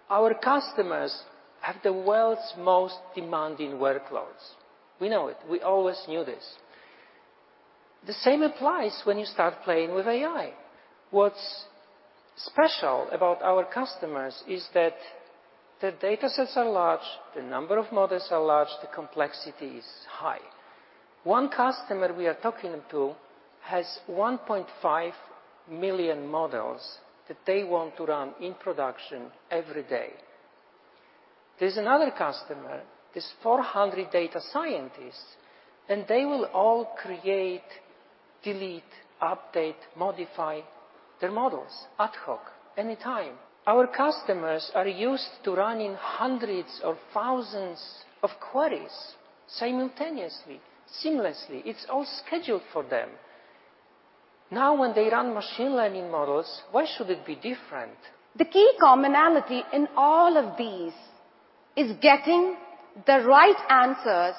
Our customers have the world's most demanding workloads. We know it. We always knew this. The same applies when you start playing with AI. What's special about our customers is that the datasets are large, the number of models are large, the complexity is high. One customer we are talking to has 1.5 million models that they want to run in production every day. There's another customer with 400 data scientists, They will all create, delete, update, modify their models ad hoc, anytime. Our customers are used to running hundreds of thousands of queries simultaneously, seamlessly. It's all scheduled for them. When they run machine learning models, why should it be different? The key commonality in all of these is getting the right answers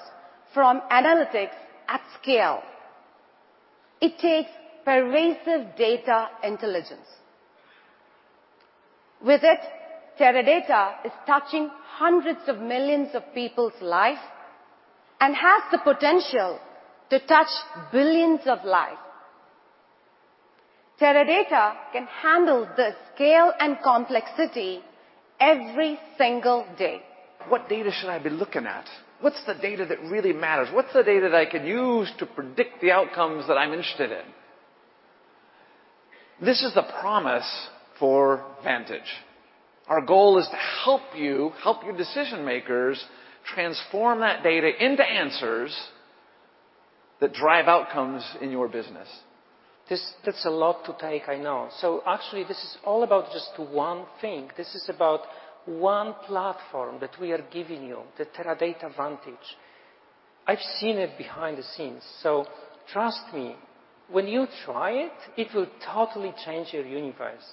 from analytics at scale. It takes pervasive data intelligence. With it, Teradata is touching hundreds of millions of people's lives and has the potential to touch billions of lives. Teradata can handle the scale and complexity every single day. What data should I be looking at? What's the data that really matters? What's the data that I can use to predict the outcomes that I'm interested in? This is the promise for Vantage. Our goal is to help you, help your decision-makers, transform that data into answers that drive outcomes in your business. That's a lot to take, I know. Actually, this is all about just one thing. This is about one platform that we are giving you, the Teradata Vantage. I've seen it behind the scenes, so trust me, when you try it will totally change your universe.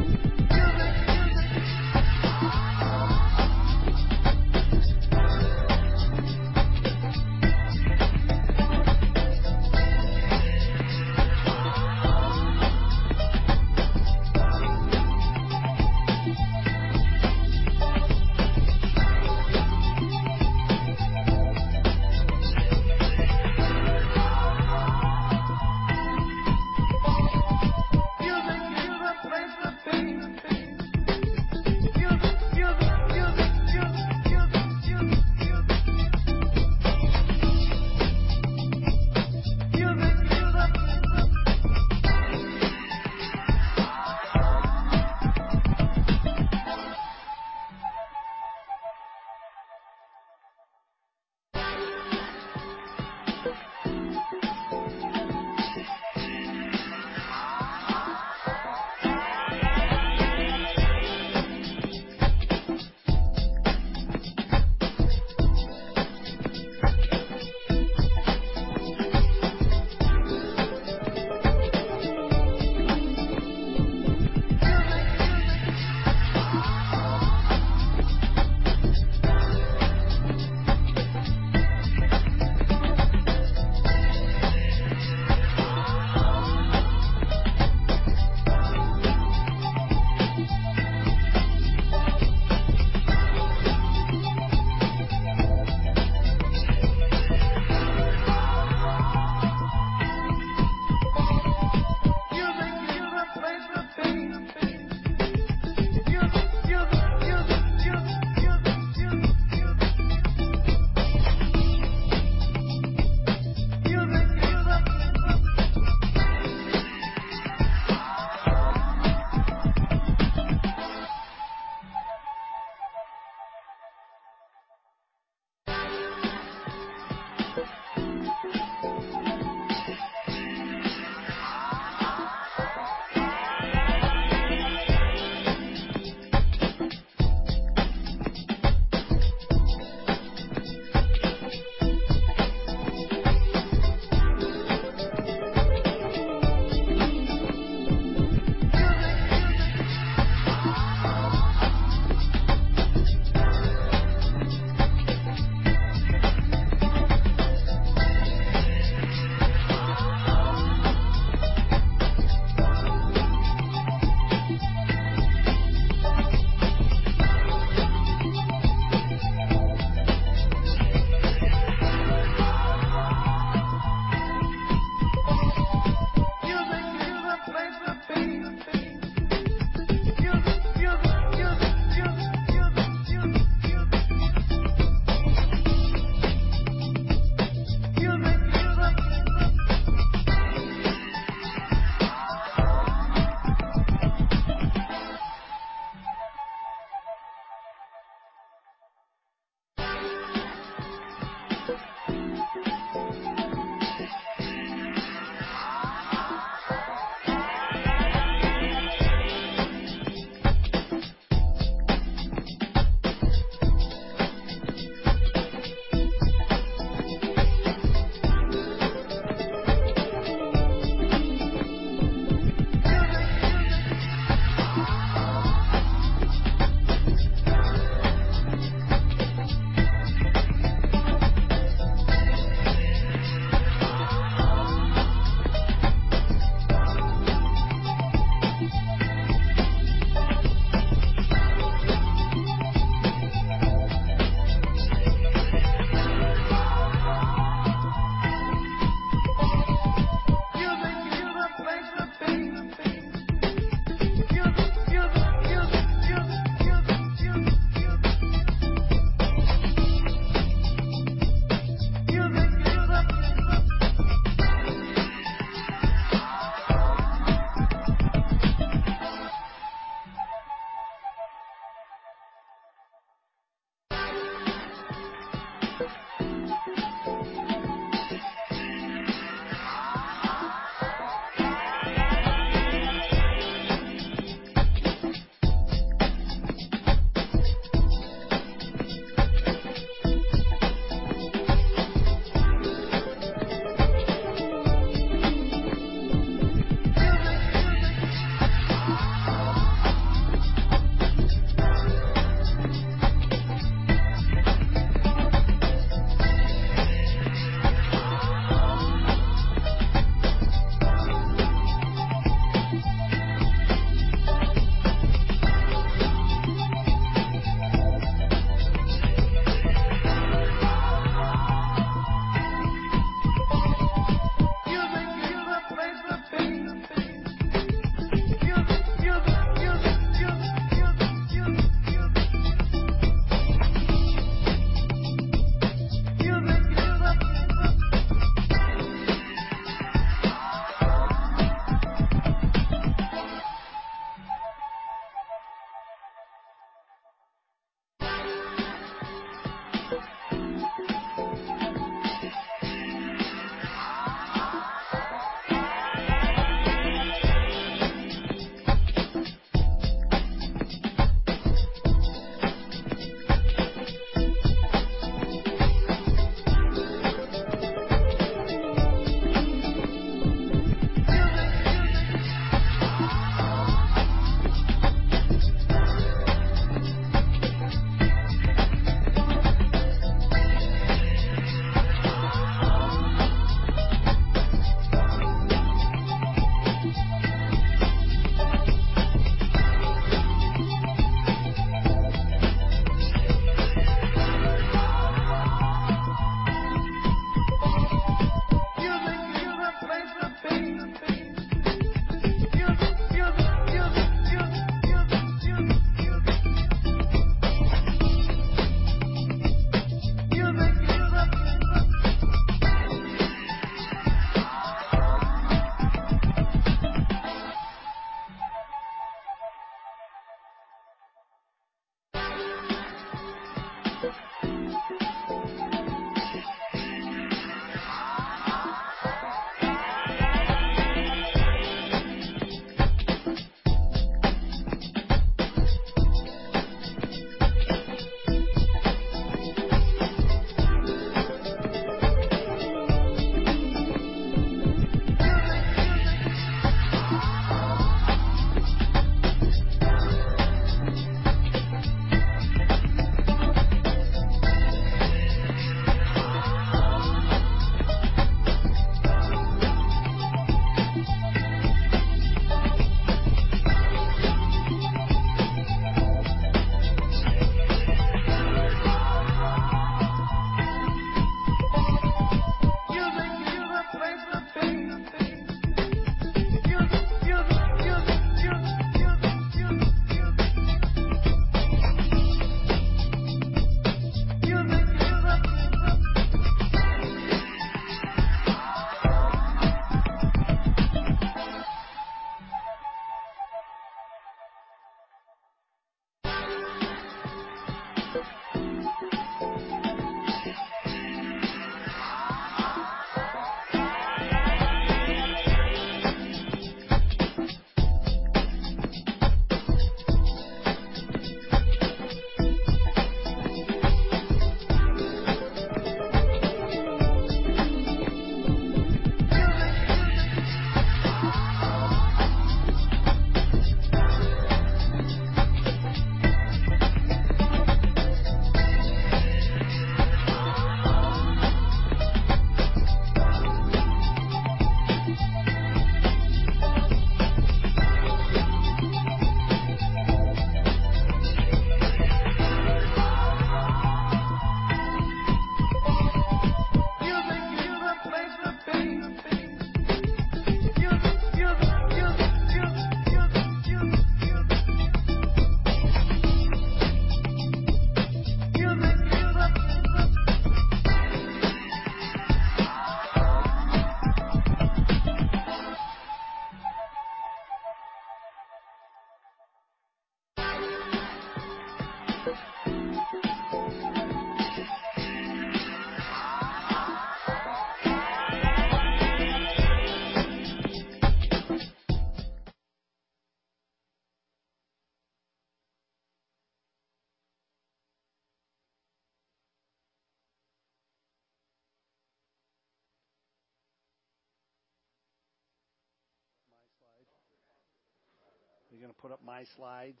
You gonna put up my slides?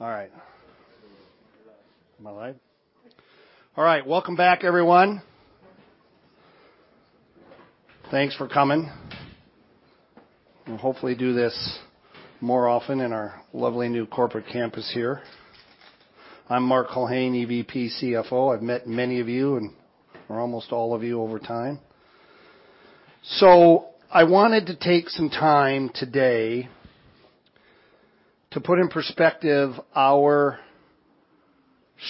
All right. Am I live? All right, welcome back, everyone. Thanks for coming, and we'll hopefully do this more often in our lovely new corporate campus here. I'm Mark Culhane, EVP CFO. I've met many of you, and/or almost all of you over time. I wanted to take some time today to put in perspective our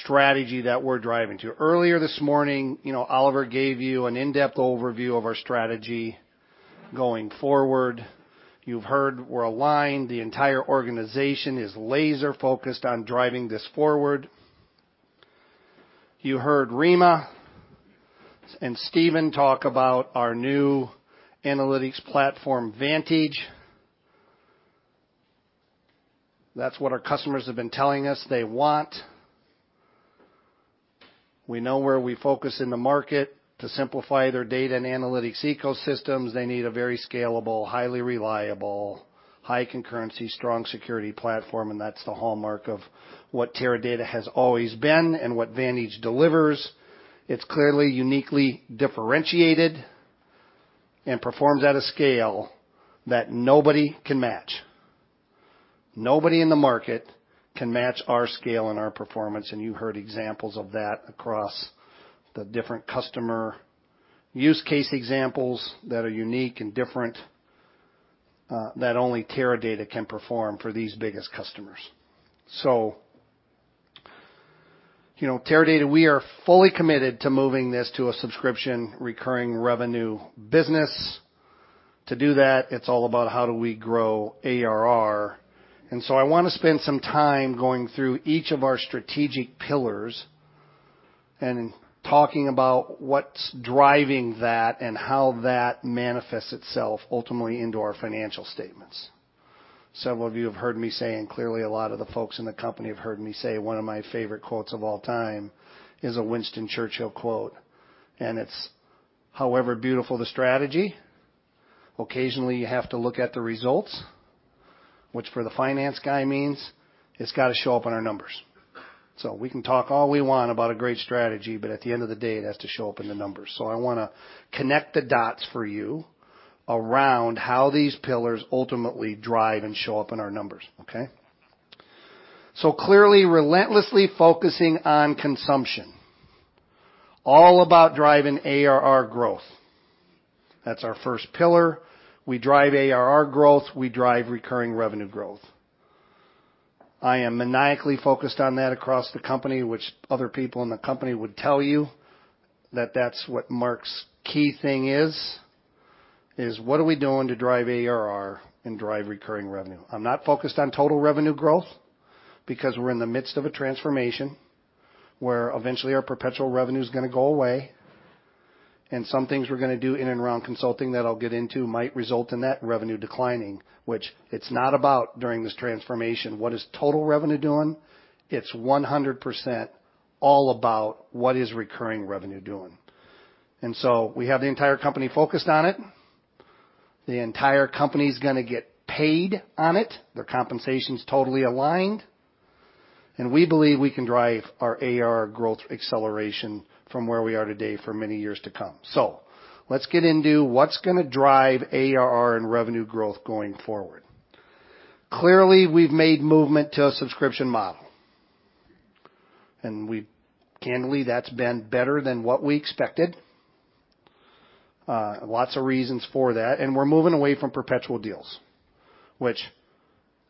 strategy that we're driving to. Earlier this morning, Oliver gave you an in-depth overview of our strategy going forward. You've heard we're aligned. The entire organization is laser-focused on driving this forward. You heard Rima and Stephen talk about our new analytics platform, Vantage. That's what our customers have been telling us they want. We know where we focus in the market to simplify their data and analytics ecosystems. They need a very scalable, highly reliable, high concurrency, strong security platform, and that's the hallmark of what Teradata has always been and what Vantage delivers. It's clearly uniquely differentiated and performs at a scale that nobody can match. Nobody in the market can match our scale and our performance, and you heard examples of that across the different customer use case examples that are unique and different, that only Teradata can perform for these biggest customers. Teradata, we are fully committed to moving this to a subscription recurring revenue business. To do that, it's all about how do we grow ARR. I want to spend some time going through each of our strategic pillars and talking about what's driving that and how that manifests itself ultimately into our financial statements. Some of you have heard me say, and clearly, a lot of the folks in the company have heard me say, one of my favorite quotes of all time is a Winston Churchill quote. It's, "However beautiful the strategy, occasionally you have to look at the results." Which for the finance guy means it's got to show up in our numbers. We can talk all we want about a great strategy, but at the end of the day, it has to show up in the numbers. I want to connect the dots for you around how these pillars ultimately drive and show up in our numbers. Okay. Clearly relentlessly focusing on consumption, all about driving ARR growth. That's our first pillar. We drive ARR growth. We drive recurring revenue growth. I am maniacally focused on that across the company, which other people in the company would tell you that that's what Mark's key thing is what are we doing to drive ARR and drive recurring revenue? I'm not focused on total revenue growth because we're in the midst of a transformation where eventually our perpetual revenue is going to go away, and some things we're going to do in and around consulting that I'll get into might result in that revenue declining, which it's not about during this transformation, what is total revenue doing? It's 100% all about what is recurring revenue doing. We have the entire company focused on it. The entire company is going to get paid on it. Their compensation is totally aligned, and we believe we can drive our ARR growth acceleration from where we are today for many years to come. Let's get into what's going to drive ARR and revenue growth going forward. Clearly, we've made movement to a subscription model, candidly, that's been better than what we expected. Lots of reasons for that. We're moving away from perpetual deals, which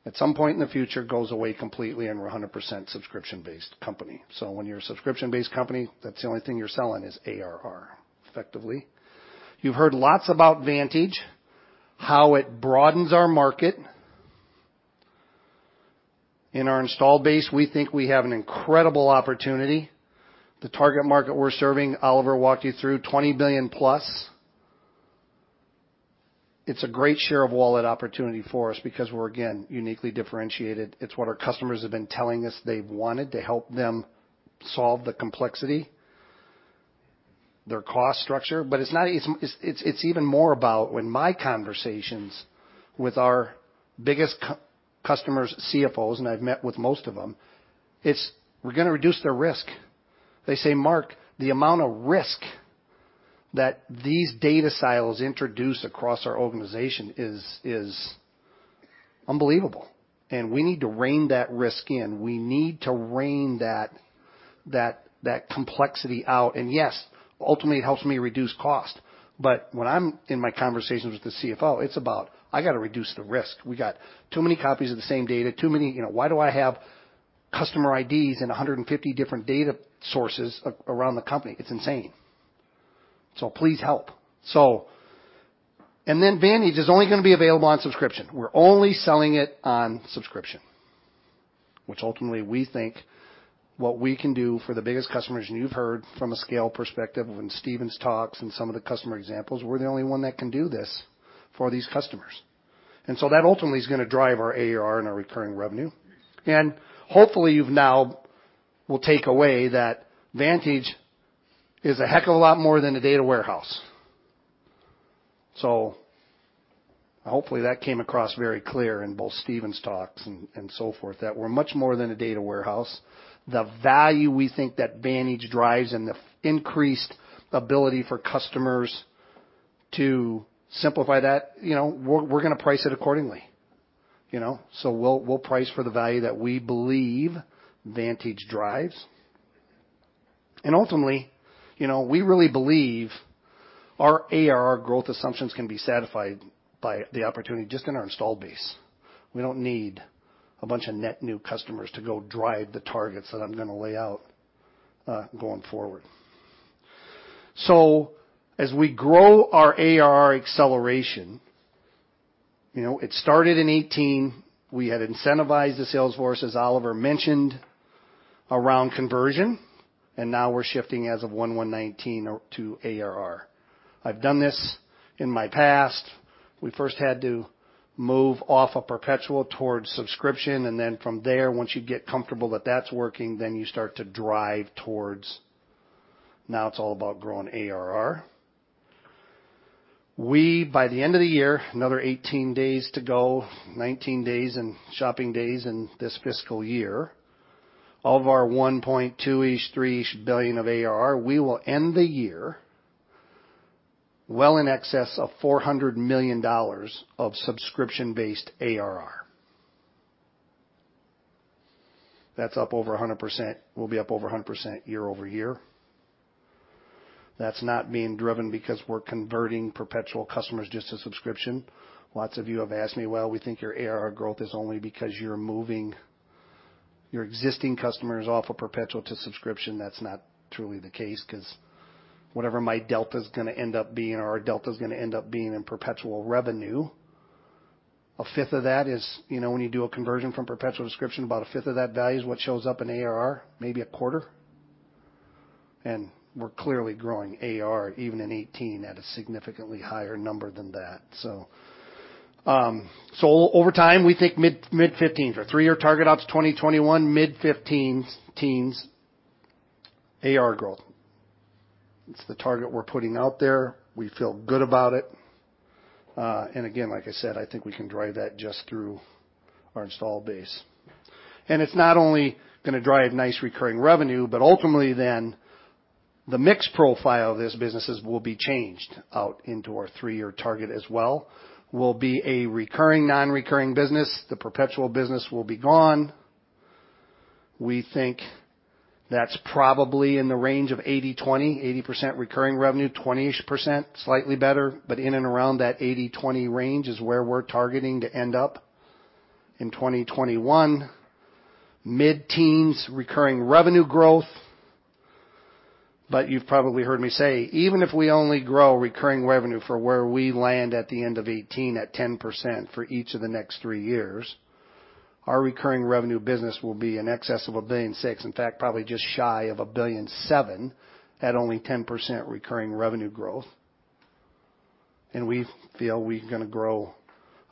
at some point in the future goes away completely and we're 100% subscription-based company. When you're a subscription-based company, that's the only thing you're selling is ARR, effectively. You've heard lots about Vantage, how it broadens our market. In our install base, we think we have an incredible opportunity. The target market we're serving, Oliver walked you through $20 billion plus. It's a great share of wallet opportunity for us because we're, again, uniquely differentiated. It's what our customers have been telling us they wanted to help them solve the complexity, their cost structure. It's even more about when my conversations with our biggest customers, CFOs, I've met with most of them, it's we're going to reduce their risk. They say, "Mark, the amount of risk that these data silos introduce across our organization is unbelievable, we need to rein that risk in. We need to rein that complexity out. Yes, ultimately it helps me reduce cost." When I'm in my conversations with the CFO, it's about I got to reduce the risk. We got too many copies of the same data. Why do I have customer IDs in 150 different data sources around the company? It's insane. Please help. Vantage is only going to be available on subscription. We're only selling it on subscription, which ultimately we think what we can do for the biggest customers, you've heard from a scale perspective in Stephen's talks and some of the customer examples, we're the only one that can do this for these customers. That ultimately is going to drive our ARR and our recurring revenue. Hopefully you've now will take away that Vantage is a heck of a lot more than a data warehouse. Hopefully that came across very clear in both Stephen's talks and so forth, that we're much more than a data warehouse. The value we think that Vantage drives and the increased ability for customers to simplify that, we're going to price it accordingly. We'll price for the value that we believe Vantage drives. Ultimately, we really believe our ARR growth assumptions can be satisfied by the opportunity just in our install base. We don't need a bunch of net new customers to go drive the targets that I'm going to lay out going forward. As we grow our ARR acceleration, it started in 2018. We had incentivized the sales force, as Oliver mentioned, around conversion, now we're shifting as of 1/1/2019 to ARR. I've done this in my past. We first had to move off of perpetual towards subscription, from there, once you get comfortable that that's working, you start to drive towards now it's all about growing ARR. We, by the end of the year, another 18 days to go, 19 days and shopping days in this fiscal year, of our 1.2-ish, 3-ish billion of ARR, we will end the year well in excess of $400 million of subscription-based ARR. That's up over 100%. We'll be up over 100% year-over-year. That's not being driven because we're converting perpetual customers just to subscription. Lots of you have asked me, "We think your ARR growth is only because you're moving your existing customers off of perpetual to subscription." That's not truly the case because whatever my delta is going to end up being, our delta is going to end up being in perpetual revenue. A fifth of that is when you do a conversion from perpetual to subscription, about a fifth of that value is what shows up in ARR, maybe a quarter. We're clearly growing ARR even in 2018 at a significantly higher number than that. Over time, we think mid-teens. Our three-year target out to 2021, mid-teens ARR growth. It's the target we're putting out there. We feel good about it. Again, like I said, I think we can drive that just through our install base. It's not only going to drive nice recurring revenue, but ultimately the mix profile of this businesses will be changed out into our three-year target as well, will be a recurring non-recurring business. The perpetual business will be gone. We think that's probably in the range of 80/20, 80% recurring revenue, 20-ish percent, slightly better, but in and around that 80/20 range is where we're targeting to end up in 2021. Mid-teens recurring revenue growth. You've probably heard me say, even if we only grow recurring revenue for where we land at the end of 2018 at 10% for each of the next three years, our recurring revenue business will be in excess of $1.6 billion, in fact, probably just shy of $1.7 billion at only 10% recurring revenue growth. We feel we're going to grow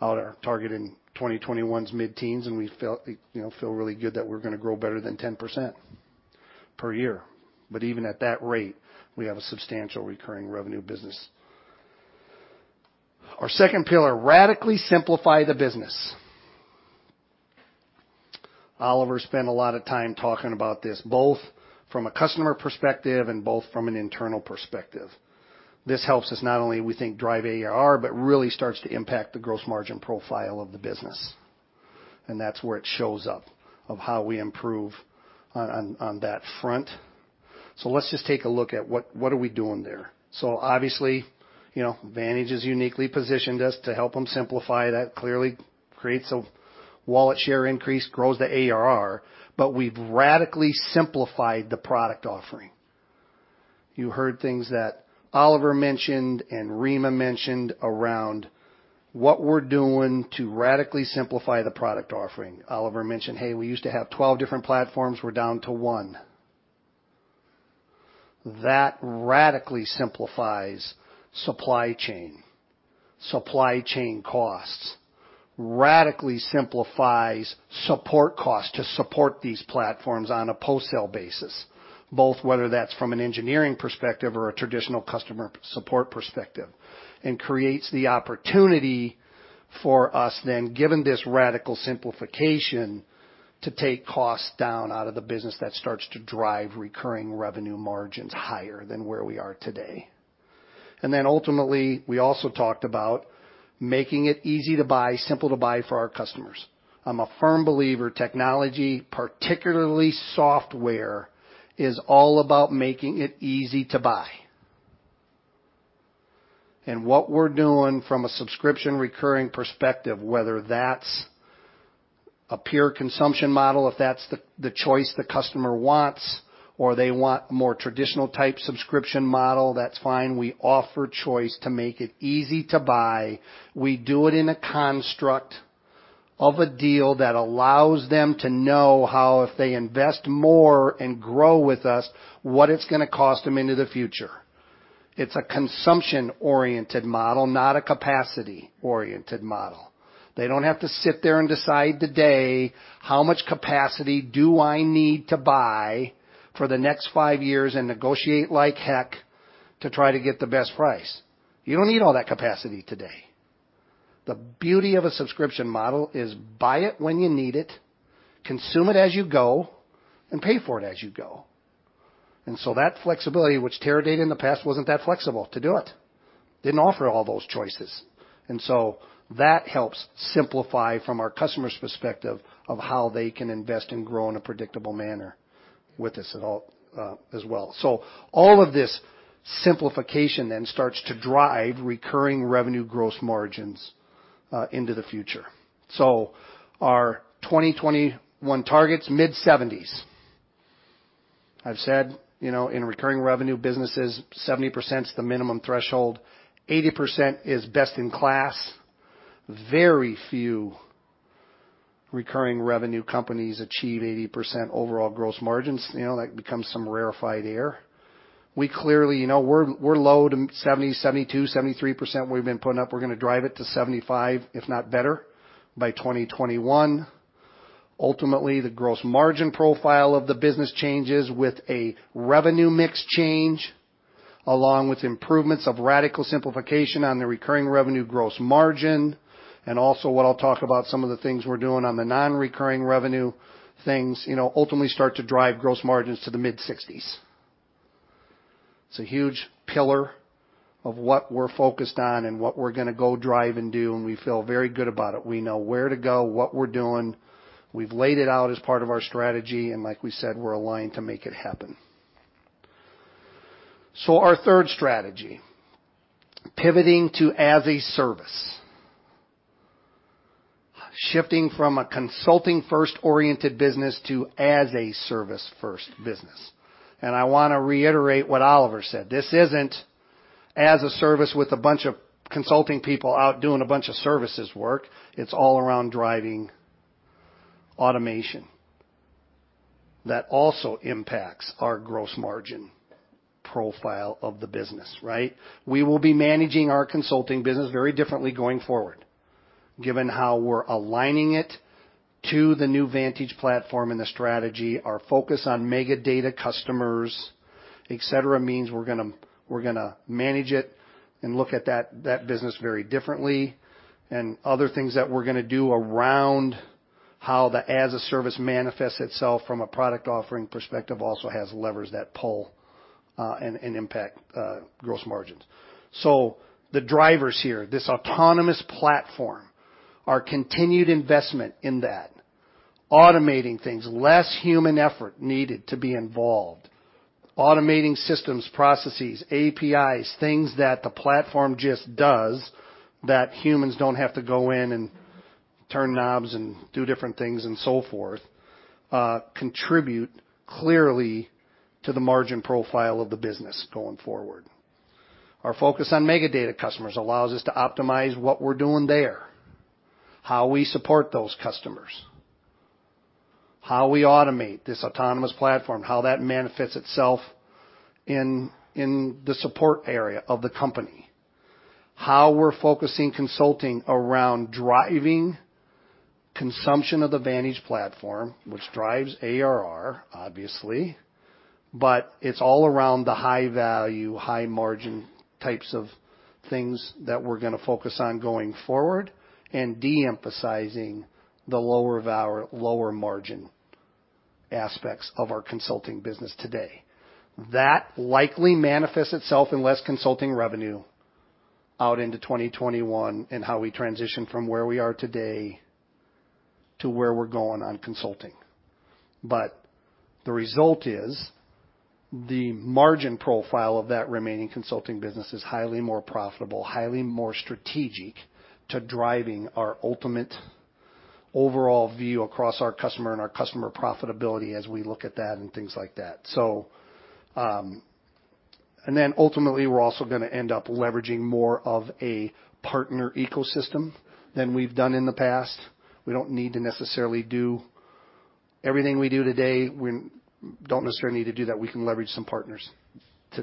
out our target in 2021's mid-teens, we feel really good that we're going to grow better than 10% per year. Even at that rate, we have a substantial recurring revenue business. Our second pillar, radically simplify the business. Oliver spent a lot of time talking about this, both from a customer perspective and both from an internal perspective. This helps us not only, we think, drive ARR, but really starts to impact the gross margin profile of the business. That's where it shows up of how we improve on that front. Let's just take a look at what are we doing there. Obviously, Vantage has uniquely positioned us to help them simplify. That clearly creates a wallet share increase, grows the ARR, but we've radically simplified the product offering. You heard things that Oliver mentioned and Reema mentioned around what we're doing to radically simplify the product offering. Oliver mentioned, "Hey, we used to have 12 different platforms. We're down to one." That radically simplifies supply chain, supply chain costs, radically simplifies support costs to support these platforms on a post-sale basis, both whether that's from an engineering perspective or a traditional customer support perspective, and creates the opportunity for us then, given this radical simplification, to take costs down out of the business that starts to drive recurring revenue margins higher than where we are today. Ultimately, we also talked about making it easy to buy, simple to buy for our customers. I'm a firm believer technology, particularly software, is all about making it easy to buy. What we're doing from a subscription recurring perspective, whether that's a pure consumption model, if that's the choice the customer wants, or they want more traditional type subscription model, that's fine. We offer choice to make it easy to buy. We do it in a construct of a deal that allows them to know how if they invest more and grow with us, what it's going to cost them into the future. It's a consumption-oriented model, not a capacity-oriented model. They don't have to sit there and decide today, "How much capacity do I need to buy for the next 5 years?" Negotiate like heck to try to get the best price. You don't need all that capacity today. The beauty of a subscription model is buy it when you need it, consume it as you go, and pay for it as you go. That flexibility, which Teradata in the past wasn't that flexible to do it, didn't offer all those choices. That helps simplify from our customer's perspective of how they can invest and grow in a predictable manner with us at all, as well. All of this simplification then starts to drive recurring revenue gross margins into the future. Our 2021 targets, mid-70s. I've said in recurring revenue businesses, 70% is the minimum threshold, 80% is best in class. Very few recurring revenue companies achieve 80% overall gross margins. That becomes some rarefied air. We clearly, we're low to 70%, 72%, 73% we've been putting up. We're going to drive it to 75%, if not better, by 2021. Ultimately, the gross margin profile of the business changes with a revenue mix change, along with improvements of radical simplification on the recurring revenue gross margin, and also what I'll talk about some of the things we're doing on the non-recurring revenue things, ultimately start to drive gross margins to the mid-60s. It's a huge pillar of what we're focused on and what we're going to go drive and do, and we feel very good about it. We know where to go, what we're doing. We've laid it out as part of our strategy, like we said, we're aligned to make it happen. Our third strategy, pivoting to as a service. Shifting from a consulting-first oriented business to as a service first business. I want to reiterate what Oliver said. This isn't as a service with a bunch of consulting people out doing a bunch of services work. It's all around driving automation. That also impacts our gross margin profile of the business, right? We will be managing our consulting business very differently going forward, given how we're aligning it to the new Vantage platform and the strategy. Our focus on mega data customers, et cetera, means we're going to manage it and look at that business very differently. Other things that we're going to do around how the as-a-service manifests itself from a product offering perspective also has levers that pull and impact gross margins. The drivers here, this autonomous platform, our continued investment in that, automating things, less human effort needed to be involved, automating systems, processes, APIs, things that the platform just does that humans don't have to go in and turn knobs and do different things and so forth, contribute clearly to the margin profile of the business going forward. Our focus on mega data customers allows us to optimize what we're doing there, how we support those customers, how we automate this autonomous platform, how that manifests itself in the support area of the company, how we're focusing consulting around driving consumption of the Vantage platform, which drives ARR, obviously. It's all around the high value, high margin types of things that we're going to focus on going forward and de-emphasizing the lower margin aspects of our consulting business today. That likely manifests itself in less consulting revenue out into 2021 and how we transition from where we are today to where we're going on consulting. The result is the margin profile of that remaining consulting business is highly more profitable, highly more strategic to driving our ultimate overall view across our customer and our customer profitability as we look at that and things like that. Ultimately, we're also going to end up leveraging more of a partner ecosystem than we've done in the past. We don't need to necessarily do everything we do today. We don't necessarily need to do that. We can leverage some partners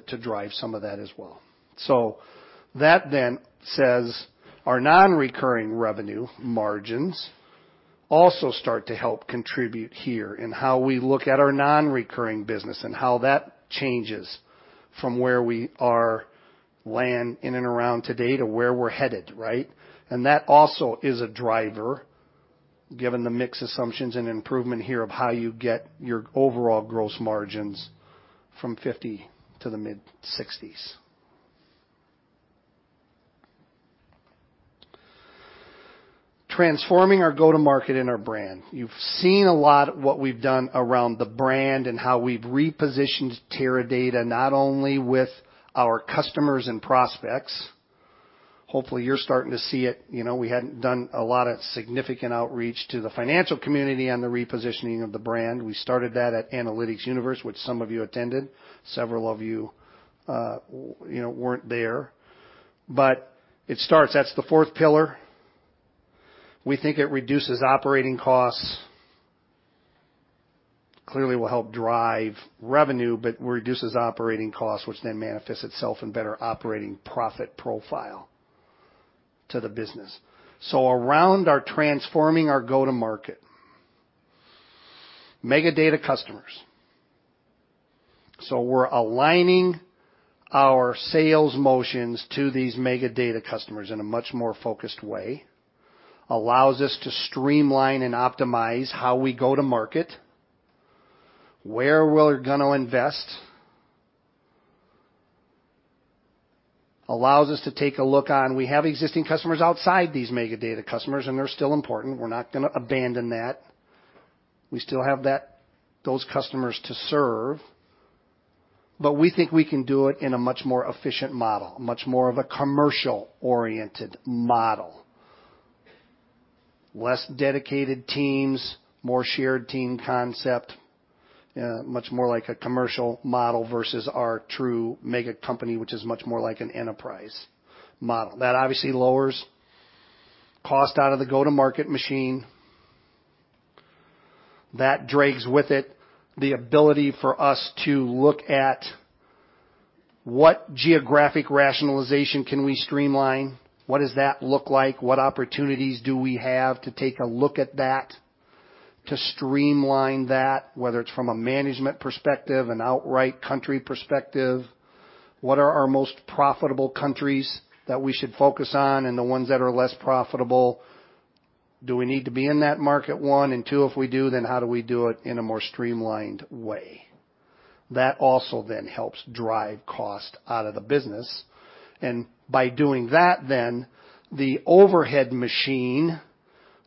to drive some of that as well. That then says our non-recurring revenue margins also start to help contribute here in how we look at our non-recurring business and how that changes from where we are land in and around today to where we're headed, right? That also is a driver, given the mix assumptions and improvement here of how you get your overall gross margins from 50 to the mid-60s. Transforming our go-to-market and our brand. You've seen a lot what we've done around the brand and how we've repositioned Teradata, not only with our customers and prospects. Hopefully, you're starting to see it. We hadn't done a lot of significant outreach to the financial community on the repositioning of the brand. We started that at Analytics Universe, which some of you attended. Several of you weren't there, but it starts. That's the fourth pillar. We think it reduces operating costs, clearly will help drive revenue, but reduces operating costs, which then manifests itself in better operating profit profile to the business. Around our transforming our go-to-market mega data customers. We're aligning our sales motions to these mega data customers in a much more focused way, allows us to streamline and optimize how we go to market, where we're going to invest. Allows us to take a look on, we have existing customers outside these mega data customers, and they're still important. We're not going to abandon that. We still have those customers to serve, we think we can do it in a much more efficient model, much more of a commercial-oriented model. Less dedicated teams, more shared team concept, much more like a commercial model versus our true mega company, which is much more like an enterprise model. That obviously lowers cost out of the go-to-market machine. That drags with it the ability for us to look at what geographic rationalization can we streamline, what does that look like, what opportunities do we have to take a look at that, to streamline that, whether it's from a management perspective, an outright country perspective. What are our most profitable countries that we should focus on, and the ones that are less profitable, do we need to be in that market, one? Two, if we do, how do we do it in a more streamlined way? That also then helps drive cost out of the business. By doing that, the overhead machine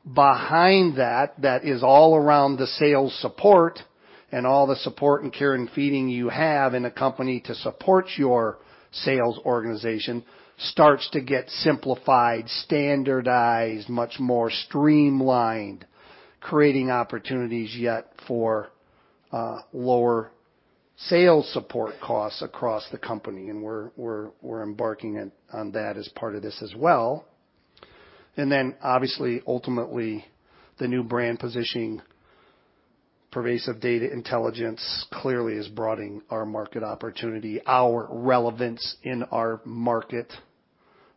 behind that is all around the sales support and all the support and care and feeding you have in a company to support your sales organization starts to get simplified, standardized, much more streamlined, creating opportunities yet for lower sales support costs across the company. We're embarking on that as part of this as well. Then obviously, ultimately, the new brand positioning, Pervasive Data Intelligence, clearly is broadening our market opportunity, our relevance in our market.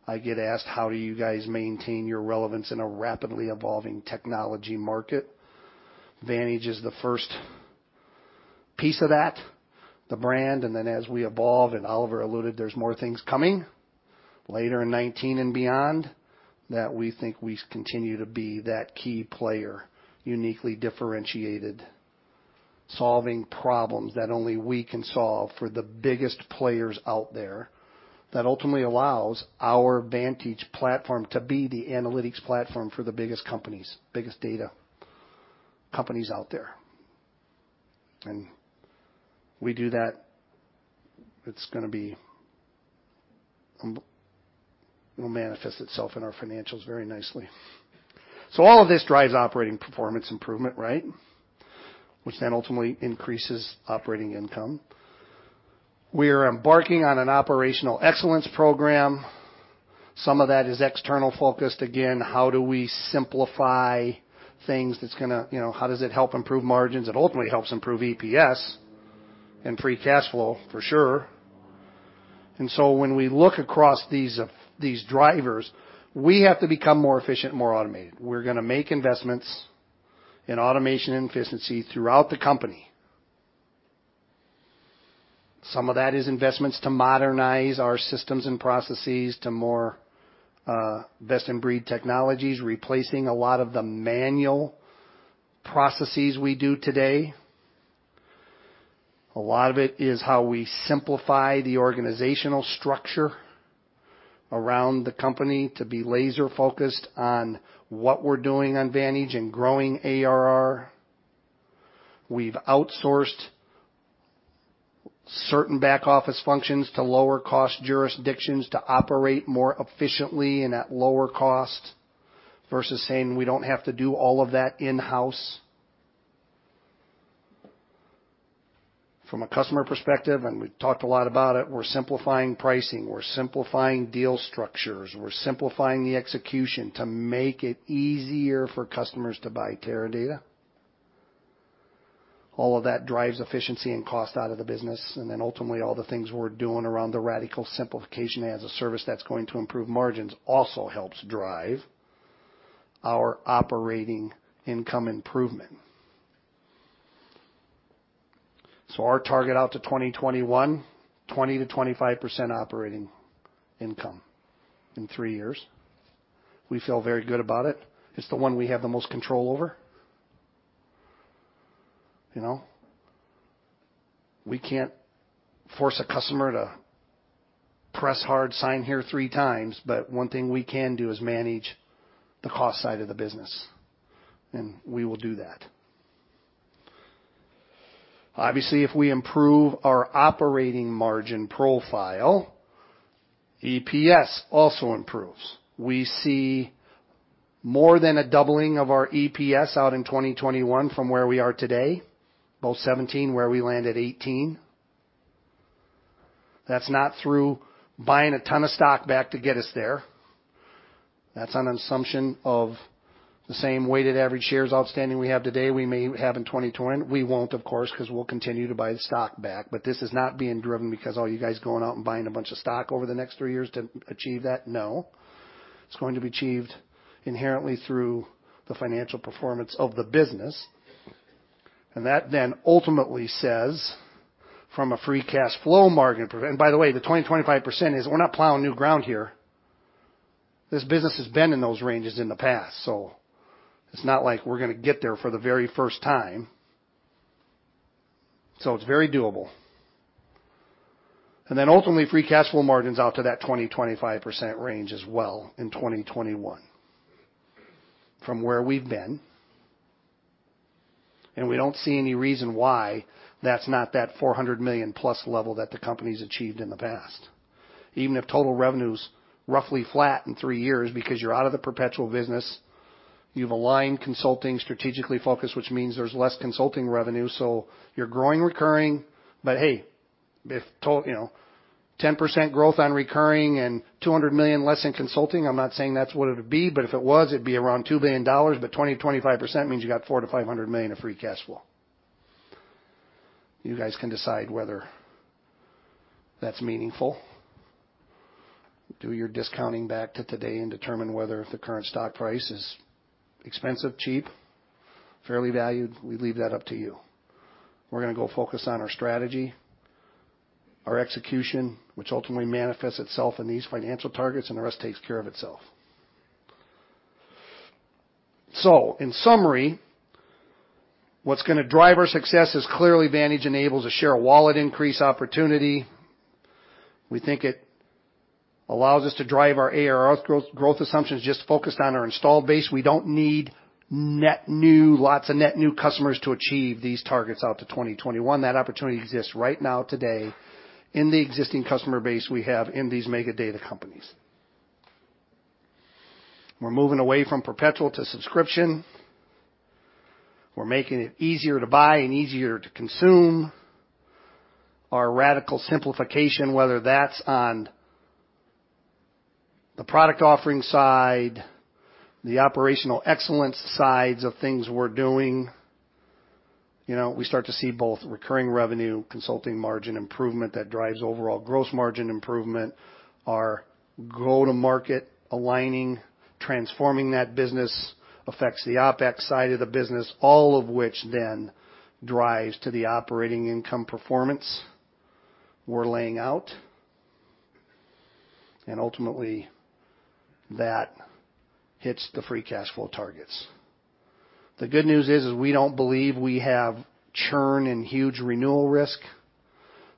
I get asked, how do you guys maintain your relevance in a rapidly evolving technology market? Vantage is the first piece of that, the brand, as we evolve, Oliver alluded, there's more things coming later in 2019 and beyond, that we think we continue to be that key player, uniquely differentiated, solving problems that only we can solve for the biggest players out there. That ultimately allows our Vantage platform to be the analytics platform for the biggest companies, biggest data companies out there. We do that, it's going to manifest itself in our financials very nicely. All of this drives operating performance improvement, right? Which then ultimately increases operating income. We are embarking on an operational excellence program. Some of that is external focused. Again, how does it help improve margins? It ultimately helps improve EPS and free cash flow for sure. When we look across these drivers, we have to become more efficient, more automated. We're going to make investments in automation and efficiency throughout the company. Some of that is investments to modernize our systems and processes to more best-in-breed technologies, replacing a lot of the manual processes we do today. A lot of it is how we simplify the organizational structure around the company to be laser-focused on what we're doing on Vantage and growing ARR. We've outsourced certain back-office functions to lower-cost jurisdictions to operate more efficiently and at lower cost, versus saying we don't have to do all of that in-house. From a customer perspective, we've talked a lot about it, we're simplifying pricing, we're simplifying deal structures, we're simplifying the execution to make it easier for customers to buy Teradata. All of that drives efficiency and cost out of the business. Ultimately, all the things we're doing around the radical simplification as a service that's going to improve margins also helps drive our operating income improvement. Our target out to 2021, 20%-25% operating income in three years. We feel very good about it. It's the one we have the most control over. We can't force a customer to press hard, sign here three times. One thing we can do is manage the cost side of the business. We will do that. Obviously, if we improve our operating margin profile, EPS also improves. We see more than a doubling of our EPS out in 2021 from where we are today. Both 2017, where we land at 2018. That's not through buying a ton of stock back to get us there. That's on an assumption of the same weighted average shares outstanding we have today, we may have in 2020. We won't, of course, because we'll continue to buy the stock back. This is not being driven because all you guys going out and buying a bunch of stock over the next three years to achieve that, no. It's going to be achieved inherently through the financial performance of the business. That ultimately says, from a free cash flow margin. By the way, the 20%-25% is, we're not plowing new ground here. This business has been in those ranges in the past. It's not like we're going to get there for the very first time. It's very doable. Ultimately, free cash flow margins out to that 20%-25% range as well in 2021 from where we've been. We don't see any reason why that's not that $400 million-plus level that the company's achieved in the past. Even if total revenue's roughly flat in three years, because you're out of the perpetual business, you've aligned consulting, strategically focused, which means there's less consulting revenue. You're growing recurring. Hey, if 10% growth on recurring and $200 million less in consulting, I'm not saying that's what it would be, but if it was, it'd be around $2 billion. 20%-25% means you got $400 million-$500 million of free cash flow. You guys can decide whether that's meaningful. Do your discounting back to today and determine whether the current stock price is expensive, cheap, fairly valued. We leave that up to you. We're going to go focus on our strategy, our execution, which ultimately manifests itself in these financial targets. The rest takes care of itself. In summary, what's going to drive our success is clearly Vantage enables a share of wallet increase opportunity. We think it allows us to drive our ARR growth assumptions just focused on our installed base. We don't need lots of net new customers to achieve these targets out to 2021. That opportunity exists right now today in the existing customer base we have in these mega data companies. We're moving away from perpetual to subscription. We're making it easier to buy and easier to consume. Our radical simplification, whether that's on the product offering side, the operational excellence sides of things we're doing. We start to see both recurring revenue, consulting margin improvement that drives overall gross margin improvement. Our go-to-market aligning, transforming that business affects the OpEx side of the business, all of which then drives to the operating income performance we're laying out. Ultimately, that hits the free cash flow targets. The good news is we don't believe we have churn and huge renewal risk.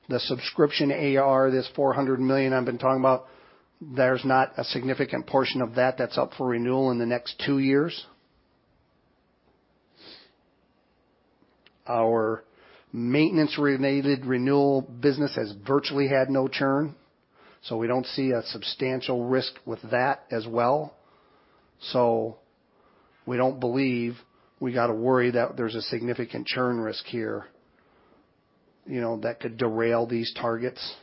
The subscription ARR, this $400 million I've been talking about, there's not a significant portion of that that's up for renewal in the next two years. Our maintenance-related renewal business has virtually had no churn, so we don't see a substantial risk with that as well. We don't believe we got to worry that there's a significant churn risk here that could derail these targets.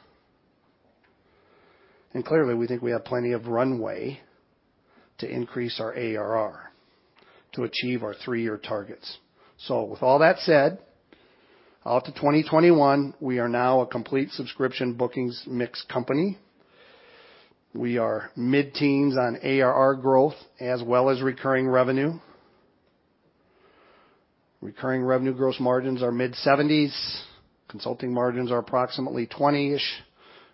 Clearly, we think we have plenty of runway to increase our ARR to achieve our three-year targets. With all that said, out to 2021, we are now a complete subscription bookings mix company. We are mid-teens on ARR growth as well as recurring revenue. Recurring revenue gross margins are mid-70s. Consulting margins are approximately 20-ish,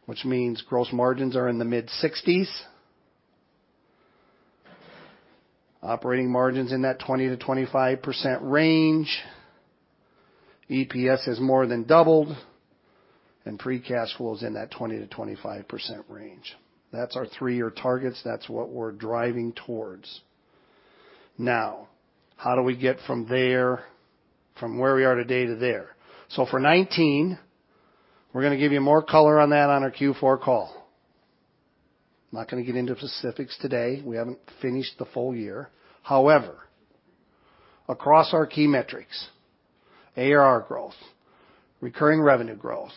which means gross margins are in the mid-60s. Operating margins in that 20%-25% range. EPS has more than doubled, and free cash flow is in that 20%-25% range. That's our three-year targets. That's what we're driving towards. How do we get from where we are today to there? For 2019, we're going to give you more color on that on our Q4 call. I'm not going to get into specifics today. We haven't finished the full year. However, across our key metrics, ARR growth, recurring revenue growth,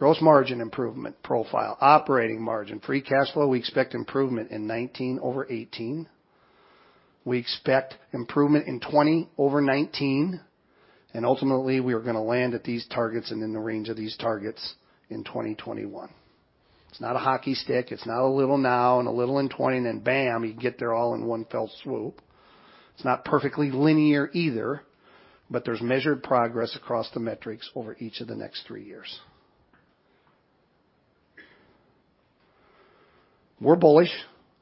gross margin improvement profile, operating margin, free cash flow, we expect improvement in 2019 over 2018. We expect improvement in 2020 over 2019. Ultimately, we are going to land at these targets and in the range of these targets in 2021. It's not a hockey stick. It's not a little now and a little in 2020, and then bam, you get there all in one fell swoop. It's not perfectly linear either, but there's measured progress across the metrics over each of the next three years. We're bullish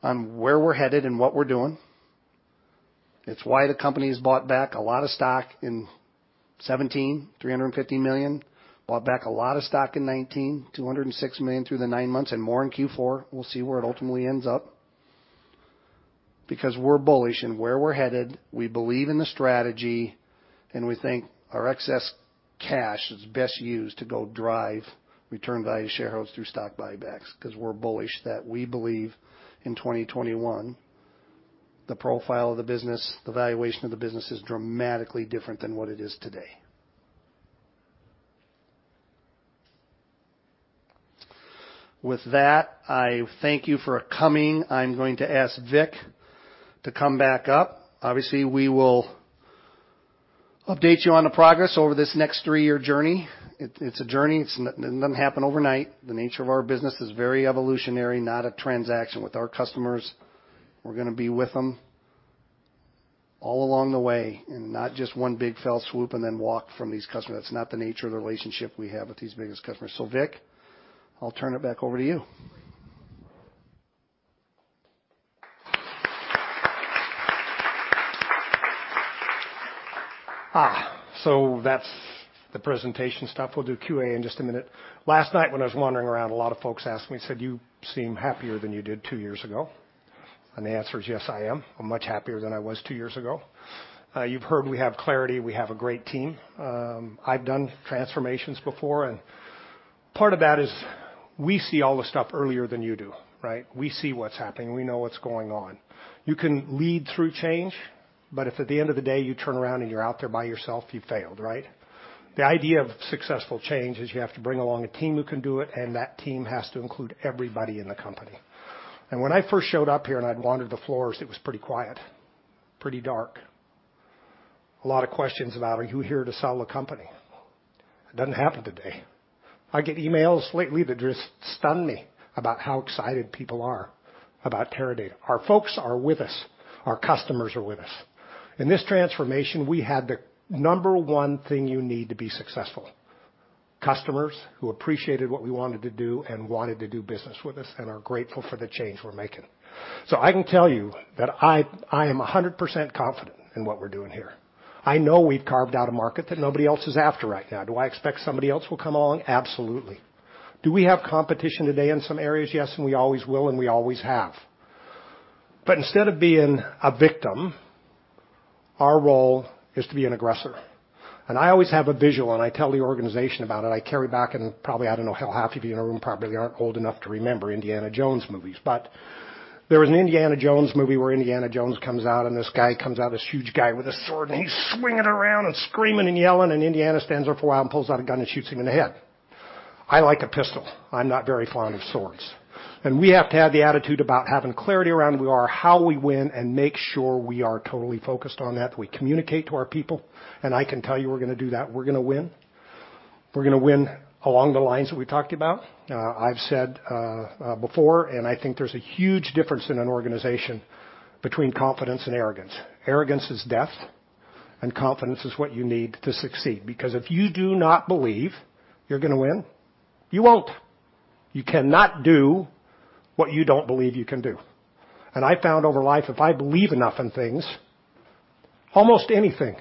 on where we're headed and what we're doing. It's why the company has bought back a lot of stock in 2017, $350 million, bought back a lot of stock in 2019, $206 million through the nine months, and more in Q4. We'll see where it ultimately ends up. Because we're bullish in where we're headed, we believe in the strategy, and we think our excess cash is best used to go drive return value to shareholders through stock buybacks, because we're bullish that we believe in 2021, the profile of the business, the valuation of the business is dramatically different than what it is today. With that, I thank you for coming. I'm going to ask Vic to come back up. Obviously, we will update you on the progress over this next three-year journey. It's a journey. It doesn't happen overnight. The nature of our business is very evolutionary, not a transaction with our customers. We're going to be with them all along the way, and not just one big fell swoop and then walk from these customers. That's not the nature of the relationship we have with these biggest customers. Vic, I'll turn it back over to you. That's the presentation stuff. We'll do Q&A in just a minute. Last night when I was wandering around, a lot of folks asked me, said, "You seem happier than you did two years ago." The answer is, yes, I am. I'm much happier than I was two years ago. You've heard we have clarity. We have a great team. I've done transformations before, part of that is we see all the stuff earlier than you do, right? We see what's happening. We know what's going on. You can lead through change, if at the end of the day, you turn around and you're out there by yourself, you failed, right? The idea of successful change is you have to bring along a team who can do it, that team has to include everybody in the company. When I first showed up here and I'd wandered the floors, it was pretty quiet, pretty dark. A lot of questions about, "Are you here to sell the company?" It doesn't happen today. I get emails lately that just stun me about how excited people are about Teradata. Our folks are with us. Our customers are with us. In this transformation, we had the number one thing you need to be successful, customers who appreciated what we wanted to do and wanted to do business with us and are grateful for the change we're making. I can tell you that I am 100% confident in what we're doing here. I know we've carved out a market that nobody else is after right now. Do I expect somebody else will come along? Absolutely. Do we have competition today in some areas? Yes, we always will, we always have. Instead of being a victim, our role is to be an aggressor. I always have a visual, I tell the organization about it. I carry back and probably, I don't know, half of you in the room probably aren't old enough to remember Indiana Jones movies. There was an Indiana Jones movie where Indiana Jones comes out this guy comes out, this huge guy with a sword, he's swinging around and screaming and yelling, Indiana stands there for a while and pulls out a gun and shoots him in the head. I like a pistol. I'm not very fond of swords. We have to have the attitude about having clarity around who we are, how we win, make sure we are totally focused on that, we communicate to our people. I can tell you we're going to do that. We're going to win. We're going to win along the lines that we talked about. I've said before, I think there's a huge difference in an organization between confidence and arrogance. Arrogance is death, confidence is what you need to succeed. If you do not believe you're going to win, you won't. You cannot do what you don't believe you can do. I found over life, if I believe enough in things, almost anything.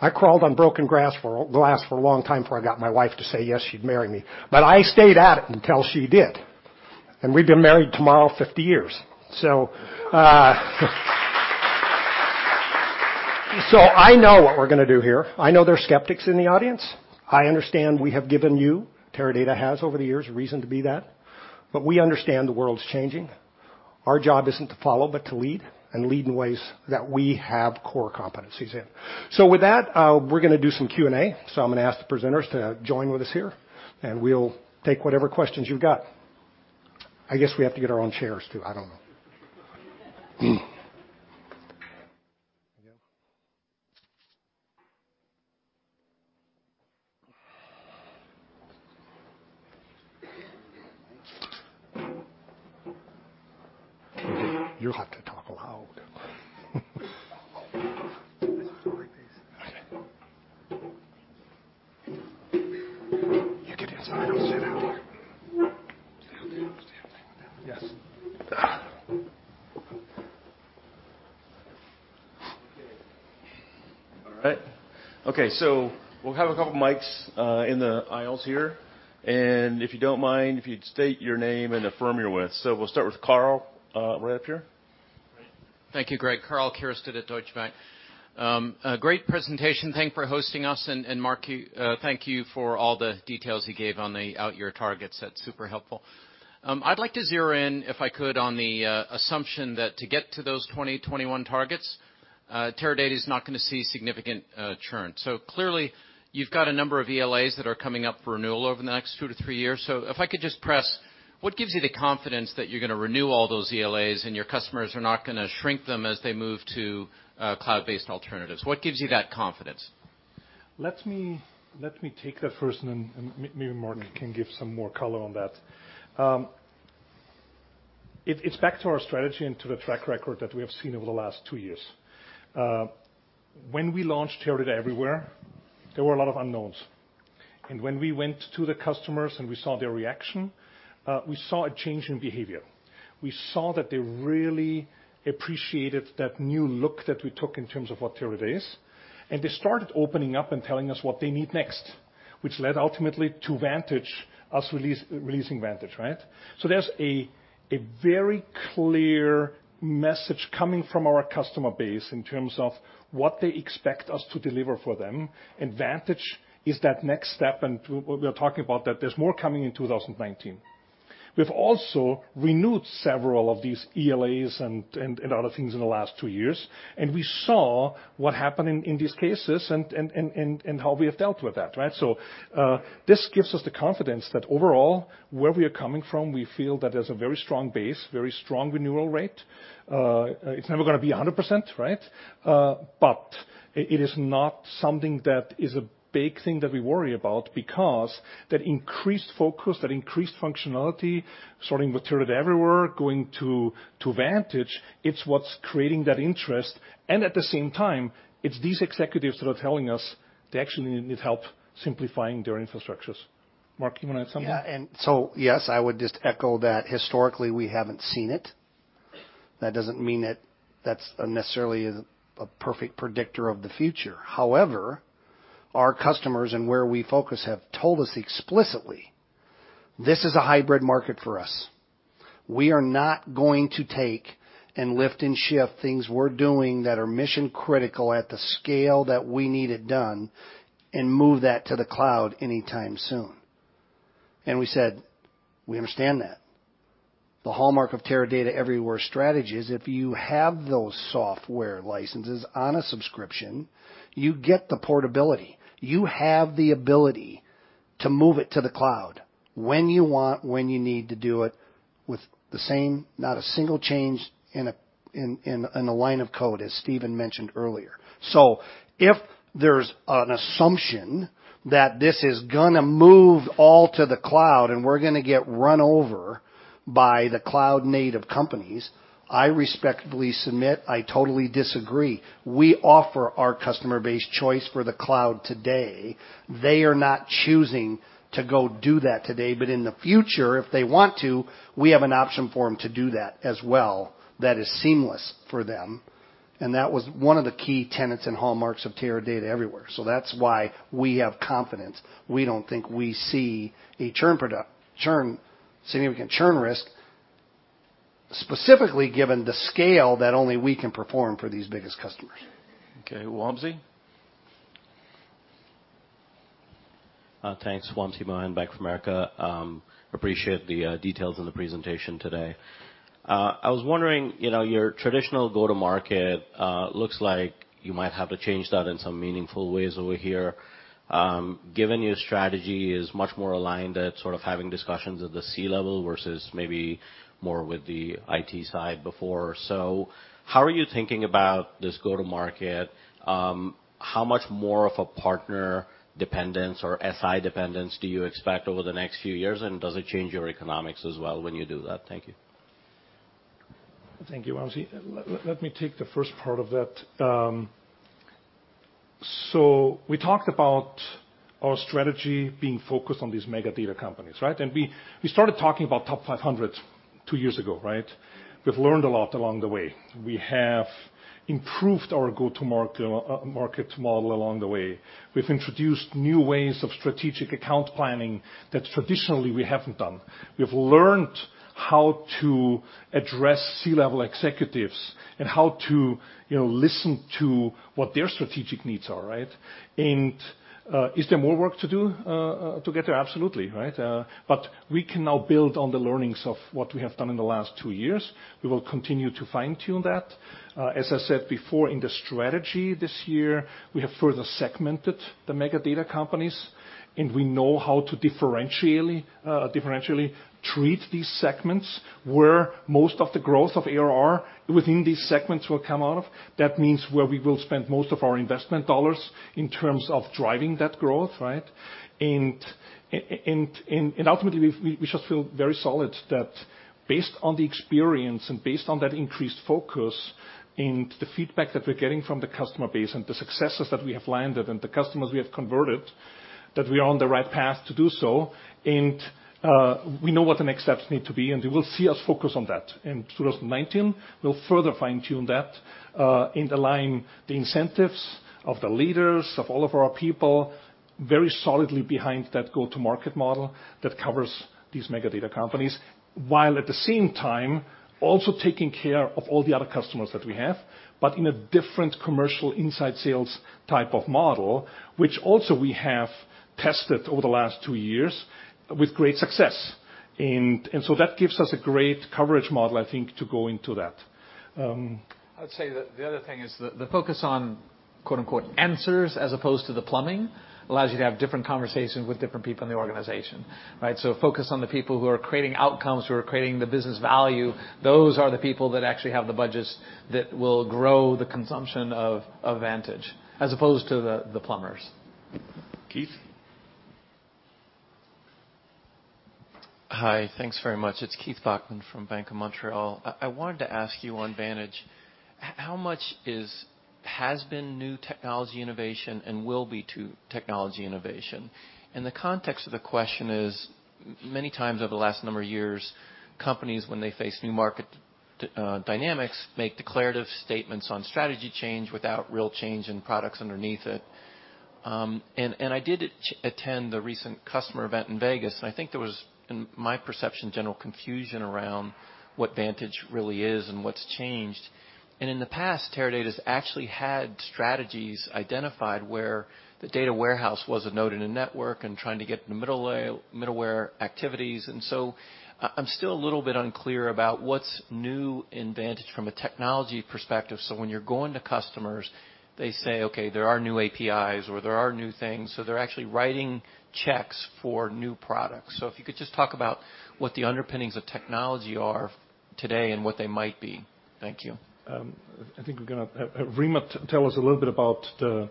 I crawled on broken glass for a long time before I got my wife to say yes, she'd marry me, I stayed at it until she did. We've been married tomorrow 50 years. I know what we're going to do here. I know there are skeptics in the audience. I understand we have given you, Teradata has, over the years, a reason to be that. We understand the world's changing. Our job isn't to follow, but to lead, and lead in ways that we have core competencies in. With that, we're going to do some Q&A. I'm going to ask the presenters to join with us here, and we'll take whatever questions you've got. I guess we have to get our own chairs, too. I don't know. There you go. You'll have to talk loud. This one's like this. Okay. You get in so I don't sit out. Get out there. Yes. Okay. All right. We'll have a couple of mics in the aisles here. If you don't mind, if you'd state your name and the firm you're with. We'll start with Karl, right up here. Great. Thank you, Gregg. Karl Keirstead at Deutsche Bank. Great presentation. Thank for hosting us. Mark, thank you for all the details you gave on the outyear targets. That's super helpful. I'd like to zero in, if I could, on the assumption that to get to those 2021 targets, Teradata is not going to see significant churn. Clearly, you've got a number of ELAs that are coming up for renewal over the next two to three years. If I could just press, what gives you the confidence that you're going to renew all those ELAs and your customers are not going to shrink them as they move to cloud-based alternatives? What gives you that confidence? Let me take that first and then maybe Mark can give some more color on that. It's back to our strategy and to the track record that we have seen over the last two years. When we launched Teradata Everywhere, there were a lot of unknowns. When we went to the customers and we saw their reaction, we saw a change in behavior. We saw that they really appreciated that new look that we took in terms of what Teradata is, and they started opening up and telling us what they need next, which led ultimately to Vantage, us releasing Vantage, right? There's a very clear message coming from our customer base in terms of what they expect us to deliver for them, and Vantage is that next step, and we are talking about that there's more coming in 2019. We've also renewed several of these ELAs and other things in the last two years, and we saw what happened in these cases and how we have dealt with that, right? This gives us the confidence that overall, where we are coming from, we feel that there's a very strong base, very strong renewal rate. It's never going to be 100%, right? It is not something that is a big thing that we worry about because that increased focus, that increased functionality, starting with Teradata Everywhere, going to Vantage, it's what's creating that interest. At the same time, it's these executives that are telling us they actually need help simplifying their infrastructures. Mark, you want to add something? Yeah. Yes, I would just echo that historically, we haven't seen it. That doesn't mean that that's necessarily a perfect predictor of the future. However, our customers and where we focus have told us explicitly, "This is a hybrid market for us. We are not going to take and lift and shift things we're doing that are mission-critical at the scale that we need it done and move that to the cloud anytime soon." We said we understand that. The hallmark of Teradata Everywhere strategy is if you have those software licenses on a subscription, you get the portability. You have the ability to move it to the cloud when you want, when you need to do it with the same, not a single change in a line of code, as Stephen mentioned earlier. If there's an assumption that this is going to move all to the cloud and we're going to get run over by the cloud-native companies, I respectfully submit, I totally disagree. We offer our customer base choice for the cloud today. They are not choosing to go do that today, but in the future, if they want to, we have an option for them to do that as well that is seamless for them, and that was one of the key tenets and hallmarks of Teradata Everywhere. That's why we have confidence. We don't think we see a significant churn risk, specifically given the scale that only we can perform for these biggest customers. Okay. Wamsi? Thanks. Wamsi Mohan, Bank of America. Appreciate the details on the presentation today. I was wondering, your traditional go-to-market looks like you might have to change that in some meaningful ways over here, given your strategy is much more aligned at sort of having discussions at the C-level versus maybe more with the IT side before. How are you thinking about this go-to-market? How much more of a partner dependence or SI dependence do you expect over the next few years, and does it change your economics as well when you do that? Thank you. Thank you, Wamsi. Let me take the first part of that. We talked about our strategy being focused on these mega data companies, right? We started talking about top 500 two years ago. We've learned a lot along the way. We have improved our go-to-market model along the way. We've introduced new ways of strategic account planning that traditionally we haven't done. We have learned how to address C-level executives and how to listen to what their strategic needs are. Is there more work to do to get there? Absolutely. We can now build on the learnings of what we have done in the last two years. We will continue to fine-tune that. As I said before, in the strategy this year, we have further segmented the mega data companies, and we know how to differentially treat these segments where most of the growth of ARR within these segments will come out of. That means where we will spend most of our investment dollars in terms of driving that growth. Ultimately, we just feel very solid that based on the experience and based on that increased focus and the feedback that we're getting from the customer base and the successes that we have landed and the customers we have converted, that we are on the right path to do so. We know what the next steps need to be, and you will see us focus on that. In 2019, we'll further fine-tune that and align the incentives of the leaders of all of our people very solidly behind that go-to-market model that covers these mega data companies, while at the same time also taking care of all the other customers that we have, but in a different commercial inside sales type of model, which also we have tested over the last two years with great success. That gives us a great coverage model, I think, to go into that. I'd say that the other thing is the focus on "answers" as opposed to the plumbing allows you to have different conversations with different people in the organization. Focus on the people who are creating outcomes, who are creating the business value. Those are the people that actually have the budgets that will grow the consumption of Vantage as opposed to the plumbers. Keith? Hi, thanks very much. It is Keith Bachman from Bank of Montreal. I wanted to ask you on Vantage, how much has been new technology innovation and will be to technology innovation? The context of the question is many times over the last number of years, companies, when they face new market dynamics, make declarative statements on strategy change without real change in products underneath it. I did attend the recent customer event in Vegas, and I think there was, in my perception, general confusion around what Vantage really is and what has changed. In the past, Teradata has actually had strategies identified where the data warehouse was a node in a network and trying to get the middleware activities. I am still a little bit unclear about what is new in Vantage from a technology perspective. When you are going to customers, they say, "Okay, there are new APIs or there are new things." They are actually writing checks for new products. If you could just talk about what the underpinnings of technology are today and what they might be. Thank you. I think we are going to have Rima tell us a little bit about the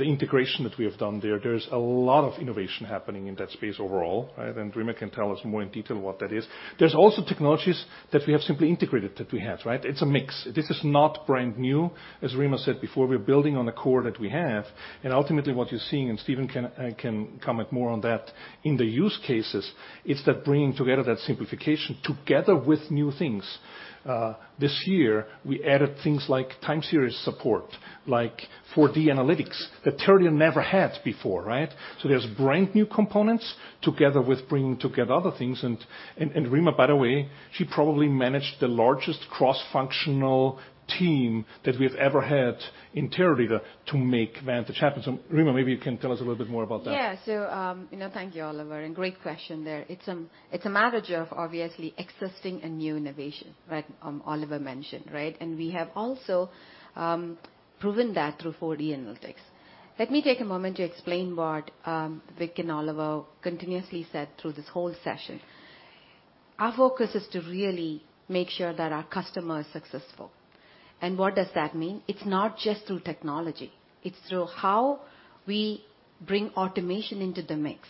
integration that we have done there. There is a lot of innovation happening in that space overall. Rima can tell us more in detail what that is. There are also technologies that we have simply integrated that we have. It is a mix. This is not brand new. As Rima said before, we are building on a core that we have. Ultimately what you are seeing, and Stephen can comment more on that, in the use cases, it is that bringing together that simplification together with new things. This year, we added things like time series support, like 4D Analytics that Teradata never had before. There is brand new components together with bringing together other things. Rima, by the way, she probably managed the largest cross-functional team that we have ever had in Teradata to make Vantage happen. Rima, maybe you can tell us a little bit more about that. Yeah. Thank you, Oliver, and great question there. It's a matter of obviously existing and new innovation Oliver mentioned. We have also proven that through 4D Analytics. Let me take a moment to explain what Vic and Oliver continuously said through this whole session. Our focus is to really make sure that our customer is successful. What does that mean? It's not just through technology. It's through how we bring automation into the mix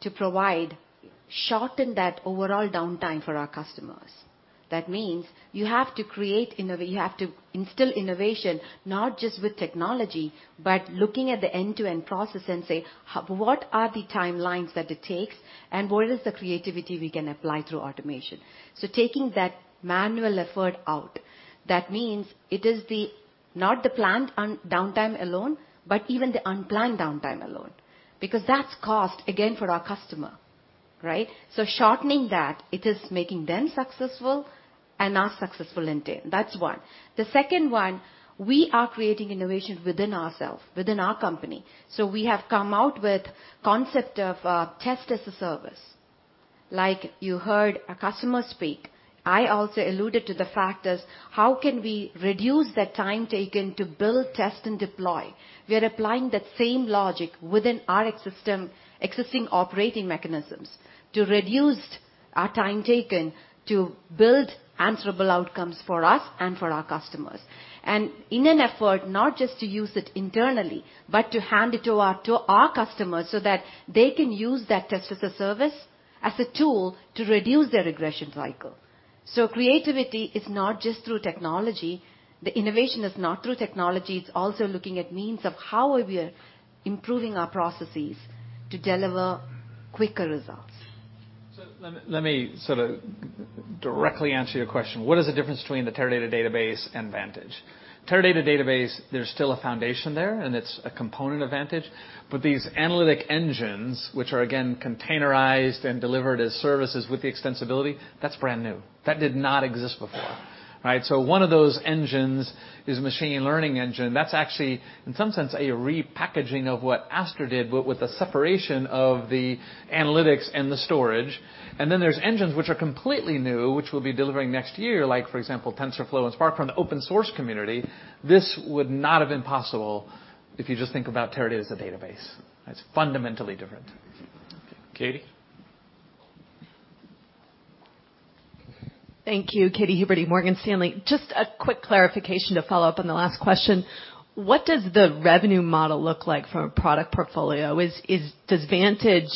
to provide, shorten that overall downtime for our customers. That means you have to instill innovation, not just with technology, but looking at the end-to-end process and say, "What are the timelines that it takes and what is the creativity we can apply through automation?" Taking that manual effort out. That means it is not the planned downtime alone, but even the unplanned downtime alone, because that's cost again for our customer. Shortening that, it is making them successful and us successful in turn. That's one. The second one, we are creating innovation within ourselves, within our company. We have come out with concept of test as a service. Like you heard a customer speak, I also alluded to the fact is how can we reduce the time taken to build, test, and deploy? We are applying that same logic within our existing operating mechanisms to reduce our time taken to build answerable outcomes for us and for our customers. In an effort not just to use it internally, but to hand it to our customers so that they can use that test as a service as a tool to reduce their regression cycle. Creativity is not just through technology. The innovation is not through technology. It's also looking at means of how we are improving our processes to deliver quicker results. Let me sort of directly answer your question. What is the difference between the Teradata database and Vantage? Teradata database, there's still a foundation there and it's a component of Vantage. These analytic engines, which are again, containerized and delivered as services with the extensibility, that's brand new. That did not exist before, right? One of those engines is a machine learning engine that's actually, in some sense, a repackaging of what Aster did, but with the separation of the analytics and the storage. Then there's engines which are completely new, which we'll be delivering next year, like for example, TensorFlow and Spark from the open source community. This would not have been possible if you just think about Teradata as a database. It's fundamentally different. Okay, Katy? Thank you. Katy Huberty, Morgan Stanley. Just a quick clarification to follow up on the last question. What does the revenue model look like for a product portfolio? Does Vantage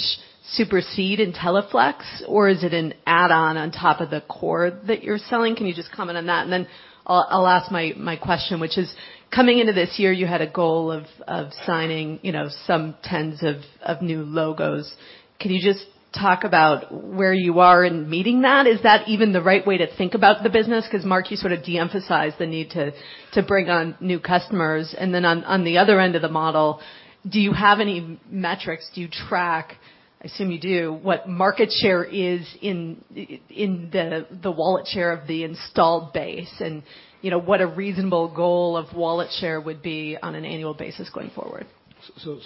supersede IntelliFlex, or is it an add-on on top of the core that you're selling? Can you just comment on that? I'll ask my question, which is, coming into this year, you had a goal of signing some tens of new logos. Can you just talk about where you are in meeting that? Is that even the right way to think about the business? Because Mark, you sort of de-emphasized the need to bring on new customers. On the other end of the model, do you have any metrics? Do you track, I assume you do, what market share is in the wallet share of the installed base, and what a reasonable goal of wallet share would be on an annual basis going forward?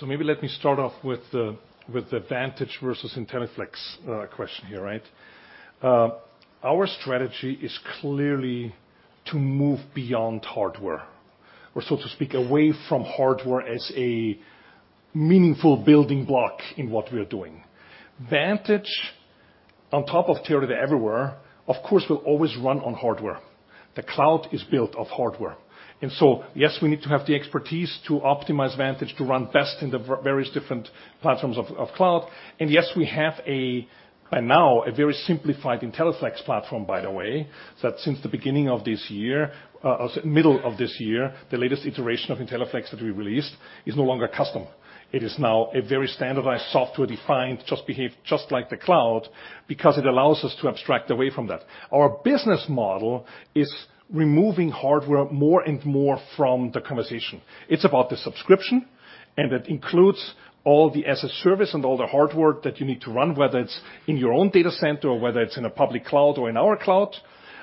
Maybe let me start off with the Vantage versus IntelliFlex question here, right? Our strategy is clearly to move beyond hardware, or so to speak, away from hardware as a meaningful building block in what we are doing. Vantage, on top of Teradata Everywhere, of course, will always run on hardware. The cloud is built of hardware. Yes, we need to have the expertise to optimize Vantage to run best in the various different platforms of cloud. Yes, we have, by now, a very simplified IntelliFlex platform, by the way, that since the middle of this year, the latest iteration of IntelliFlex that we released is no longer custom. It is now a very standardized software-defined, just behave just like the cloud, because it allows us to abstract away from that. Our business model is removing hardware more and more from the conversation. It's about the subscription, it includes all the as-a-service and all the hard work that you need to run, whether it's in your own data center or whether it's in a public cloud or in our cloud.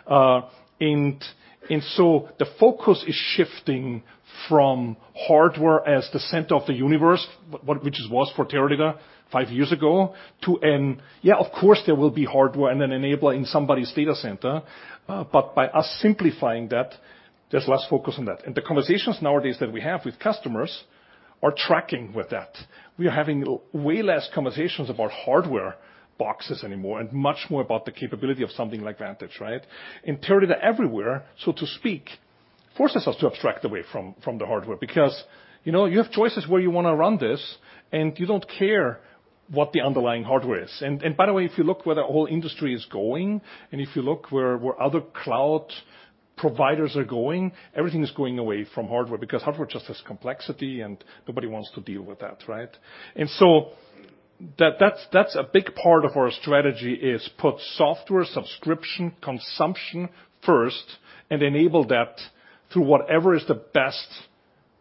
The focus is shifting from hardware as the center of the universe, which it was for Teradata five years ago, to an, yeah, of course, there will be hardware and an enabler in somebody's data center, but by us simplifying that, there's less focus on that. The conversations nowadays that we have with customers are tracking with that. We are having way less conversations about hardware boxes anymore, and much more about the capability of something like Vantage, right? Teradata Everywhere, so to speak, forces us to abstract away from the hardware because you have choices where you want to run this, you don't care what the underlying hardware is. By the way, if you look where the whole industry is going, if you look where other cloud providers are going, everything is going away from hardware because hardware just has complexity and nobody wants to deal with that, right? That's a big part of our strategy is put software subscription consumption first and enable that through whatever is the best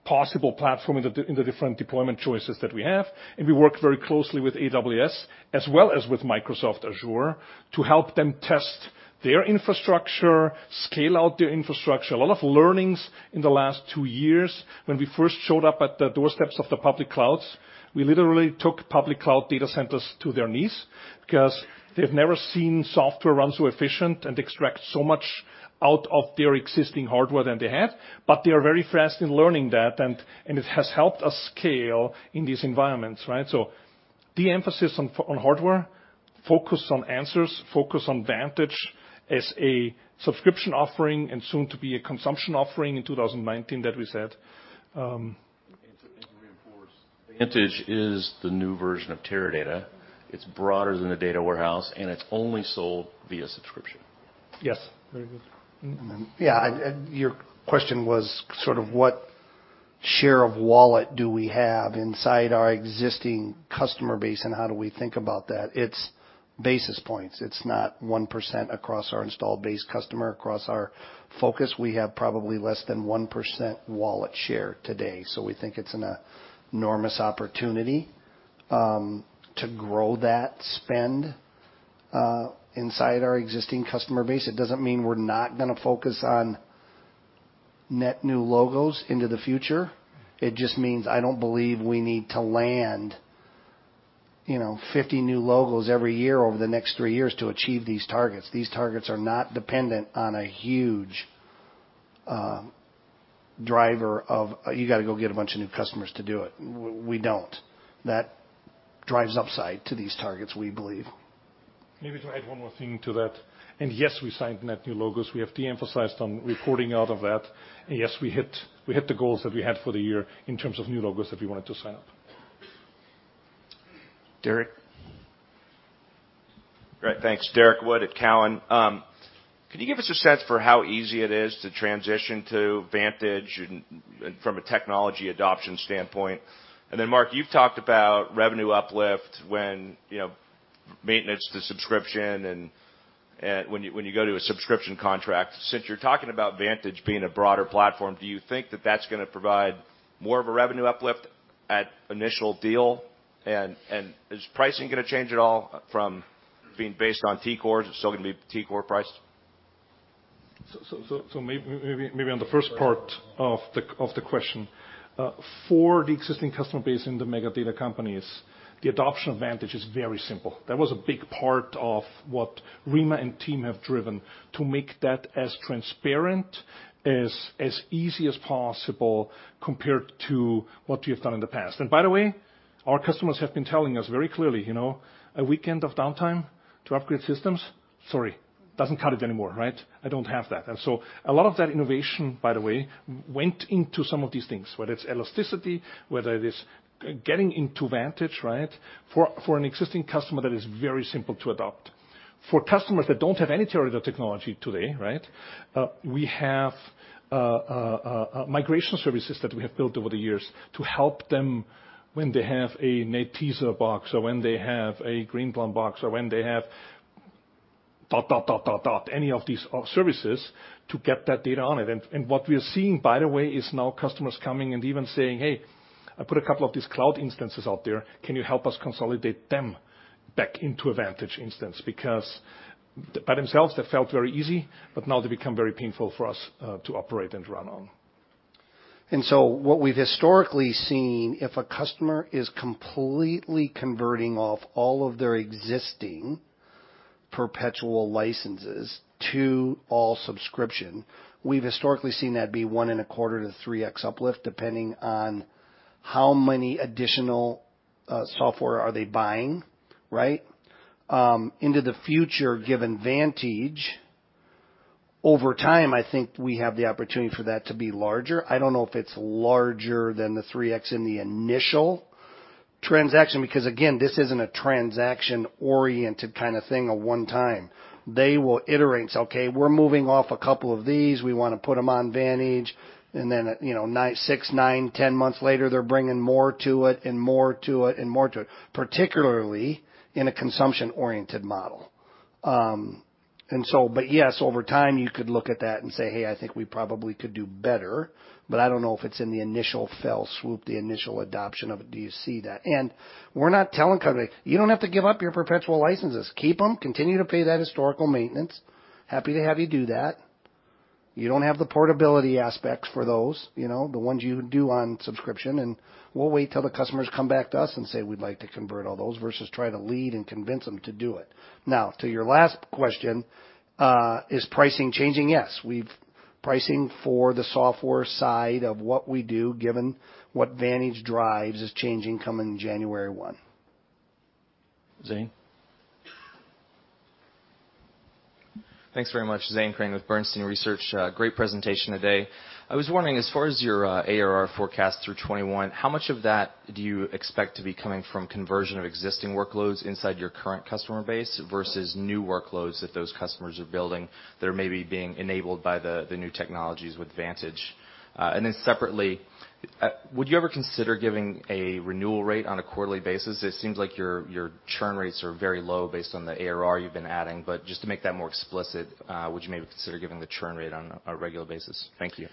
possible platform in the different deployment choices that we have. We work very closely with AWS as well as with Microsoft Azure to help them test their infrastructure, scale out their infrastructure. A lot of learnings in the last two years when we first showed up at the doorsteps of the public clouds, we literally took public cloud data centers to their knees because they've never seen software run so efficient and extract so much out of their existing hardware than they have. They are very fast in learning that, it has helped us scale in these environments, right? De-emphasis on hardware, focus on answers, focus on Vantage as a subscription offering and soon to be a consumption offering in 2019 that we said. To reinforce, Vantage is the new version of Teradata. It's broader than a data warehouse, it's only sold via subscription. Yes. Very good. Your question was sort of what share of wallet do we have inside our existing customer base, and how do we think about that? It's basis points. It's not 1% across our installed base customer. Across our focus, we have probably less than 1% wallet share today. We think it's an enormous opportunity to grow that spend inside our existing customer base. It doesn't mean we're not going to focus on net new logos into the future. It just means I don't believe we need to land 50 new logos every year over the next three years to achieve these targets. These targets are not dependent on a huge driver of, you got to go get a bunch of new customers to do it. We don't. That drives upside to these targets, we believe. Maybe to add one more thing to that. Yes, we signed net new logos. We have de-emphasized on reporting out of that. Yes, we hit the goals that we had for the year in terms of new logos that we wanted to sign up. Derrick? Great, thanks. Derrick Wood at Cowen. Could you give us a sense for how easy it is to transition to Vantage from a technology adoption standpoint? Then Mark, you've talked about revenue uplift when maintenance to subscription, and when you go to a subscription contract. Since you're talking about Vantage being a broader platform, do you think that that's going to provide more of a revenue uplift at initial deal? Is pricing going to change at all from being based on TCore? Is it still going to be TCore priced? Maybe on the first part of the question. For the existing customer base in the mega data companies, the adoption of Vantage is very simple. That was a big part of what Rima and team have driven to make that as transparent, as easy as possible compared to what we have done in the past. By the way, our customers have been telling us very clearly, "A weekend of downtime to upgrade systems? Sorry, doesn't cut it anymore. I don't have that." A lot of that innovation, by the way, went into some of these things, whether it's elasticity, whether it is getting into Vantage. For an existing customer, that is very simple to adopt. For customers that don't have any Teradata technology today, we have migration services that we have built over the years to help them when they have a Netezza box or when they have a Greenplum box or when they have dot, dot, any of these services to get that data on it. What we are seeing, by the way, is now customers coming and even saying, "Hey, I put a couple of these cloud instances out there. Can you help us consolidate them back into a Vantage instance? Because by themselves, that felt very easy, but now they become very painful for us to operate and run on. What we've historically seen, if a customer is completely converting off all of their existing perpetual licenses to all subscription, we've historically seen that be one and a quarter to 3X uplift, depending on how many additional software are they buying. Into the future, given Vantage, over time, I think we have the opportunity for that to be larger. I don't know if it's larger than the 3X in the initial transaction, because again, this isn't a transaction-oriented kind of thing a one time. They will iterate and say, "Okay, we're moving off a couple of these. We want to put them on Vantage." Then six, nine, 10 months later, they're bringing more to it and more to it and more to it, particularly in a consumption-oriented model. Yes, over time, you could look at that and say, "Hey, I think we probably could do better," but I don't know if it's in the initial fell swoop, the initial adoption of it, do you see that? We're not telling customers, "You don't have to give up your perpetual licenses. Keep them, continue to pay that historical maintenance. Happy to have you do that." You don't have the portability aspects for those, the ones you do on subscription, and we'll wait till the customers come back to us and say, "We'd like to convert all those," versus try to lead and convince them to do it. To your last question, is pricing changing? Yes. Pricing for the software side of what we do, given what Vantage drives, is changing coming January 1. Zane? Thanks very much. Zane Chrane with Bernstein Research. Great presentation today. I was wondering, as far as your ARR forecast through 2021, how much of that do you expect to be coming from conversion of existing workloads inside your current customer base versus new workloads that those customers are building that are maybe being enabled by the new technologies with Vantage? Separately, would you ever consider giving a renewal rate on a quarterly basis? It seems like your churn rates are very low based on the ARR you've been adding. Just to make that more explicit, would you maybe consider giving the churn rate on a regular basis? Thank you.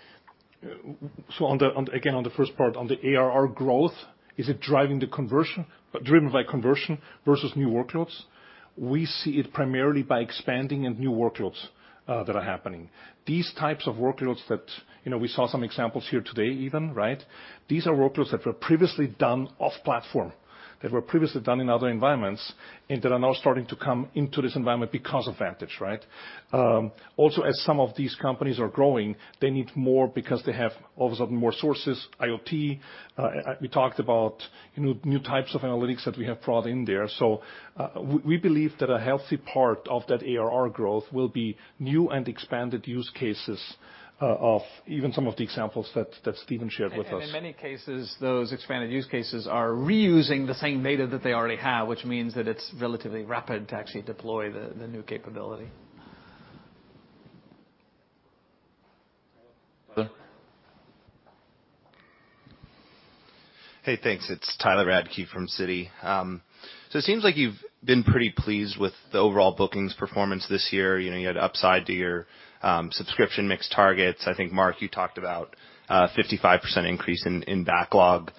Again, on the first part, on the ARR growth, is it driven by conversion versus new workloads? We see it primarily by expanding and new workloads that are happening. These types of workloads that we saw some examples here today even. These are workloads that were previously done off platform, that were previously done in other environments, and that are now starting to come into this environment because of Vantage. Also, as some of these companies are growing, they need more because they have all of a sudden more sources, IoT. We talked about new types of analytics that we have brought in there. We believe that a healthy part of that ARR growth will be new and expanded use cases of even some of the examples that Stephen shared with us. In many cases, those expanded use cases are reusing the same data that they already have, which means that it's relatively rapid to actually deploy the new capability. Tyler? Hey, thanks. It's Tyler Radke from Citi. It seems like you've been pretty pleased with the overall bookings performance this year. You had upside to your subscription mix targets. I think, Mark, you talked about a 55% increase in backlog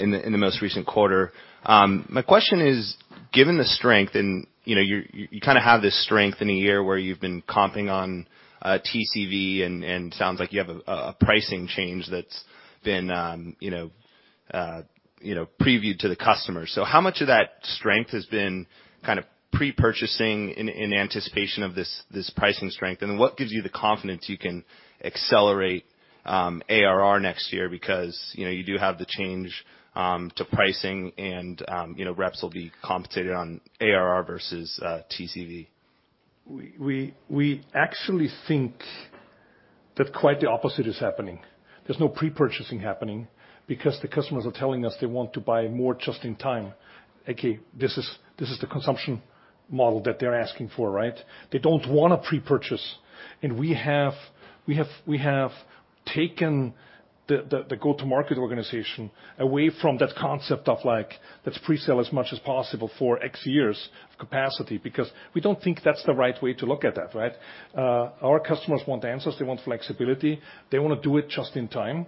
in the most recent quarter. My question is, given the strength, and you kind of have this strength in a year where you've been comping on TCV, and sounds like you have a pricing change that's been previewed to the customer. How much of that strength has been prepurchasing in anticipation of this pricing strength, and what gives you the confidence you can accelerate ARR next year? You do have the change to pricing, and reps will be compensated on ARR versus TCV. We actually think that quite the opposite is happening. There's no pre-purchasing happening because the customers are telling us they want to buy more just-in-time. A.k.a., this is the consumption model that they're asking for, right? They don't want to pre-purchase, we have taken the go-to-market organization away from that concept of let's pre-sell as much as possible for X years of capacity, because we don't think that's the right way to look at that, right? Our customers want answers, they want flexibility. They want to do it just in time.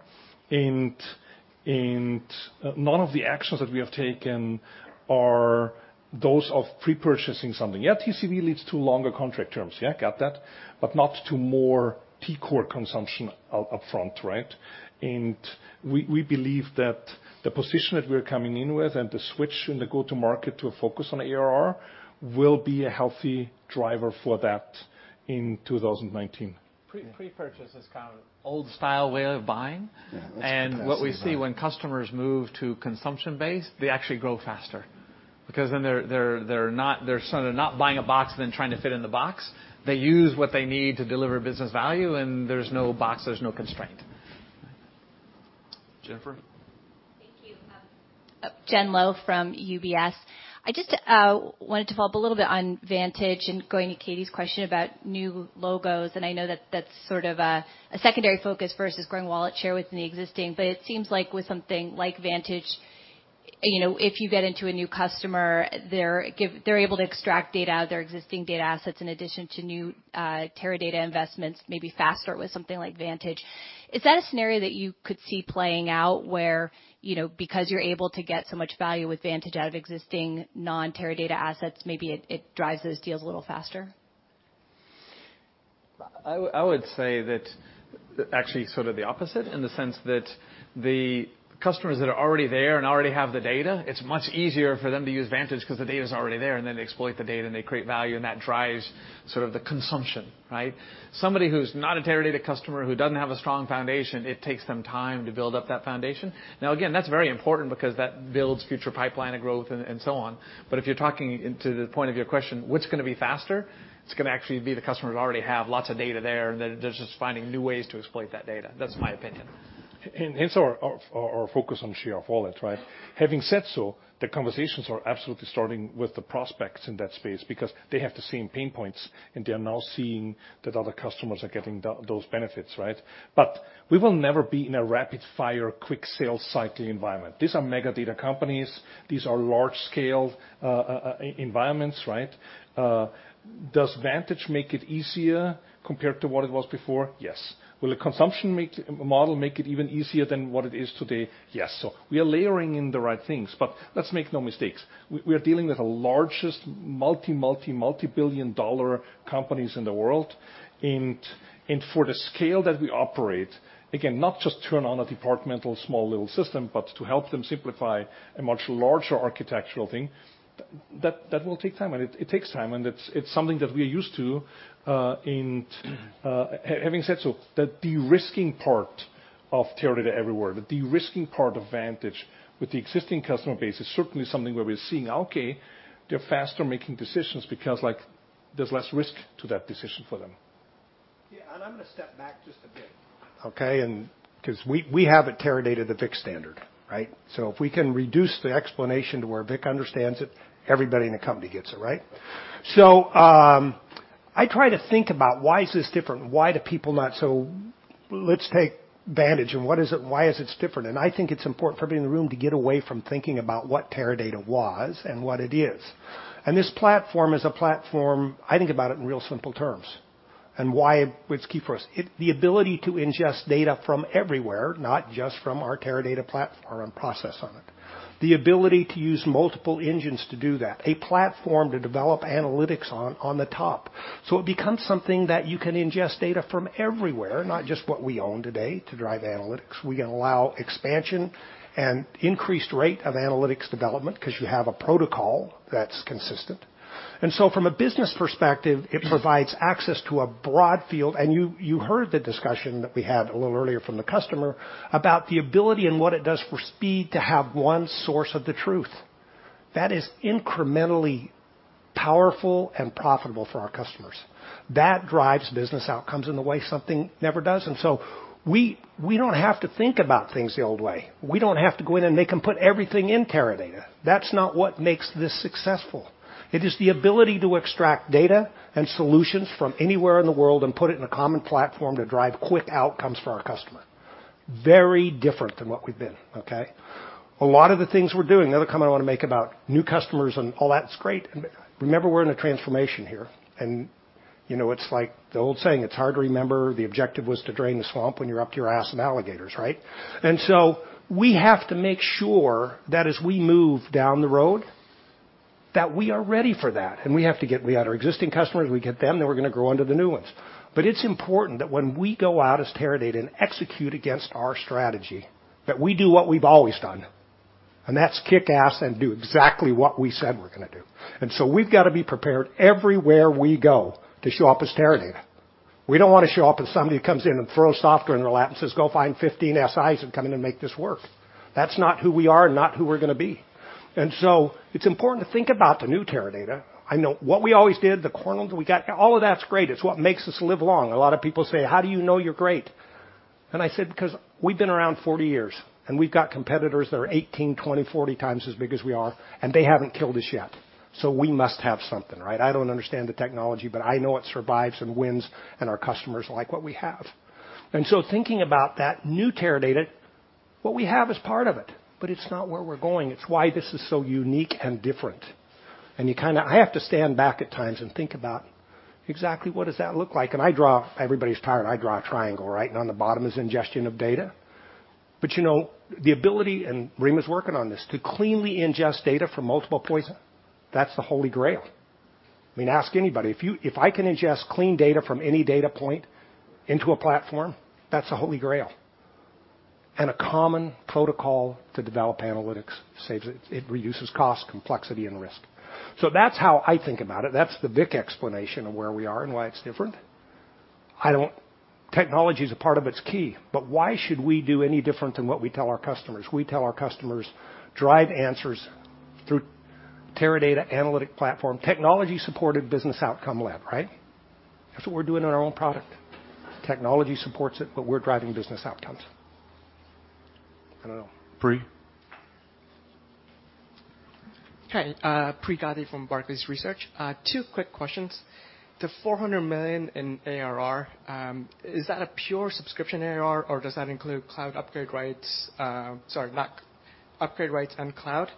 None of the actions that we have taken are those of pre-purchasing something. Yeah, TCV leads to longer contract terms. Yeah, got that, but not to more peak core consumption up front, right? We believe that the position that we're coming in with and the switch in the go-to-market to a focus on ARR will be a healthy driver for that in 2019. Pre-purchase is kind of old style way of buying. Yeah. What we see when customers move to consumption-based, they actually grow faster because then they're sort of not buying a box, then trying to fit in the box. They use what they need to deliver business value, and there's no box, there's no constraint. Jennifer? Thank you. Jennifer Lowe from UBS. I just wanted to follow up a little bit on Vantage and going to Katy's question about new logos. I know that that's sort of a secondary focus versus growing wallet share within the existing, but it seems like with something like Vantage, you know, if you get into a new customer, they're able to extract data out of their existing data assets in addition to new Teradata investments, maybe faster with something like Vantage. Is that a scenario that you could see playing out where, you know, because you're able to get so much value with Vantage out of existing non-Teradata assets, maybe it drives those deals a little faster? I would say that actually sort of the opposite in the sense that the customers that are already there and already have the data, it's much easier for them to use Vantage because the data's already there, and then they exploit the data, and they create value, and that drives sort of the consumption, right? Somebody who's not a Teradata customer who doesn't have a strong foundation, it takes them time to build up that foundation. Again, that's very important because that builds future pipeline of growth and so on. If you're talking into the point of your question, what's going to be faster? It's going to actually be the customers who already have lots of data there, and they're just finding new ways to exploit that data. That's my opinion. Hence our focus on share of wallet, right? Having said so, the conversations are absolutely starting with the prospects in that space because they have the same pain points, and they are now seeing that other customers are getting those benefits, right? We will never be in a rapid-fire, quick sales cycle environment. These are mega data companies. These are large-scale environments, right? Does Vantage make it easier compared to what it was before? Yes. Will a consumption model make it even easier than what it is today? Yes. We are layering in the right things, let's make no mistakes. We are dealing with the largest multi-multi-multibillion-dollar companies in the world. For the scale that we operate, again, not just turn on a departmental small little system, but to help them simplify a much larger architectural thing, that will take time. It takes time, it's something that we are used to. Having said so, the de-risking part of Teradata Everywhere, the de-risking part of Vantage with the existing customer base is certainly something where we're seeing, okay, they're faster making decisions because there's less risk to that decision for them. I'm going to step back just a bit, okay? Because we have at Teradata the Vic standard, right? If we can reduce the explanation to where Vic understands it, everybody in the company gets it, right? I try to think about why is this different, why do people not. Let's take Vantage and what is it, why is it different? I think it's important for everybody in the room to get away from thinking about what Teradata was and what it is. This platform is a platform, I think about it in real simple terms, and why it's key for us. The ability to ingest data from everywhere, not just from our Teradata platform and process on it. The ability to use multiple engines to do that. A platform to develop analytics on the top. It becomes something that you can ingest data from everywhere, not just what we own today to drive analytics. We allow expansion and increased rate of analytics development because you have a protocol that's consistent. From a business perspective, it provides access to a broad field. You heard the discussion that we had a little earlier from the customer about the ability and what it does for speed to have one source of the truth. That is incrementally powerful and profitable for our customers. That drives business outcomes in the way something never does. We don't have to think about things the old way. We don't have to go in and make them put everything in Teradata. That's not what makes this successful. It is the ability to extract data and solutions from anywhere in the world and put it in a common platform to drive quick outcomes for our customer. Very different than what we've been, okay? A lot of the things we're doing, the other comment I want to make about new customers and all that, it's great. Remember, we're in a transformation here. You know, it's like the old saying, it's hard to remember the objective was to drain the swamp when you're up to your ass in alligators, right? We have to make sure that as we move down the road, that we are ready for that. We have to get. We got our existing customers, we get them, then we're going to grow onto the new ones. It's important that when we go out as Teradata and execute against our strategy, that we do what we've always done, and that's kick ass and do exactly what we said we're going to do. We've got to be prepared everywhere we go to show up as Teradata. We don't want to show up as somebody who comes in and throws software in their lap and says, "Go find 15 SIs and come in and make this work." That's not who we are and not who we're going to be. It's important to think about the new Teradata. I know what we always did, the kernels we got, all of that's great. It's what makes us live long. A lot of people say, "How do you know you're great?" I said, "Because we've been around 40 years, we've got competitors that are 18, 20, 40 times as big as we are, and they haven't killed us yet." We must have something, right? I don't understand the technology, but I know it survives and wins, and our customers like what we have. Thinking about that new Teradata, what we have is part of it, but it's not where we're going. It's why this is so unique and different. I have to stand back at times and think about exactly what does that look like. Everybody's tired, I draw a triangle, right? On the bottom is ingestion of data. The ability, and Reema's working on this, to cleanly ingest data from multiple points, that's the Holy Grail. Ask anybody. If I can ingest clean data from any data point into a platform, that's the Holy Grail. A common protocol to develop analytics saves it. It reduces cost, complexity, and risk. That's how I think about it. That's the Vic explanation of where we are and why it's different. Technology is a part of it's key. Why should we do any different than what we tell our customers? We tell our customers, drive answers through Teradata analytic platform, technology-supported business outcome lab, right? That's what we're doing in our own product. Technology supports it, but we're driving business outcomes. I don't know. Pri? Hi, Raimo Lenschow from Barclays Research. Two quick questions. The $400 million in ARR, is that a pure subscription ARR or does that include cloud upgrade rates and cloud?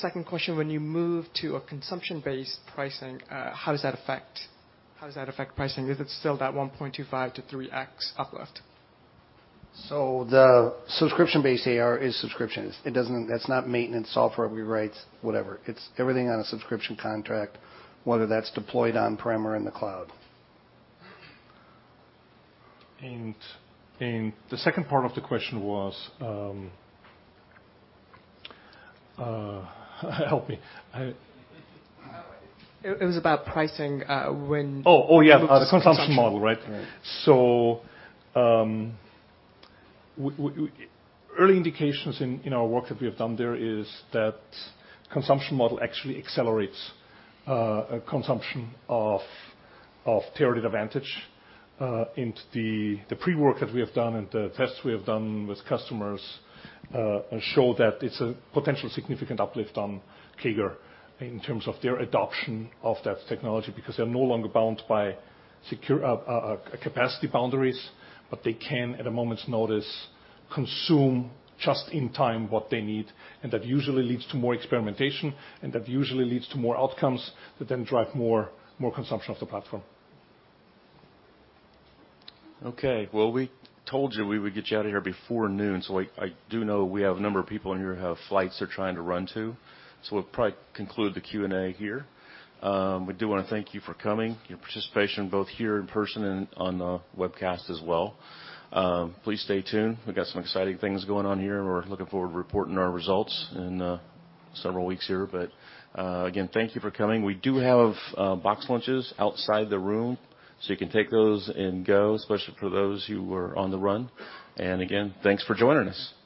Second question, when you move to a consumption-based pricing, how does that affect pricing? Is it still that 1.25x-3x uplift? The subscription-based ARR is subscriptions. That's not maintenance software rewrites, whatever. It's everything on a subscription contract, whether that's deployed on-prem or in the cloud. The second part of the question was, help me. It was about pricing when- Oh, yeah. The consumption model, right? Right. Early indications in our work that we have done there is that consumption model actually accelerates consumption of Teradata Vantage. The pre-work that we have done and the tests we have done with customers show that it's a potential significant uplift on CAGR in terms of their adoption of that technology, because they're no longer bound by capacity boundaries, but they can, at a moment's notice, consume just in time what they need, and that usually leads to more experimentation, and that usually leads to more outcomes that then drive more consumption of the platform. Okay. We told you we would get you out of here before noon. I do know we have a number of people in here who have flights they're trying to run to. We'll probably conclude the Q&A here. We do want to thank you for coming, your participation both here in person and on the webcast as well. Please stay tuned. We've got some exciting things going on here. We're looking forward to reporting our results in several weeks here. Again, thank you for coming. We do have box lunches outside the room. You can take those and go, especially for those who were on the run. Again, thanks for joining us. Thank you.